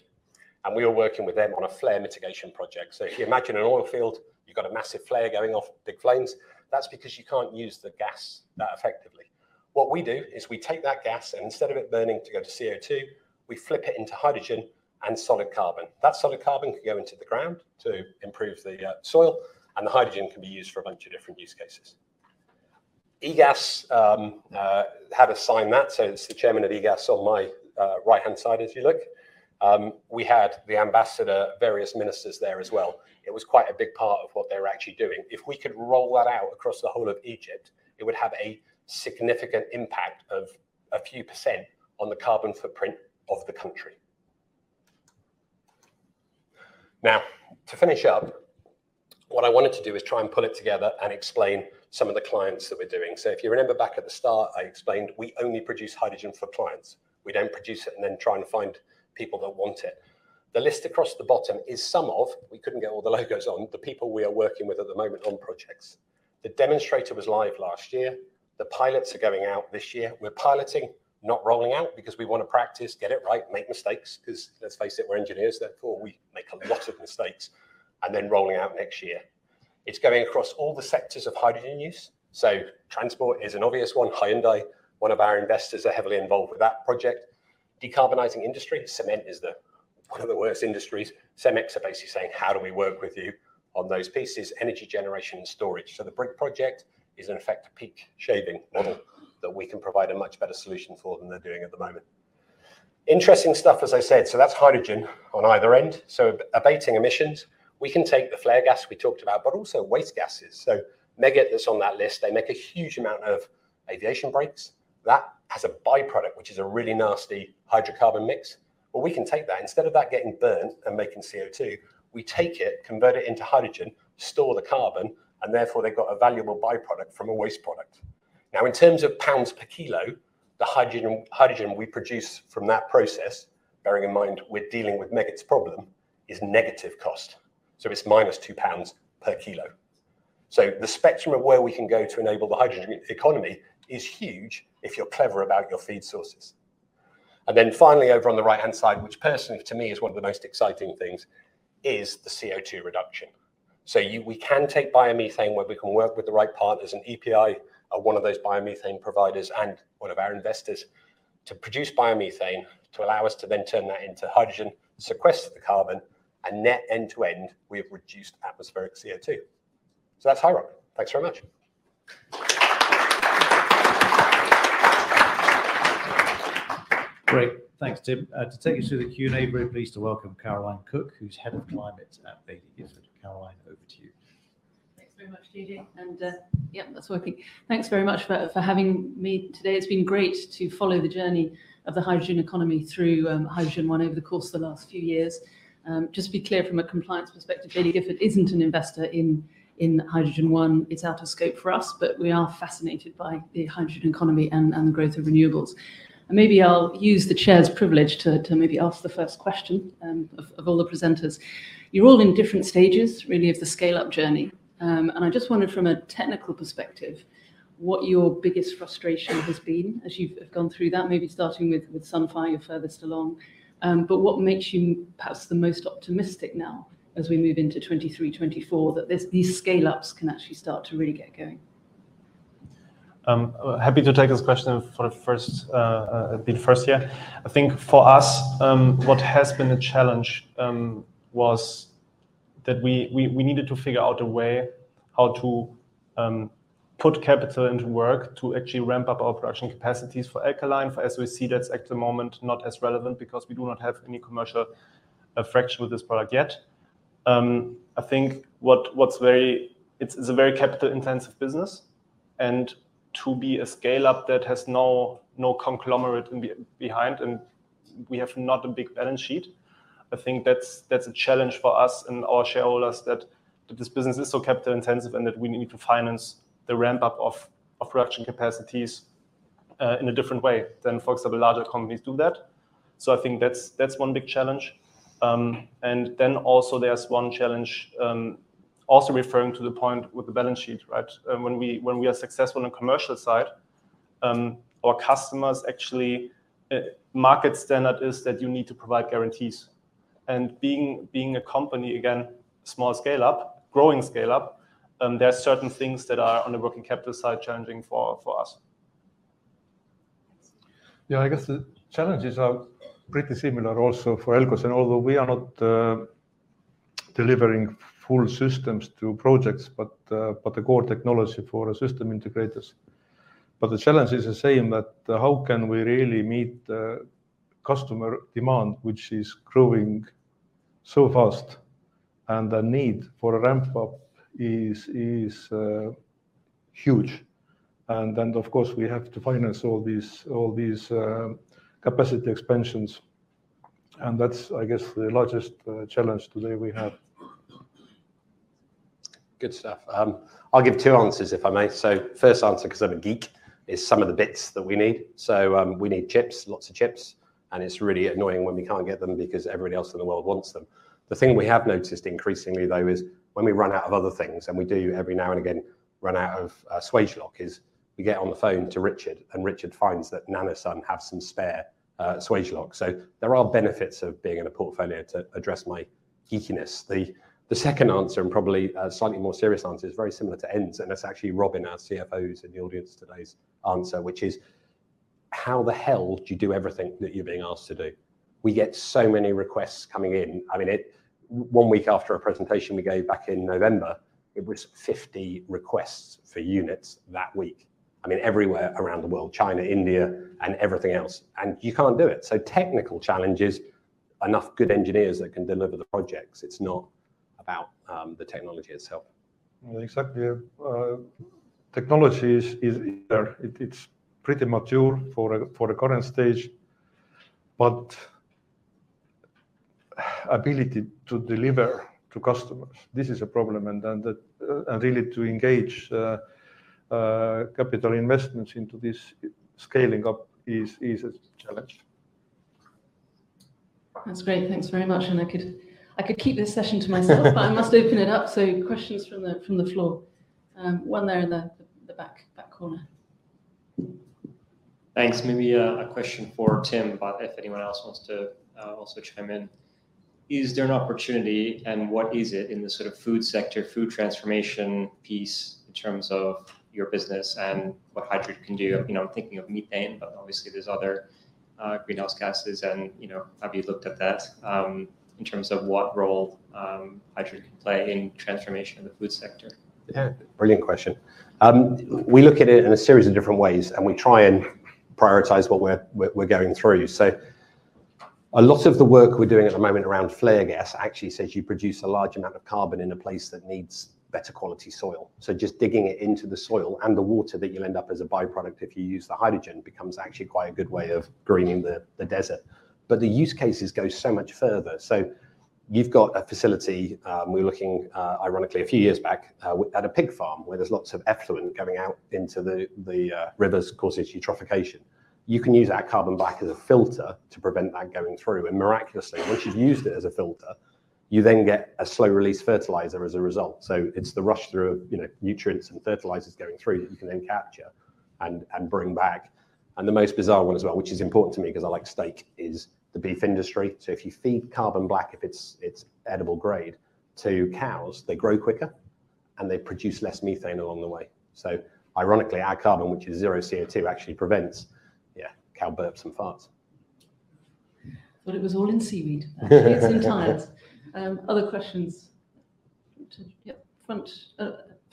We are working with them on a flare mitigation project. If you imagine an oil field, you've got a massive flare going off, big flames, that's because you can't use the gas that effectively. What we do is we take that gas and instead of it burning to go to CO2, we flip it into hydrogen and solid carbon. That solid carbon can go into the ground to improve the soil. The hydrogen can be used for a bunch of different use cases. EGAS had assigned that, so it's the Chairman of EGAS on my right-hand side as you look. We had the ambassador, various ministers there as well. It was quite a big part of what they were actually doing. If we could roll that out across the whole of Egypt, it would have a significant impact of a few % on the carbon footprint of the country. Now, to finish up, what I wanted to do is try and pull it together and explain some of the clients that we're doing. If you remember back at the start, I explained we only produce hydrogen for clients. We don't produce it and then try and find people that want it. The list across the bottom is some of, we couldn't get all the logos on, the people we are working with at the moment on projects. The demonstrator was live last year. The pilots are going out this year. We're piloting, not rolling out, because we wanna practice, get it right, make mistakes, 'cause let's face it, we're engineers, therefore we make a lot of mistakes, and then rolling out next year. It's going across all the sectors of hydrogen use. Transport is an obvious one. Hyundai, one of our investors, are heavily involved with that project. Decarbonizing industry, cement is one of the worst industries. Cemex are basically saying, "How do we work with you on those pieces?" Energy generation and storage. The Brick project is in effect a peak shaving model that we can provide a much better solution for than they're doing at the moment. Interesting stuff, as I said. That's hydrogen on either end. Abating emissions, we can take the flare gas we talked about, but also waste gases. Meggitt is on that list. They make a huge amount of aviation brakes. That has a by-product which is a really nasty hydrocarbon mix. We can take that. Instead of that getting burnt and making CO2, we take it, convert it into hydrogen, store the carbon, and therefore they've got a valuable by-product from a waste product. In terms of GBP per kilo, the hydrogen we produce from that process, bearing in mind we're dealing with Meggitt's problem, is negative cost. It's minus 2 pounds per kilo. The spectrum of where we can go to enable the hydrogen economy is huge if you're clever about your feed sources. Finally, over on the right-hand side, which personally to me is one of the most exciting things, is the CO2 reduction. We can take biomethane where we can work with the right partners and EPI are one of those biomethane providers and one of our investors to produce biomethane to allow us to then turn that into hydrogen, sequester the carbon and net end to end we have reduced atmospheric CO2. That's HiiROC. Thanks very much. Great. Thanks, Tim. To take you through the Q&A, very pleased to welcome Caroline Cook, who's head of climate at Baillie Gifford. Caroline, over to you. Thanks very much, JJ. Yep, that's working. Thanks very much for having me today. It's been great to follow the journey of the hydrogen economy through HydrogenOne over the course of the last few years. Just to be clear from a compliance perspective, Baillie Gifford isn't an investor in HydrogenOne. It's out of scope for us, but we are fascinated by the hydrogen economy and the growth of renewables. Maybe I'll use the chair's privilege to maybe ask the first question of all the presenters. You're all in different stages really of the scale-up journey. I just wonder from a technical perspective, what your biggest frustration has been as you've gone through that, maybe starting with Sunfire furthest along. What makes you perhaps the most optimistic now as we move into 2023, 2024, that these scale-ups can actually start to really get going? Happy to take this question for the first being first here. I think for us, what has been a challenge, was that we needed to figure out a way how to put capital into work to actually ramp up our production capacities for alkaline. For SOEC, that's at the moment not as relevant because we do not have any commercial fraction with this product yet. I think what's very... it's a very capital intensive business and to be a scale-up that has no conglomerate behind, and we have not a big balance sheet, I think that's a challenge for us and our shareholders that this business is so capital intensive and that we need to finance the ramp up of production capacities in a different way than folks at the larger companies do that. I think that's one big challenge. Then also there's one challenge, also referring to the point with the balance sheet, right? When we are successful on the commercial side, our customers actually, market standard is that you need to provide guarantees and being a company, again, small scale up, growing scale up, there are certain things that are on the working capital side challenging for us. Thanks. I guess the challenges are pretty similar also for Elcogen and although we are not delivering full systems to projects, but the core technology for our system integrators. The challenge is the same that how can we really meet the customer demand, which is growing so fast, and the need for a ramp up is huge. Of course, we have to finance all these, all these capacity expansions, and that's, I guess, the largest challenge today we have. Good stuff. I'll give two answers if I may. First answer, 'cause I'm a geek, is some of the bits that we need. We need chips, lots of chips, and it's really annoying when we can't get them because everybody else in the world wants them. The thing we have noticed increasingly though is when we run out of other things, and we do every now and again run out of Swagelok, is we get on the phone to Richard, and Richard finds that NanoSUN have some spare Swagelok. There are benefits of being in a portfolio to address mygeekiness. The second answer and probably slightly more serious answer is very similar to Enn's, and that's actually Robin, our CFO, who's in the audience today's answer, which is: How the hell do you do everything that you're being asked to do? We get so many requests coming in. I mean, 1 week after a presentation we gave back in November, it was 50 requests for units that week. I mean, everywhere around the world, China, India and everything else. You can't do it. Technical challenges, enough good engineers that can deliver the projects. It's not about the technology itself. Exactly. Technology is there. It is pretty mature for the current stage. Ability to deliver to customers, this is a problem. Really to engage capital investments into this scaling up is a challenge. That's great. Thanks very much. I could keep this session to myself, but I must open it up. Questions from the floor. One there in the back, that corner. Thanks. Maybe, a question for Tim, but if anyone else wants to, also chime in. Is there an opportunity and what is it in the sort of food sector, food transformation piece in terms of your business and what hydrogen can do? You know, I'm thinking of methane, but obviously there's other greenhouse gases and, you know, have you looked at that, in terms of what role, hydrogen can play in transformation of the food sector? Brilliant question. We look at it in a series of different ways, and we try and prioritize what we're going through. A lot of the work we're doing at the moment around flare gas actually says you produce a large amount of carbon in a place that needs better quality soil. Just digging it into the soil and the water that you'll end up as a byproduct if you use the hydrogen becomes actually quite a good way of greening the desert. The use cases go so much further. You've got a facility, we're looking, ironically a few years back, at a pig farm where there's lots of effluent going out into the rivers causing eutrophication. You can use our carbon black as a filter to prevent that going through. Miraculously, once you've used it as a filter, you then get a slow release fertilizer as a result. It's the rush through of, you know, nutrients and fertilizers going through that you can then capture and bring back. The most bizarre one as well, which is important to me because I like steak, is the beef industry. If you feed carbon black, if it's edible grade, to cows, they grow quicker and they produce less methane along the way. Ironically, our carbon, which is zero CO2, actually prevents cow burps and farts. Thought it was all in seaweed, actually. It's in tires. Other questions? Yep. Front,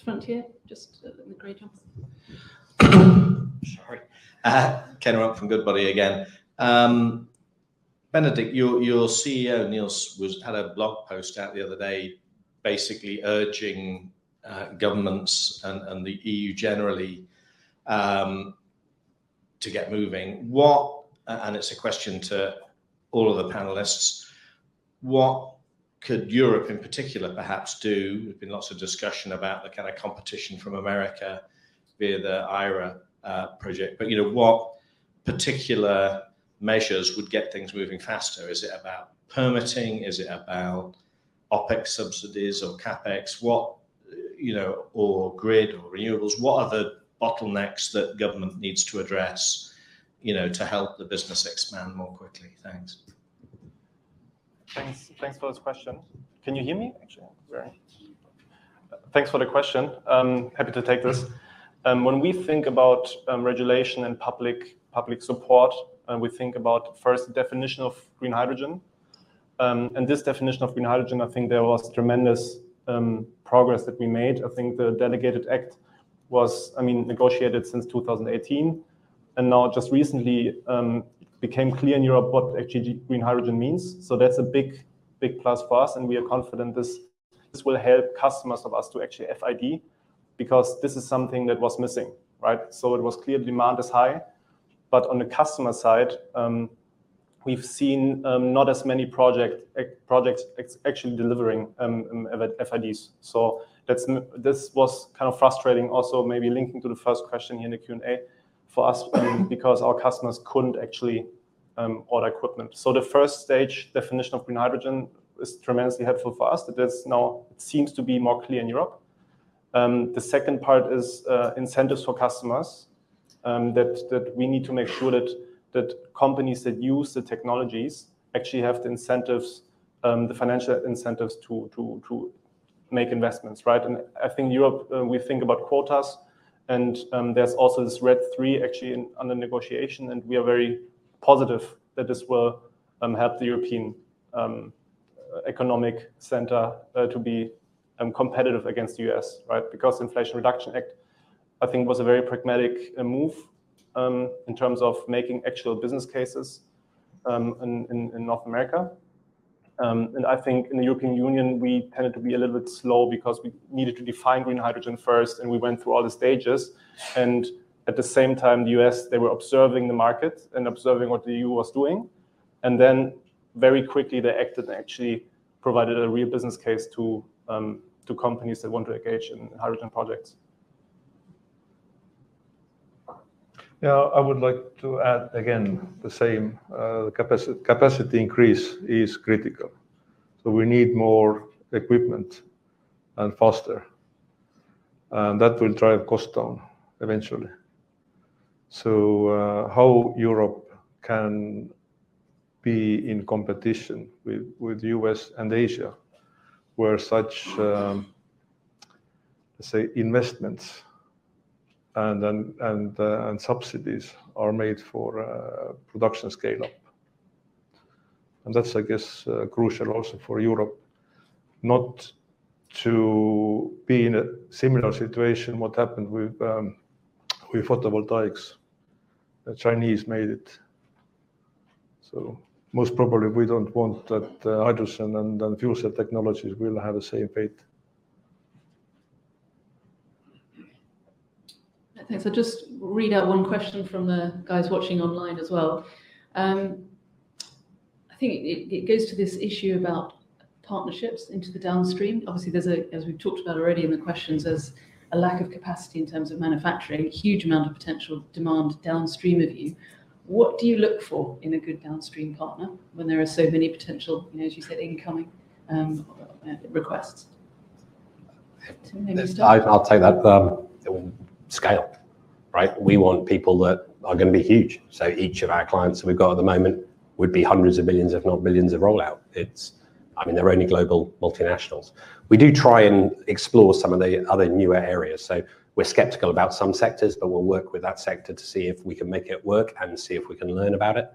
front here. Just in the gray jumper. Sorry. Ken Rock from Goodbody again. Benedict, your CEO, Nils, had a blog post out the other day basically urging governments and the EU generally to get moving. What, it's a question to all of the panelists, what could Europe in particular perhaps do? There's been lots of discussion about the kind of competition from America via the IRA project. You know, what particular measures would get things moving faster? Is it about permitting? Is it about OpEx subsidies or CapEx? What, you know, grid or renewables? What are the bottlenecks that government needs to address, you know, to help the business expand more quickly? Thanks. Thanks. Thanks for this question. Can you hear me? Actually, very. Thanks for the question. I'm happy to take this. When we think about regulation and public support, and we think about first definition of green hydrogen, and this definition of green hydrogen, I think there was tremendous progress that we made. I think the Delegated act was negotiated since 2018, and now just recently became clear in Europe what actually green hydrogen means. That's a big plus for us, and we are confident this will help customers of ours to actually FID because this is something that was missing, right? It was clear demand is high. On the customer side, we've seen not as many projects actually delivering FIDs. This was kind of frustrating also maybe linking to the first question here in the Q&A for us because our customers couldn't actually order equipment. The first stage definition of green hydrogen is tremendously helpful for us. It is now, it seems to be more clear in Europe. The second part is incentives for customers that we need to make sure that companies that use the technologies actually have the incentives, the financial incentives to make investments, right? I think Europe, we think about quotas and there's also this RED III actually under negotiation, and we are very positive that this will help the European economic center to be competitive against U.S., right? Because Inflation Reduction Act, I think, was a very pragmatic move in terms of making actual business cases in North America. I think in the European Union, we tended to be a little bit slow because we needed to define green hydrogen first, and we went through all the stages. At the same time, the US, they were observing the market and observing what the EU was doing. Very quickly, they acted and actually provided a real business case to companies that want to engage in hydrogen projects. Yeah, I would like to add again the same, capacity increase is critical. We need more equipment and faster. That will drive cost down eventually. How Europe can be in competition with U.S. and Asia, where such, let's say investments and subsidies are made for production scale-up. That's, I guess, crucial also for Europe not to be in a similar situation what happened with photovoltaics. The Chinese made it. Most probably we don't want that hydrogen and then fuel cell technologies will have the same fate. Thanks. I'll just read out 1 question from the guys watching online as well. I think it goes to this issue about partnerships into the downstream. Obviously, as we've talked about already in the questions, there's a lack of capacity in terms of manufacturing, huge amount of potential demand downstream of you. What do you look for in a good downstream partner when there are so many potential, you know, as you said, incoming, requests? Tim, maybe start. I'll take that. Scale, right? We want people that are gonna be huge. Each of our clients we've got at the moment would be hundreds of millions GBP if not billions GBP of rollout. I mean, they're only global multinationals. We do try and explore some of the other newer areas. We're skeptical about some sectors, but we'll work with that sector to see if we can make it work and see if we can learn about it.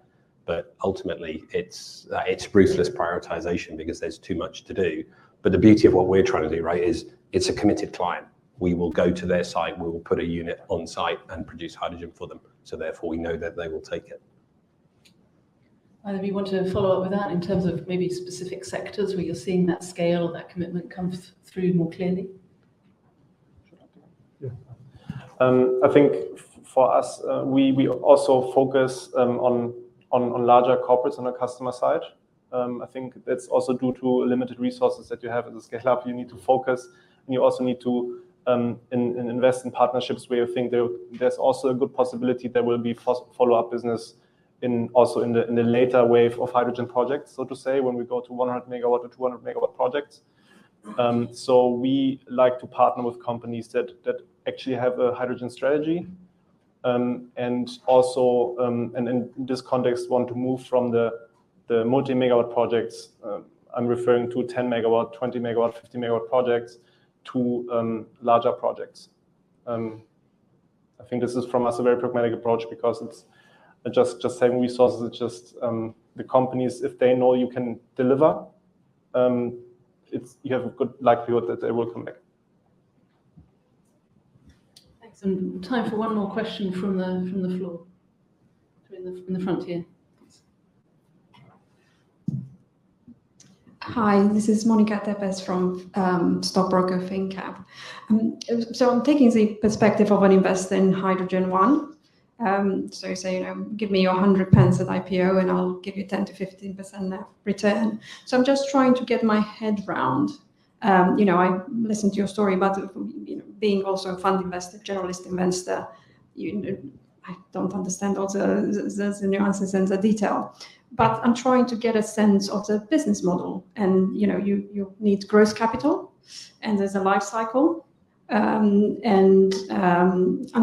Ultimately it's ruthless prioritization because there's too much to do. The beauty of what we're trying to do, right, is it's a committed client. We will go to their site, we will put a unit on site and produce hydrogen for them, so therefore we know that they will take it. Either of you want to follow up with that in terms of maybe specific sectors where you're seeing that scale, that commitment come through more clearly? Sure. Yeah. I think for us, we also focus on larger corporates on the customer side. I think that's also due to limited resources that you have at the scale-up. You need to focus, and you also need to invest in partnerships where you think there's also a good possibility there will be follow-up business in the later wave of hydrogen projects, so to say, when we go to 100 megawatt or 200 megawatt projects. We like to partner with companies that actually have a hydrogen strategy. Also, and in this context, want to move from the multi-megawatt projects, I'm referring to 10 megawatt, 20 megawatt, 50 megawatt projects to larger projects. I think this is from us a very pragmatic approach because it's just saving resources. It's just, the companies, if they know you can deliver, you have a good likelihood that they will come back. Thanks. Time for one more question from the floor. In the front here. Yes. Hi, this is Monica Tepes from, Stockbroker finnCap. I'm taking the perspective of an investor in HydrogenOne. You say, you know, "Give me your 100 pence at IPO, and I'll give you 10%-15% return." I'm just trying to get my head round, you know, I listened to your story about, you know, being also a fund investor, generalist investor. You know, I don't understand all the nuances and the detail, but I'm trying to get a sense of the business model and, you know, you need gross capital and there's a life cycle. I'm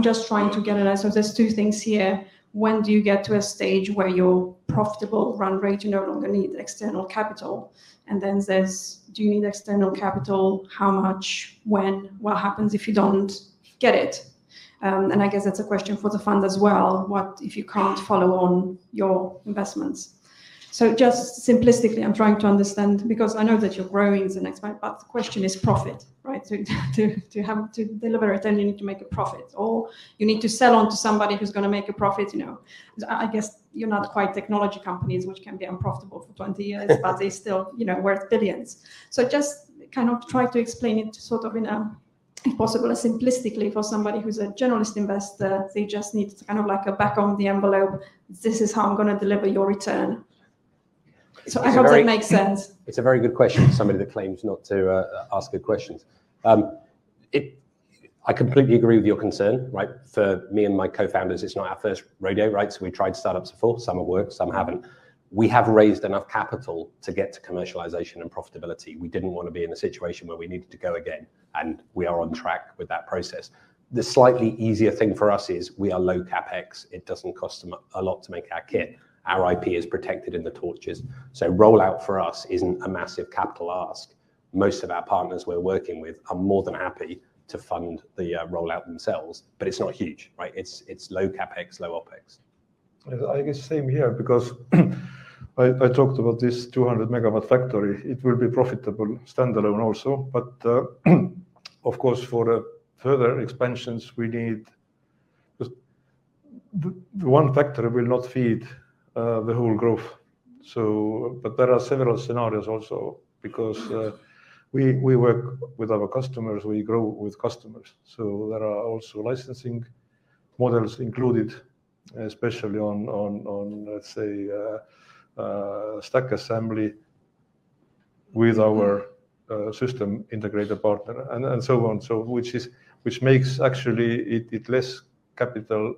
just trying to get an idea. There's two things here. When do you get to a stage where you're profitable run rate, you no longer need external capital? There's do you need external capital? How much? When? What happens if you don't get it? I guess that's a question for the fund as well. What if you can't follow on your investments? Just simplistically, I'm trying to understand because I know that you're growing and expand, but the question is profit, right? To have to deliver it, then you need to make a profit or you need to sell on to somebody who's gonna make a profit, you know. I guess you're not quite technology companies, which can be unprofitable for 20 years, but they still, you know, worth billions. Just kind of try to explain it sort of in a, if possible, simplistically for somebody who's a generalist investor. They just need kind of like a back on the envelope, "This is how I'm gonna deliver your return. It's a very- I hope that makes sense. It's a very good question for somebody that claims not to ask good questions. I completely agree with your concern, right? For me and my co-founders, it's not our first rodeo, right? We tried startups before. Some have worked, some haven't. We have raised enough capital to get to commercialization and profitability. We didn't wanna be in a situation where we needed to go again, and we are on track with that process. The slightly easier thing for us is we are low CapEx. It doesn't cost a lot to make our kit. Our IP is protected in the torches. Rollout for us isn't a massive capital ask. Most of our partners we're working with are more than happy to fund the rollout themselves, but it's not huge, right? It's, it's low CapEx, low OpEx. I guess same here because I talked about this 200 megawatt factory. It will be profitable standalone also. Of course, for further expansions we need the one factory will not feed the whole growth. There are several scenarios also because we work with our customers, we grow with customers. There are also licensing models included, especially on, let's say, stack assembly with our system integrator partner and so on. Which makes actually it less capital.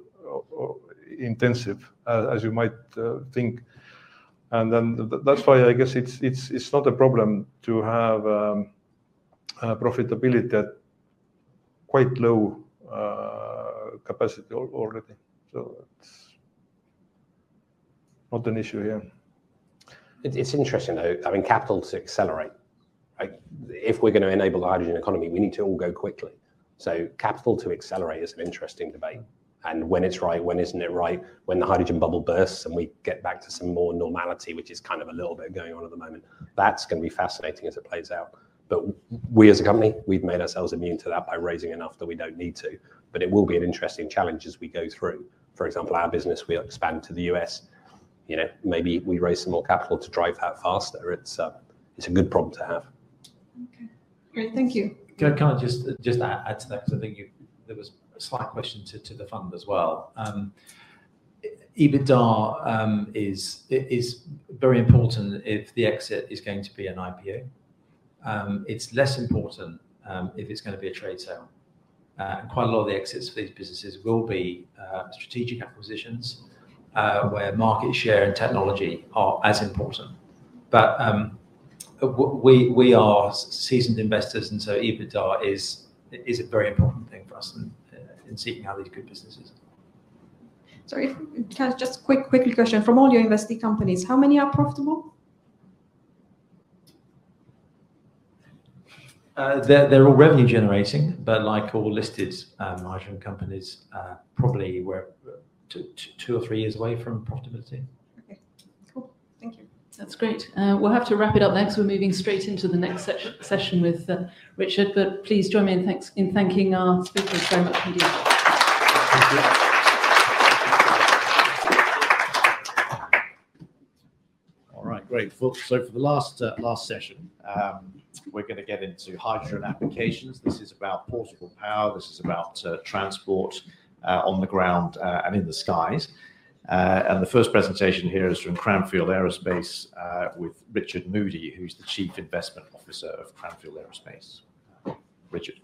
or intensive as you might think. That's why I guess it's not a problem to have profitability at quite low capacity already. It's not an issue here. It's interesting though, I mean, capital to accelerate. Like if we're gonna enable the hydrogen economy, we need to all go quickly. Capital to accelerate is an interesting debate, and when it's right, when isn't it right, when the hydrogen bubble bursts and we get back to some more normality, which is kind of a little bit going on at the moment, that's gonna be fascinating as it plays out. We as a company, we've made ourselves immune to that by raising enough that we don't need to. It will be an interesting challenge as we go through. For example, our business, we expand to the U.S., you know, maybe we raise some more capital to drive that faster. It's a good problem to have. Okay. Great. Thank you. Can I just add to that because I think there was a slight question to the fund as well. EBITDA is very important if the exit is going to be an IPO. It's less important if it's gonna be a trade sale. Quite a lot of the exits for these businesses will be strategic acquisitions, where market share and technology are as important. We are seasoned investors, and so EBITDA is a very important thing for us in seeking out these good businesses. Sorry, if I can just quickly question. From all your invested companies, how many are profitable? They're all revenue generating, but like all listed, margin companies, probably we're two or three years away from profitability. Okay. Cool. Thank you. That's great. We'll have to wrap it up there 'cause we're moving straight into the next session with Richard. Please join me in thanking our speakers very much indeed. Thank you. All right. Great. For the last session, we're gonna get into hydrogen applications. This is about portable power. This is about transport on the ground and in the skies. The first presentation here is from Cranfield Aerospace with Richard Moody, who's the Chief Investment Officer of Cranfield Aerospace. Richard.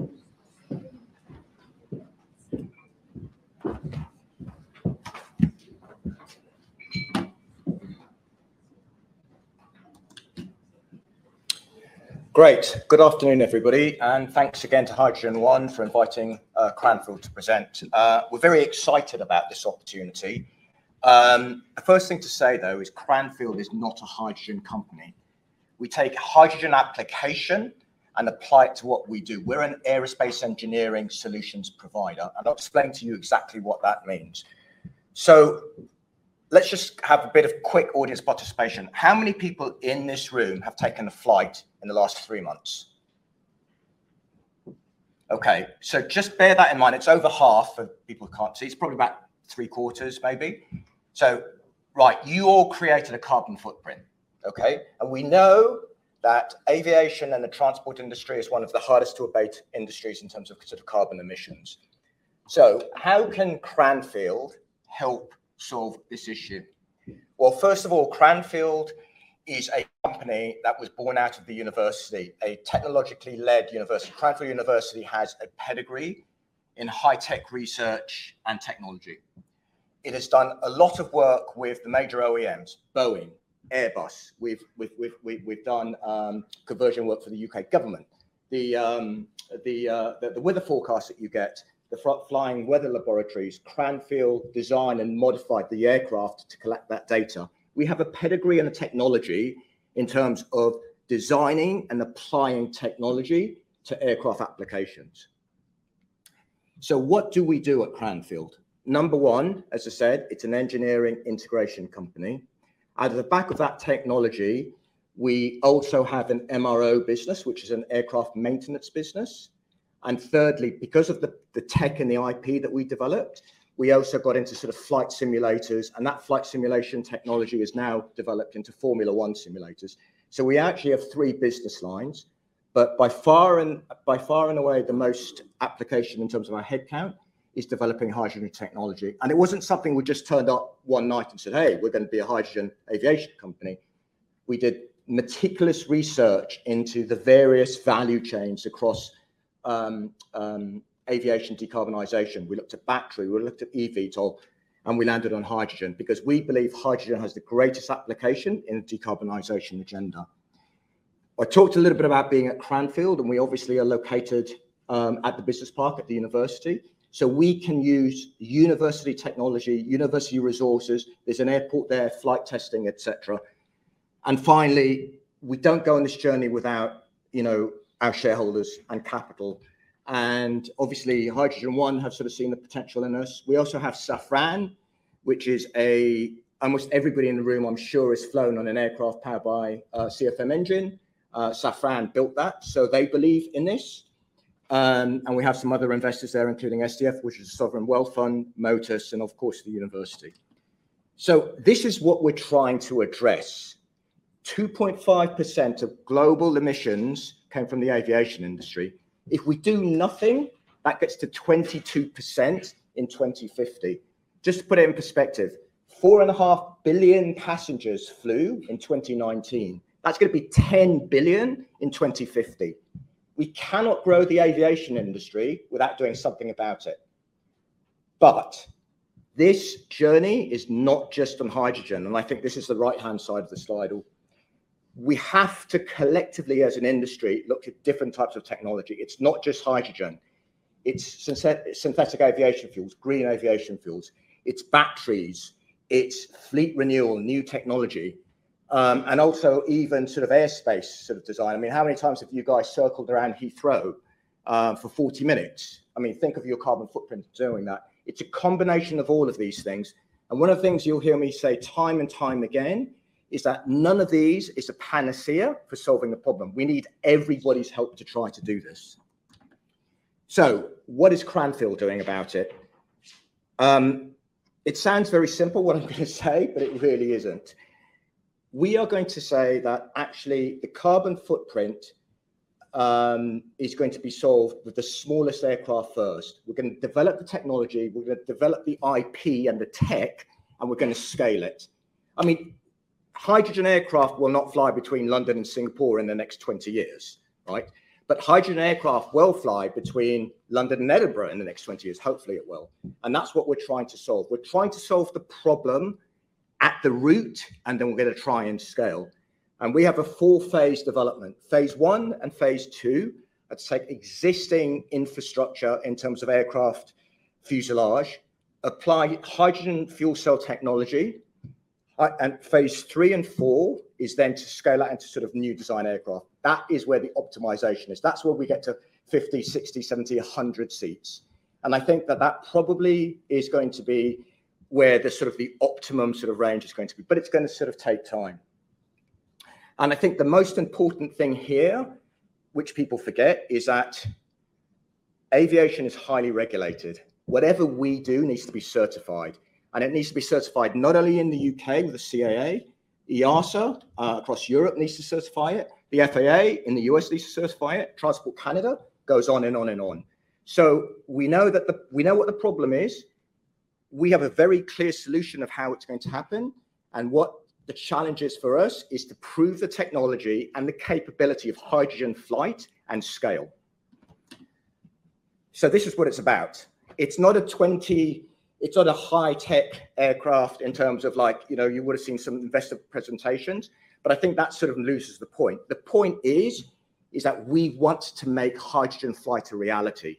Great. Good afternoon, everybody, and thanks again to HydrogenOne for inviting Cranfield to present. We're very excited about this opportunity. The first thing to say though is Cranfield is not a hydrogen company. We take hydrogen application and apply it to what we do. We're an aerospace engineering solutions provider, and I'll explain to you exactly what that means. Let's just have a bit of quick audience participation. How many people in this room have taken a flight in the last three months? Okay. Just bear that in mind. It's over half of people who can't see. It's probably about three quarters maybe. Right, you all created a carbon footprint, okay? We know that aviation and the transport industry is one of the hardest to abate industries in terms of sort of carbon emissions. How can Cranfield help solve this issue? First of all, Cranfield is a company that was born out of the university, a technologically led university. Cranfield University has a pedigree in high tech research and technology. It has done a lot of work with the major OEMs, Boeing, Airbus. We've done conversion work for the UK government. The weather forecast that you get, the flying weather laboratories, Cranfield designed and modified the aircraft to collect that data. We have a pedigree and a technology in terms of designing and applying technology to aircraft applications. So what do we do at Cranfield? Number 1, as I said, it's an engineering integration company. Out of the back of that technology, we also have an MRO business, which is an aircraft maintenance business. Thirdly, because of the tech and the IP that we developed, we also got into sort of flight simulators, and that flight simulation technology is now developed into Formula One simulators. We actually have three business lines, but by far and away, the most application in terms of our head count is developing hydrogen technology. It wasn't something we just turned up one night and said, "Hey, we're gonna be a hydrogen aviation company." We did meticulous research into the various value chains across aviation decarbonization. We looked at battery, we looked at eVTOL, and we landed on hydrogen because we believe hydrogen has the greatest application in a decarbonization agenda. I talked a little bit about being at Cranfield, and we obviously are located at the business park at the university, so we can use university technology, university resources. There's an airport there, flight testing, et cetera. Finally, we don't go on this journey without, you know, our shareholders and capital, and obviously HydrogenOne have sort of seen the potential in us. We also have Safran, which is almost everybody in the room I'm sure has flown on an aircraft powered by a CFM engine. Safran built that, so they believe in this. We have some other investors there, including SDF, which is a sovereign wealth fund, Motus, and of course the university. This is what we're trying to address. 2.5% of global emissions come from the aviation industry. If we do nothing, that gets to 22% in 2050. Just to put it in perspective, 4.5 billion passengers flew in 2019. That's gonna be 10 billion in 2050. We cannot grow the aviation industry without doing something about it. This journey is not just on hydrogen, and I think this is the right-hand side of the slide. We have to collectively as an industry look at different types of technology. It's not just hydrogen. It's synthetic aviation fuels, green aviation fuels. It's batteries, it's fleet renewal, new technology, and also even sort of airspace sort of design. I mean, how many times have you guys circled around Heathrow for 40 minutes? I mean, think of your carbon footprint doing that. It's a combination of all of these things, and one of the things you'll hear me say time and time again is that none of these is a panacea for solving the problem. We need everybody's help to try to do this. What is Cranfield doing about it? It sounds very simple what I'm going to say, but it really isn't. We are going to say that actually the carbon footprint is going to be solved with the smallest aircraft first. We're gonna develop the technology, we're gonna develop the IP and the tech, and we're gonna scale it. I mean, hydrogen aircraft will not fly between London and Singapore in the next 20 years, right? Hydrogen aircraft will fly between London and Edinburgh in the next 20 years. Hopefully it will. That's what we're trying to solve. We're trying to solve the problem at the root, and then we're gonna try and scale. We have a 4-phase development. Phase I and phase II, let's take existing infrastructure in terms of aircraft fuselage, apply hydrogen fuel cell technology. Phase three and four is then to scale out into sort of new design aircraft. That is where the optimization is. That's where we get to 50, 60, 70, 100 seats. I think that that probably is going to be where the sort of the optimum sort of range is going to be. It's gonna sort of take time. I think the most important thing here, which people forget, is that aviation is highly regulated. Whatever we do needs to be certified, and it needs to be certified not only in the U.K. with the CAA. EASA, across Europe needs to certify it. The FAA in the U.S. needs to certify it. Transport Canada goes on and on and on. We know that we know what the problem is. We have a very clear solution of how it's going to happen. What the challenge is for us is to prove the technology and the capability of hydrogen flight and scale. This is what it's about. It's not a high-tech aircraft in terms of like, you know, you would have seen some investor presentations. I think that sort of loses the point. The point is that we want to make hydrogen flight a reality.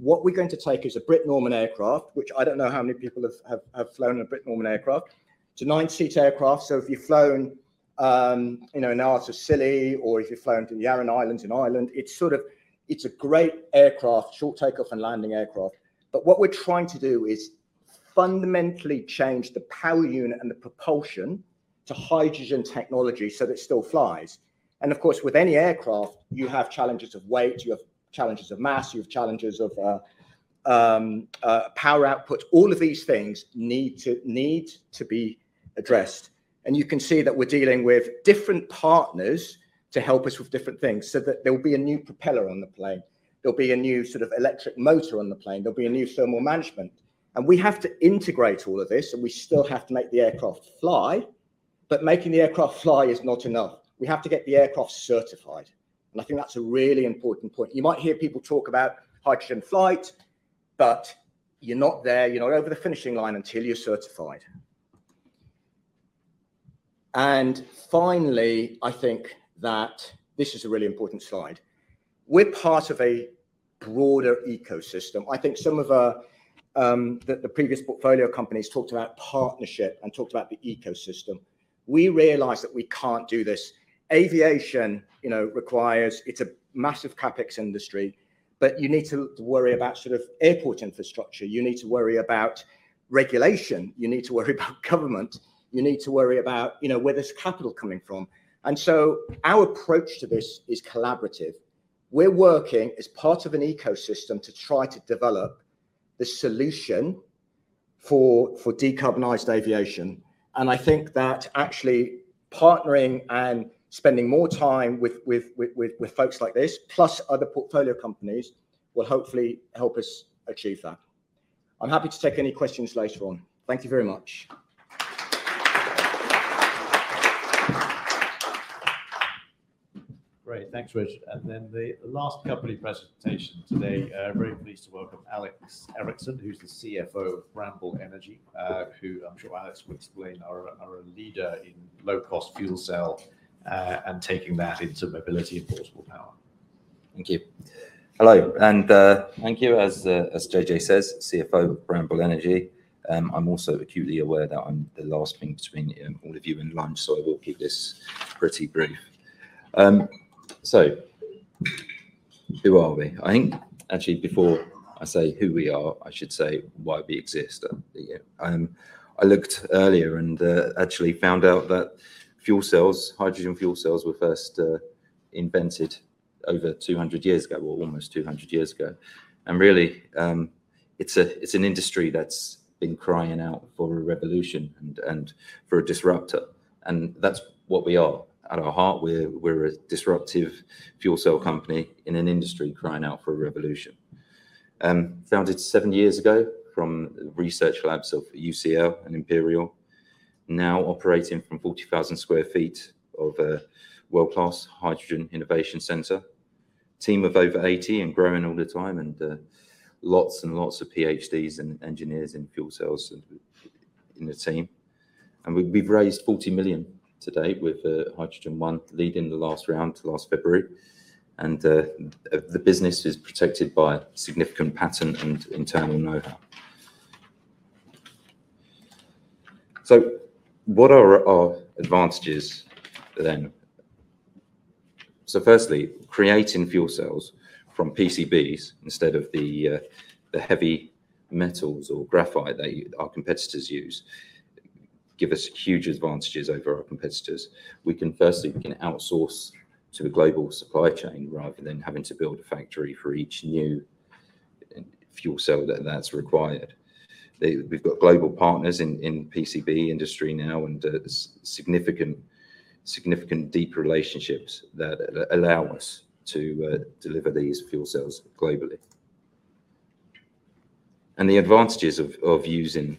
What we're going to take is a Britten-Norman aircraft, which I don't know how many people have flown a Britten-Norman aircraft. It's a 9-seat aircraft, so if you've flown, you know, in the Isles of Scilly, or if you've flown to the Aran Islands in Ireland, it's a great aircraft, short takeoff and landing aircraft. What we're trying to do is fundamentally change the power unit and the propulsion to hydrogen technology so that it still flies. Of course, with any aircraft, you have challenges of weight, you have challenges of mass, you have challenges of power output. All of these things need to be addressed. You can see that we're dealing with different partners to help us with different things so that there'll be a new propeller on the plane. There'll be a new sort of electric motor on the plane. There'll be a new thermal management. We have to integrate all of this, and we still have to make the aircraft fly. Making the aircraft fly is not enough. We have to get the aircraft certified. I think that's a really important point. You might hear people talk about hydrogen flight, but you're not there, you're not over the finishing line until you're certified. Finally, I think that this is a really important slide. We're part of a broader ecosystem. I think some of our, the previous portfolio companies talked about partnership and talked about the ecosystem. We realize that we can't do this. Aviation, you know, it's a massive CapEx industry, but you need to worry about sort of airport infrastructure. You need to worry about regulation. You need to worry about government. You need to worry about, you know, where there's capital coming from. Our approach to this is collaborative. We're working as part of an ecosystem to try to develop the solution for decarbonized aviation. I think that actually partnering and spending more time with folks like this, plus other portfolio companies, will hopefully help us achieve that. I'm happy to take any questions later on. Thank you very much. Great. Thanks, Richard. The last company presentation today, very pleased to welcome Tom Mason, who's the CFO of Bramble Energy, who I'm sure Alex will explain are a leader in low-cost fuel cell, and taking that into mobility and portable power. Thank you. Hello, and thank you. As JJ says, CFO of Bramble Energy. I'm also acutely aware that I'm the last thing between all of you and lunch, so I will keep this pretty brief. Who are we? I think actually before I say who we are, I should say why we exist. I looked earlier and actually found out that fuel cells, hydrogen fuel cells were first invented over 200 years ago, or almost 200 years ago. Really, it's an industry that's been crying out for a revolution and for a disruptor. That's what we are. At our heart, we're a disruptive fuel cell company in an industry crying out for a revolution. Founded 7 years ago from research labs of UCL and Imperial. Now operating from 40,000 sq ft of a world-class hydrogen innovation center. Team of over 80 and growing all the time, lots and lots of PhDs and engineers in fuel cells in the team. We've raised 40 million to date with Hydrogen One leading the last round last February. The business is protected by significant patent and internal know-how. What are our advantages then? Firstly, creating fuel cells from PCBs instead of the heavy metals or graphite that our competitors use give us huge advantages over our competitors. We can firstly, we can outsource to the global supply chain rather than having to build a factory for each new and fuel cell that's required. We've got global partners in PCB industry now and significant deep relationships that allow us to deliver these fuel cells globally. The advantages of using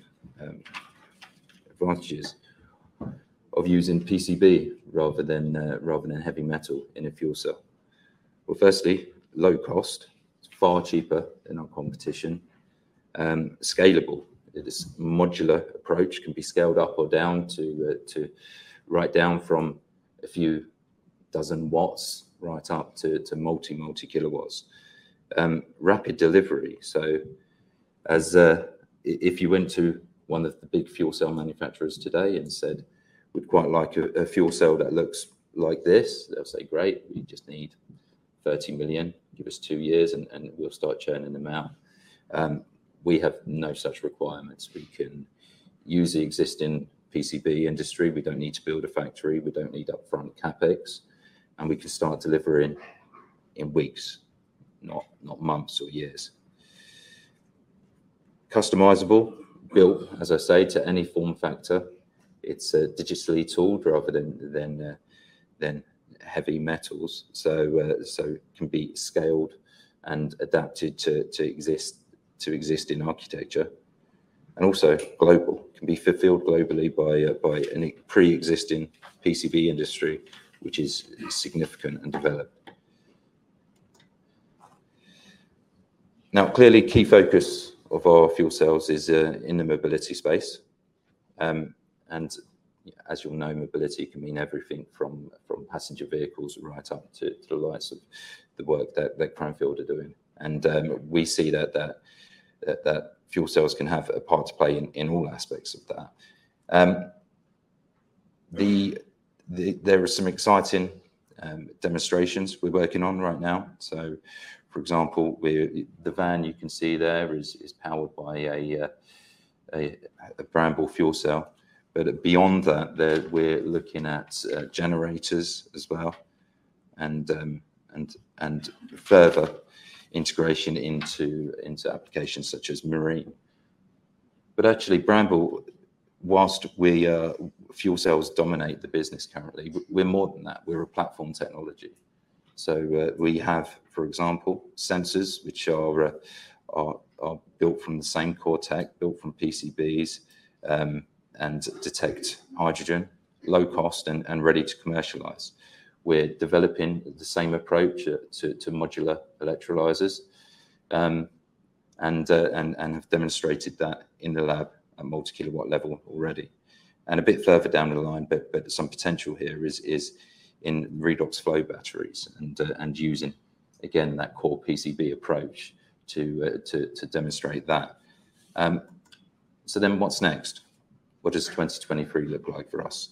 PCB rather than heavy metal in a fuel cell. Firstly, low cost. It's far cheaper than our competition. Scalable. This modular approach can be scaled up or down to right down from a few dozen watts right up to multi kilowatts. Rapid delivery. If you went to one of the big fuel cell manufacturers today and said, "We'd quite like a fuel cell that looks like this," they'll say, "Great, we just need 30 million. Give us two years and we'll start churning them out." We have no such requirements. We can use the existing PCB industry. We don't need to build a factory. We don't need upfront CapEx, and we can start delivering in weeks, not months or years. Customizable. Built, as I say, to any form factor. It's digitally tooled rather than heavy metals, so can be scaled and adapted to exist in architecture. Also global. Can be fulfilled globally by any pre-existing PCB industry, which is significant and developed. Now, clearly key focus of our fuel cells is in the mobility space. As you'll know, mobility can mean everything from passenger vehicles right up to the likes of the work that Primefield are doing. We see that fuel cells can have a part to play in all aspects of that. There are some exciting demonstrations we're working on right now. For example, the van you can see there is powered by a Bramble fuel cell. Beyond that, we're looking at generators as well and further integration into applications such as marine. Actually Bramble, whilst fuel cells dominate the business currently, we're more than that. We're a platform technology. We have, for example, sensors which are built from the same core tech, built from PCBs, and detect hydrogen, low cost and ready to commercialize. We're developing the same approach to modular electrolyzers, and have demonstrated that in the lab at multi-kilowatt level already. A bit further down the line, but some potential here is in redox flow batteries and using again that core PCB approach to demonstrate that. What's next? What does 2023 look like for us?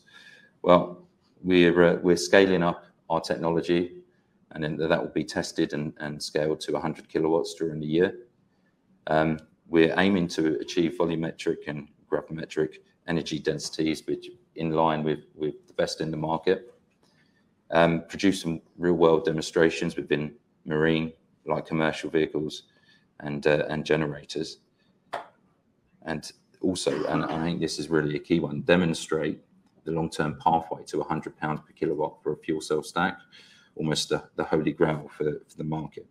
We're scaling up our technology, and then that will be tested and scaled to 100 kilowatts during the year. We're aiming to achieve volumetric and gravimetric energy densities which in line with the best in the market. Produce some real world demonstrations within marine, light commercial vehicles and generators. I think this is really a key one, demonstrate the long-term pathway to 100 pounds per kilowatt for a fuel cell stack, almost the holy grail for the market.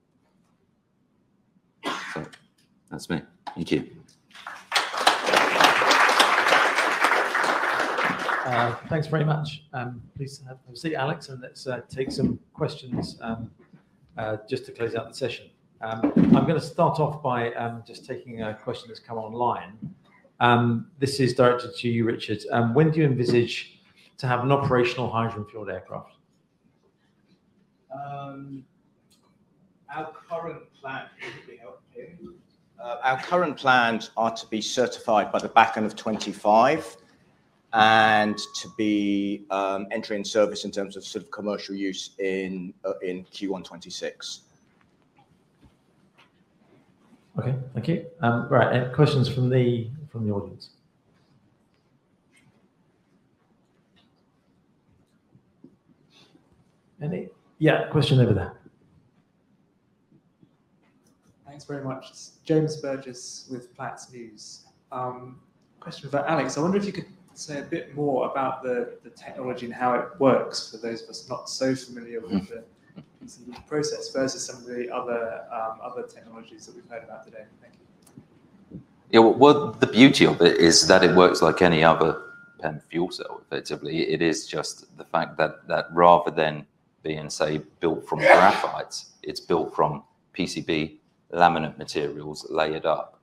That's me. Thank you. Thanks very much. Please have a seat, Alex, and let's take some questions just to close out the session. I'm gonna start off by just taking a question that's come online. This is directed to you, Richard. When do you envisage to have an operational hydrogen fueled aircraft? Can you hear me okay? Our current plans are to be certified by the back end of 2025 and to be entering service in terms of sort of commercial use in Q1 2026. Okay. Thank you. Right. Questions from the audience. Any? Question over there. Thanks very much. It's James Burgess with Platts. Question for Alex. I wonder if you could say a bit more about the technology and how it works for those of us not so familiar with the process versus some of the other technologies that we've heard about today. Thank you. Well, the beauty of it is that it works like any other fuel cell effectively. It is just the fact that rather than being, say, built from graphite, it's built from PCB laminate materials layered up.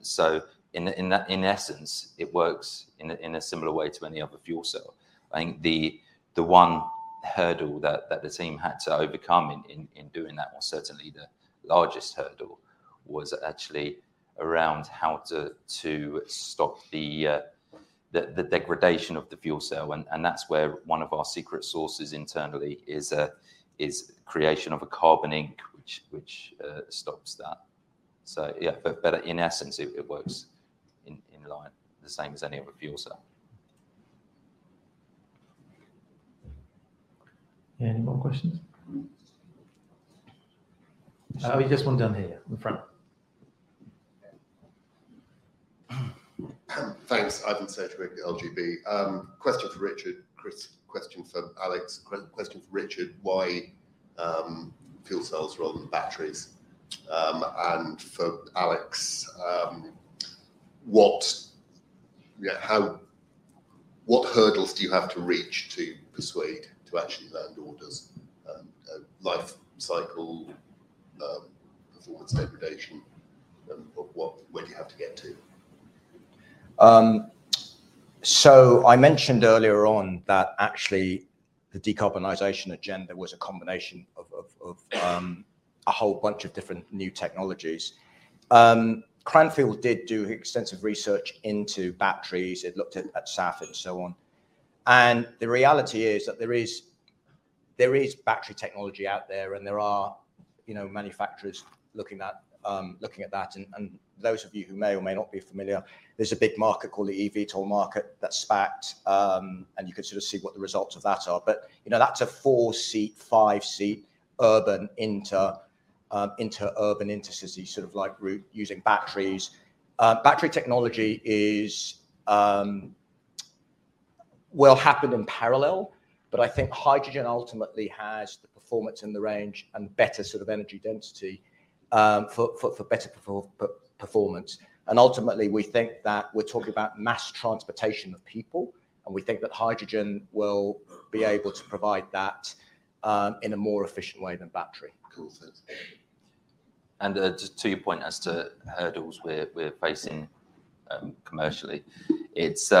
So in essence, it works in a similar way to any other fuel cell. I think the one hurdle that the team had to overcome in doing that, or certainly the largest hurdle, was actually around how to stop the degradation of the fuel cell. That's where one of our secret sources internally is creation of a carbon ink, which stops that. But in essence, it works in line the same as any other fuel cell. Yeah. Any more questions? Oh, just one down here at the front. Thanks. Ivan Serg with LBBW. Question for Richard, Chris. Question for Alex. Question for Richard, why fuel cells rather than batteries? And for Alex, Yeah, what hurdles do you have to reach to persuade, to actually land orders, life cycle, performance degradation, what, where do you have to get to? I mentioned earlier on that actually the decarbonization agenda was a combination of a whole bunch of different new technologies. Cranfield University did do extensive research into batteries. It looked at SAF and so on. The reality is that there is battery technology out there, and there are, you know, manufacturers looking at that. Those of you who may or may not be familiar, there's a big market called the eVTOL market that's fact, and you can sort of see what the results of that are. You know, that's a 4-seat, 5-seat, urban inter-urban, intercity sort of like route using batteries. Battery technology is, well, happened in parallel, but I think hydrogen ultimately has the performance and the range and better sort of energy density for better performance. Ultimately, we think that we're talking about mass transportation of people, and we think that hydrogen will be able to provide that in a more efficient way than battery. Cool. Thank you. Just to your point as to hurdles we're facing commercially. It's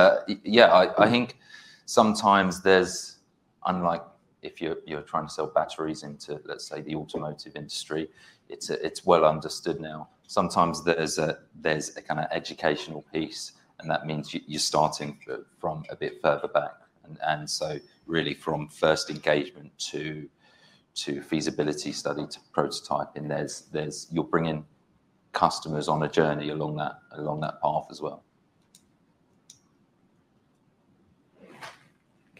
yeah, I think sometimes there's. Unlike if you're trying to sell batteries into, let's say, the automotive industry, it's well understood now. Sometimes there's a kinda educational piece, and that means you're starting from a bit further back. Really from first engagement to feasibility study, to prototyping, there's. You're bringing customers on a journey along that, along that path as well.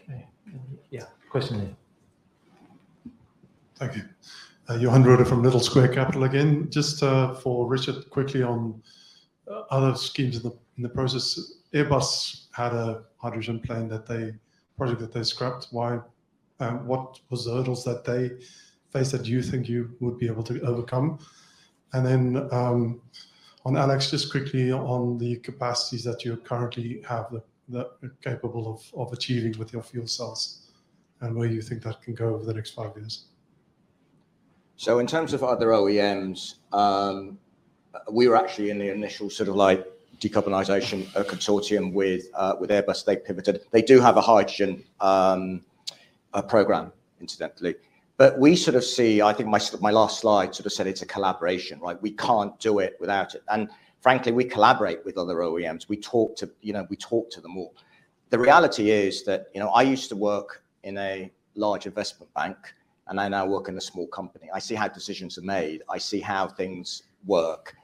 Okay. Yeah. Question there. Thank you. Johan Brode from Liberum Capital again. Just for Richard, quickly on other schemes in the process. Airbus had a hydrogen plane that they project that they scrapped. Why? What was the hurdles that they faced that you think you would be able to overcome? Then on Alex, just quickly on the capacities that you currently have that are capable of achieving with your fuel cells and where you think that can go over the next five years. In terms of other OEMs, we were actually in the initial sort of like decarbonization consortium with Airbus. They pivoted. They do have a hydrogen program incidentally. We sort of see, I think my last slide sort of said it's a collaboration, right? We can't do it without it. Frankly, we collaborate with other OEMs. We talk to, you know, we talk to them all. The reality is that, you know, I used to work in a large investment bank, and I now work in a small company. I see how decisions are made. I see how things work.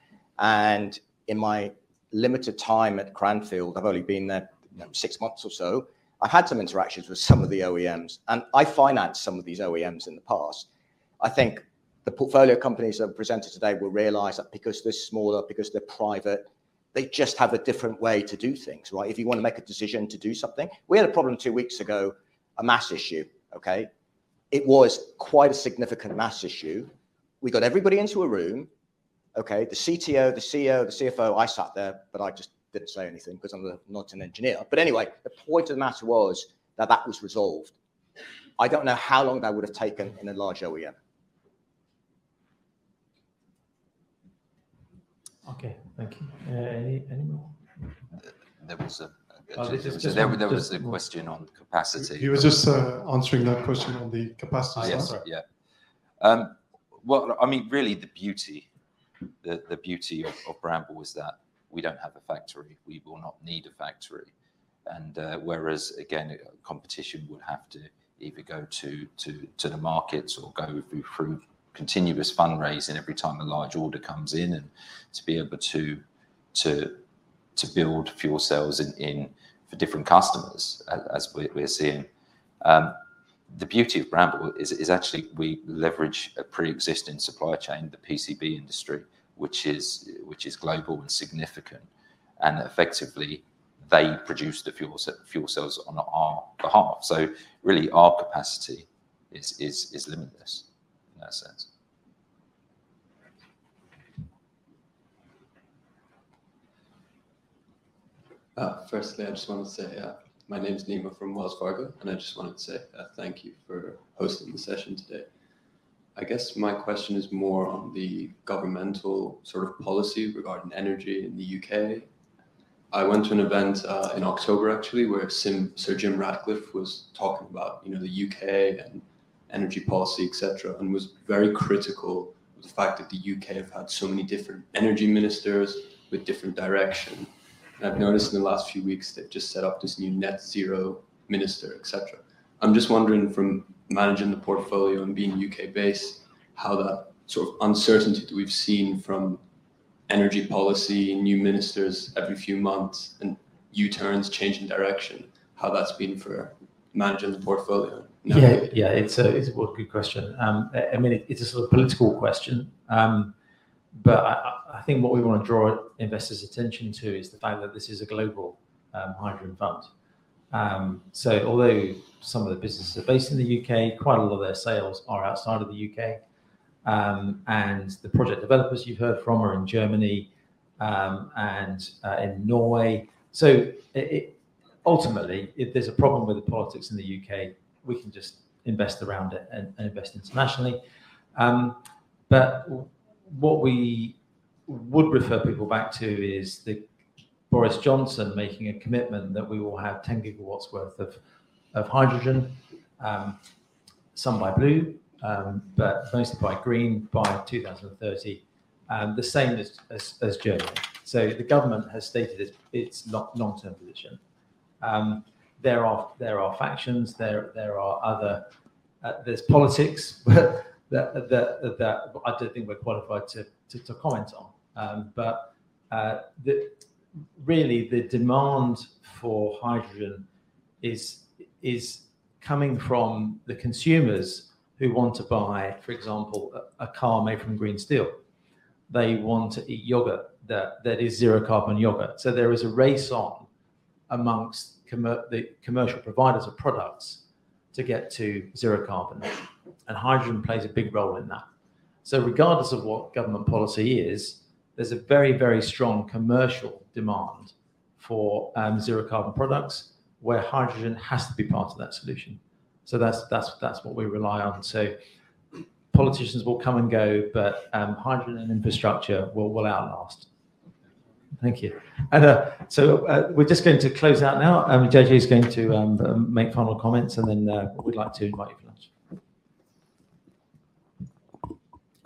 In my limited time at Cranfield, I've only been there, you know, 6 months or so, I've had some interactions with some of the OEMs, and I financed some of these OEMs in the past. I think the portfolio companies that have presented today will realize that because they're smaller, because they're private, they just have a different way to do things, right? If you wanna make a decision to do something. We had a problem two weeks ago, a mass issue, okay. It was quite a significant mass issue. We got everybody into a room, okay. The CTO, the CEO, the CFO. I sat there, but I just didn't say anything 'cause I'm not an engineer. Anyway, the point of the matter was that that was resolved. I don't know how long that would've taken in a large OEM. Okay. Thank you. Any more? There was. Oh, this is. There was a question on capacity. He was just answering that question on the capacity. Oh, yes. Yeah. Sorry. Well, I mean, really the beauty, the beauty of Bramble is that we don't have a factory. We will not need a factory. Whereas again, competition would have to either go to the markets or go through continuous fundraising every time a large order comes in and to be able to build fuel cells for different customers as we are seeing. The beauty of Bramble is actually we leverage a pre-existing supply chain, the PCB industry, which is global and significant, and effectively they produce the fuel cells on our behalf. Really our capacity is limitless in that sense. Firstly, I just wanted to say, my name's Nima from Wells Fargo, I just wanted to say, thank you for hosting the session today. I guess my question is more on the governmental sort of policy regarding energy in the U.K. I went to an event in October actually, where Sir Jim Ratcliffe was talking about, you know, the U.K. and energy policy, et cetera, was very critical of the fact that the U.K. Have had so many different energy ministers with different direction. I've noticed in the last few weeks they've just set up this new net zero minister, et cetera. I'm just wondering from managing the portfolio and being UK-based, how that sort of uncertainty that we've seen from energy policy and new ministers every few months and U-turns, change in direction, how that's been for managing the portfolio. Yeah. Yeah. It's a, it's a good question. I mean, it's a sort of political question. I think what we wanna draw investors' attention to is the fact that this is a global hydrogen fund. Although some of the businesses are based in the U.K., quite a lot of their sales are outside of the U.K. The project developers you've heard from are in Germany, and in Norway. Ultimately, if there's a problem with the politics in the U.K., we can just invest around it and invest internationally. What we would refer people back to is Boris Johnson making a commitment that we will have 10 gigawatts worth of hydrogen, some by blue, but mostly by green by 2030, the same as Germany. The government has stated its long-term position. There are factions, there are other, there's politics that I don't think we're qualified to comment on. Really the demand for hydrogen is coming from the consumers who want to buy, for example, a car made from green steel. They want to eat yogurt that is zero carbon yogurt. There is a race on amongst the commercial providers of products to get to zero carbon, and hydrogen plays a big role in that. Regardless of what government policy is, there's a very, very strong commercial demand for zero carbon products where hydrogen has to be part of that solution. That's what we rely on. Politicians will come and go, but hydrogen and infrastructure will outlast. Thank you. We're just going to close out now. JJ is going to make final comments and then we'd like to invite you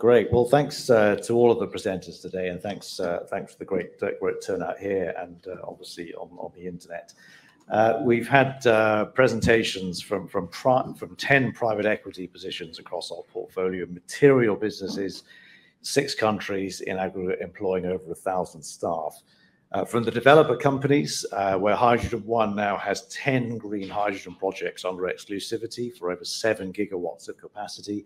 for lunch. Great. Well, thanks to all of the presenters today, and thanks for the great, the great turnout here and obviously on the internet. We've had presentations from 10 private equity positions across our portfolio of material businesses, six countries in aggregate employing over 1,000 staff. From the developer companies, where HydrogenOne now has 10 green hydrogen projects under exclusivity for over 7 gigawatts of capacity,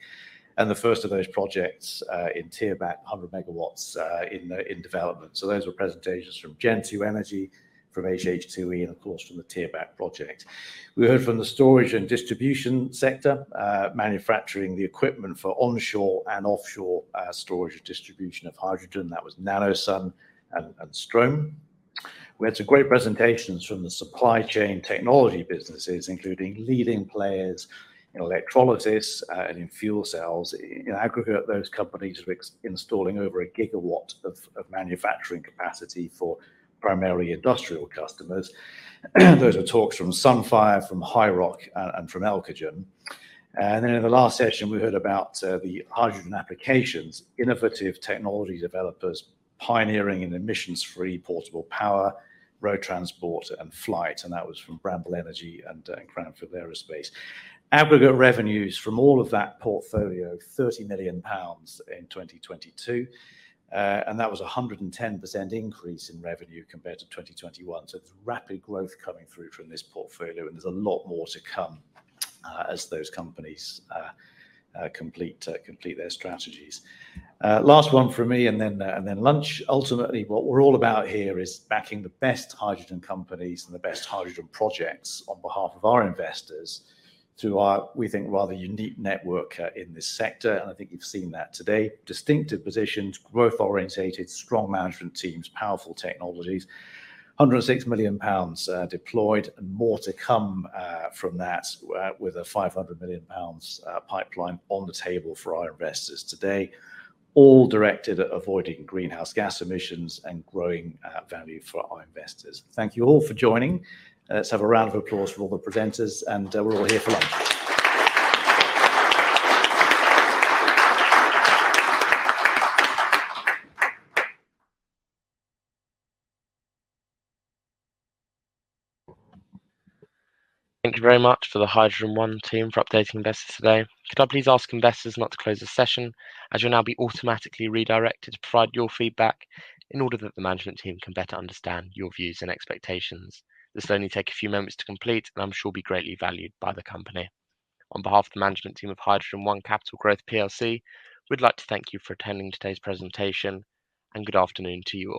and the first of those projects, in Thierbach, 100 megawatts, in development. Those were presentations from Gen2 Energy, from HH2E, and of course from the Thierbach project. We heard from the storage and distribution sector, manufacturing the equipment for onshore and offshore, storage and distribution of hydrogen. That was NanoSUN and Strohm. We had some great presentations from the supply chain technology businesses, including leading players in electrolysis, and in fuel cells. In aggregate, those companies were installing over a gigawatt of manufacturing capacity for primarily industrial customers. Those were talks from Sunfire, from HiiROC, and from Elcogen. Then in the last session we heard about the hydrogen applications, innovative technology developers pioneering in emissions-free portable power, road transport and flight, and that was from Bramble Energy and Cranfield Aerospace. Aggregate revenues from all of that portfolio, 30 million pounds in 2022. That was a 110% increase in revenue compared to 2021. There's rapid growth coming through from this portfolio and there's a lot more to come as those companies complete their strategies. Last one from me and then lunch. Ultimately, what we're all about here is backing the best hydrogen companies and the best hydrogen projects on behalf of our investors through our, we think, rather unique network in this sector. I think you've seen that today. Distinctive positions, growth-orientated, strong management teams, powerful technologies. 106 million pounds deployed and more to come from that with a 500 million pounds pipeline on the table for our investors today, all directed at avoiding greenhouse gas emissions and growing value for our investors. Thank you all for joining. Let's have a round of applause for all the presenters and we're all here for lunch. Thank you very much for the HydrogenOne team for updating investors today. Could I please ask investors not to close the session, as you'll now be automatically redirected to provide your feedback in order that the management team can better understand your views and expectations. This will only take a few moments to complete and I'm sure will be greatly valued by the company. On behalf of the management team of HydrogenOne Capital Growth plc, we'd like to thank you for attending today's presentation, and good afternoon to you all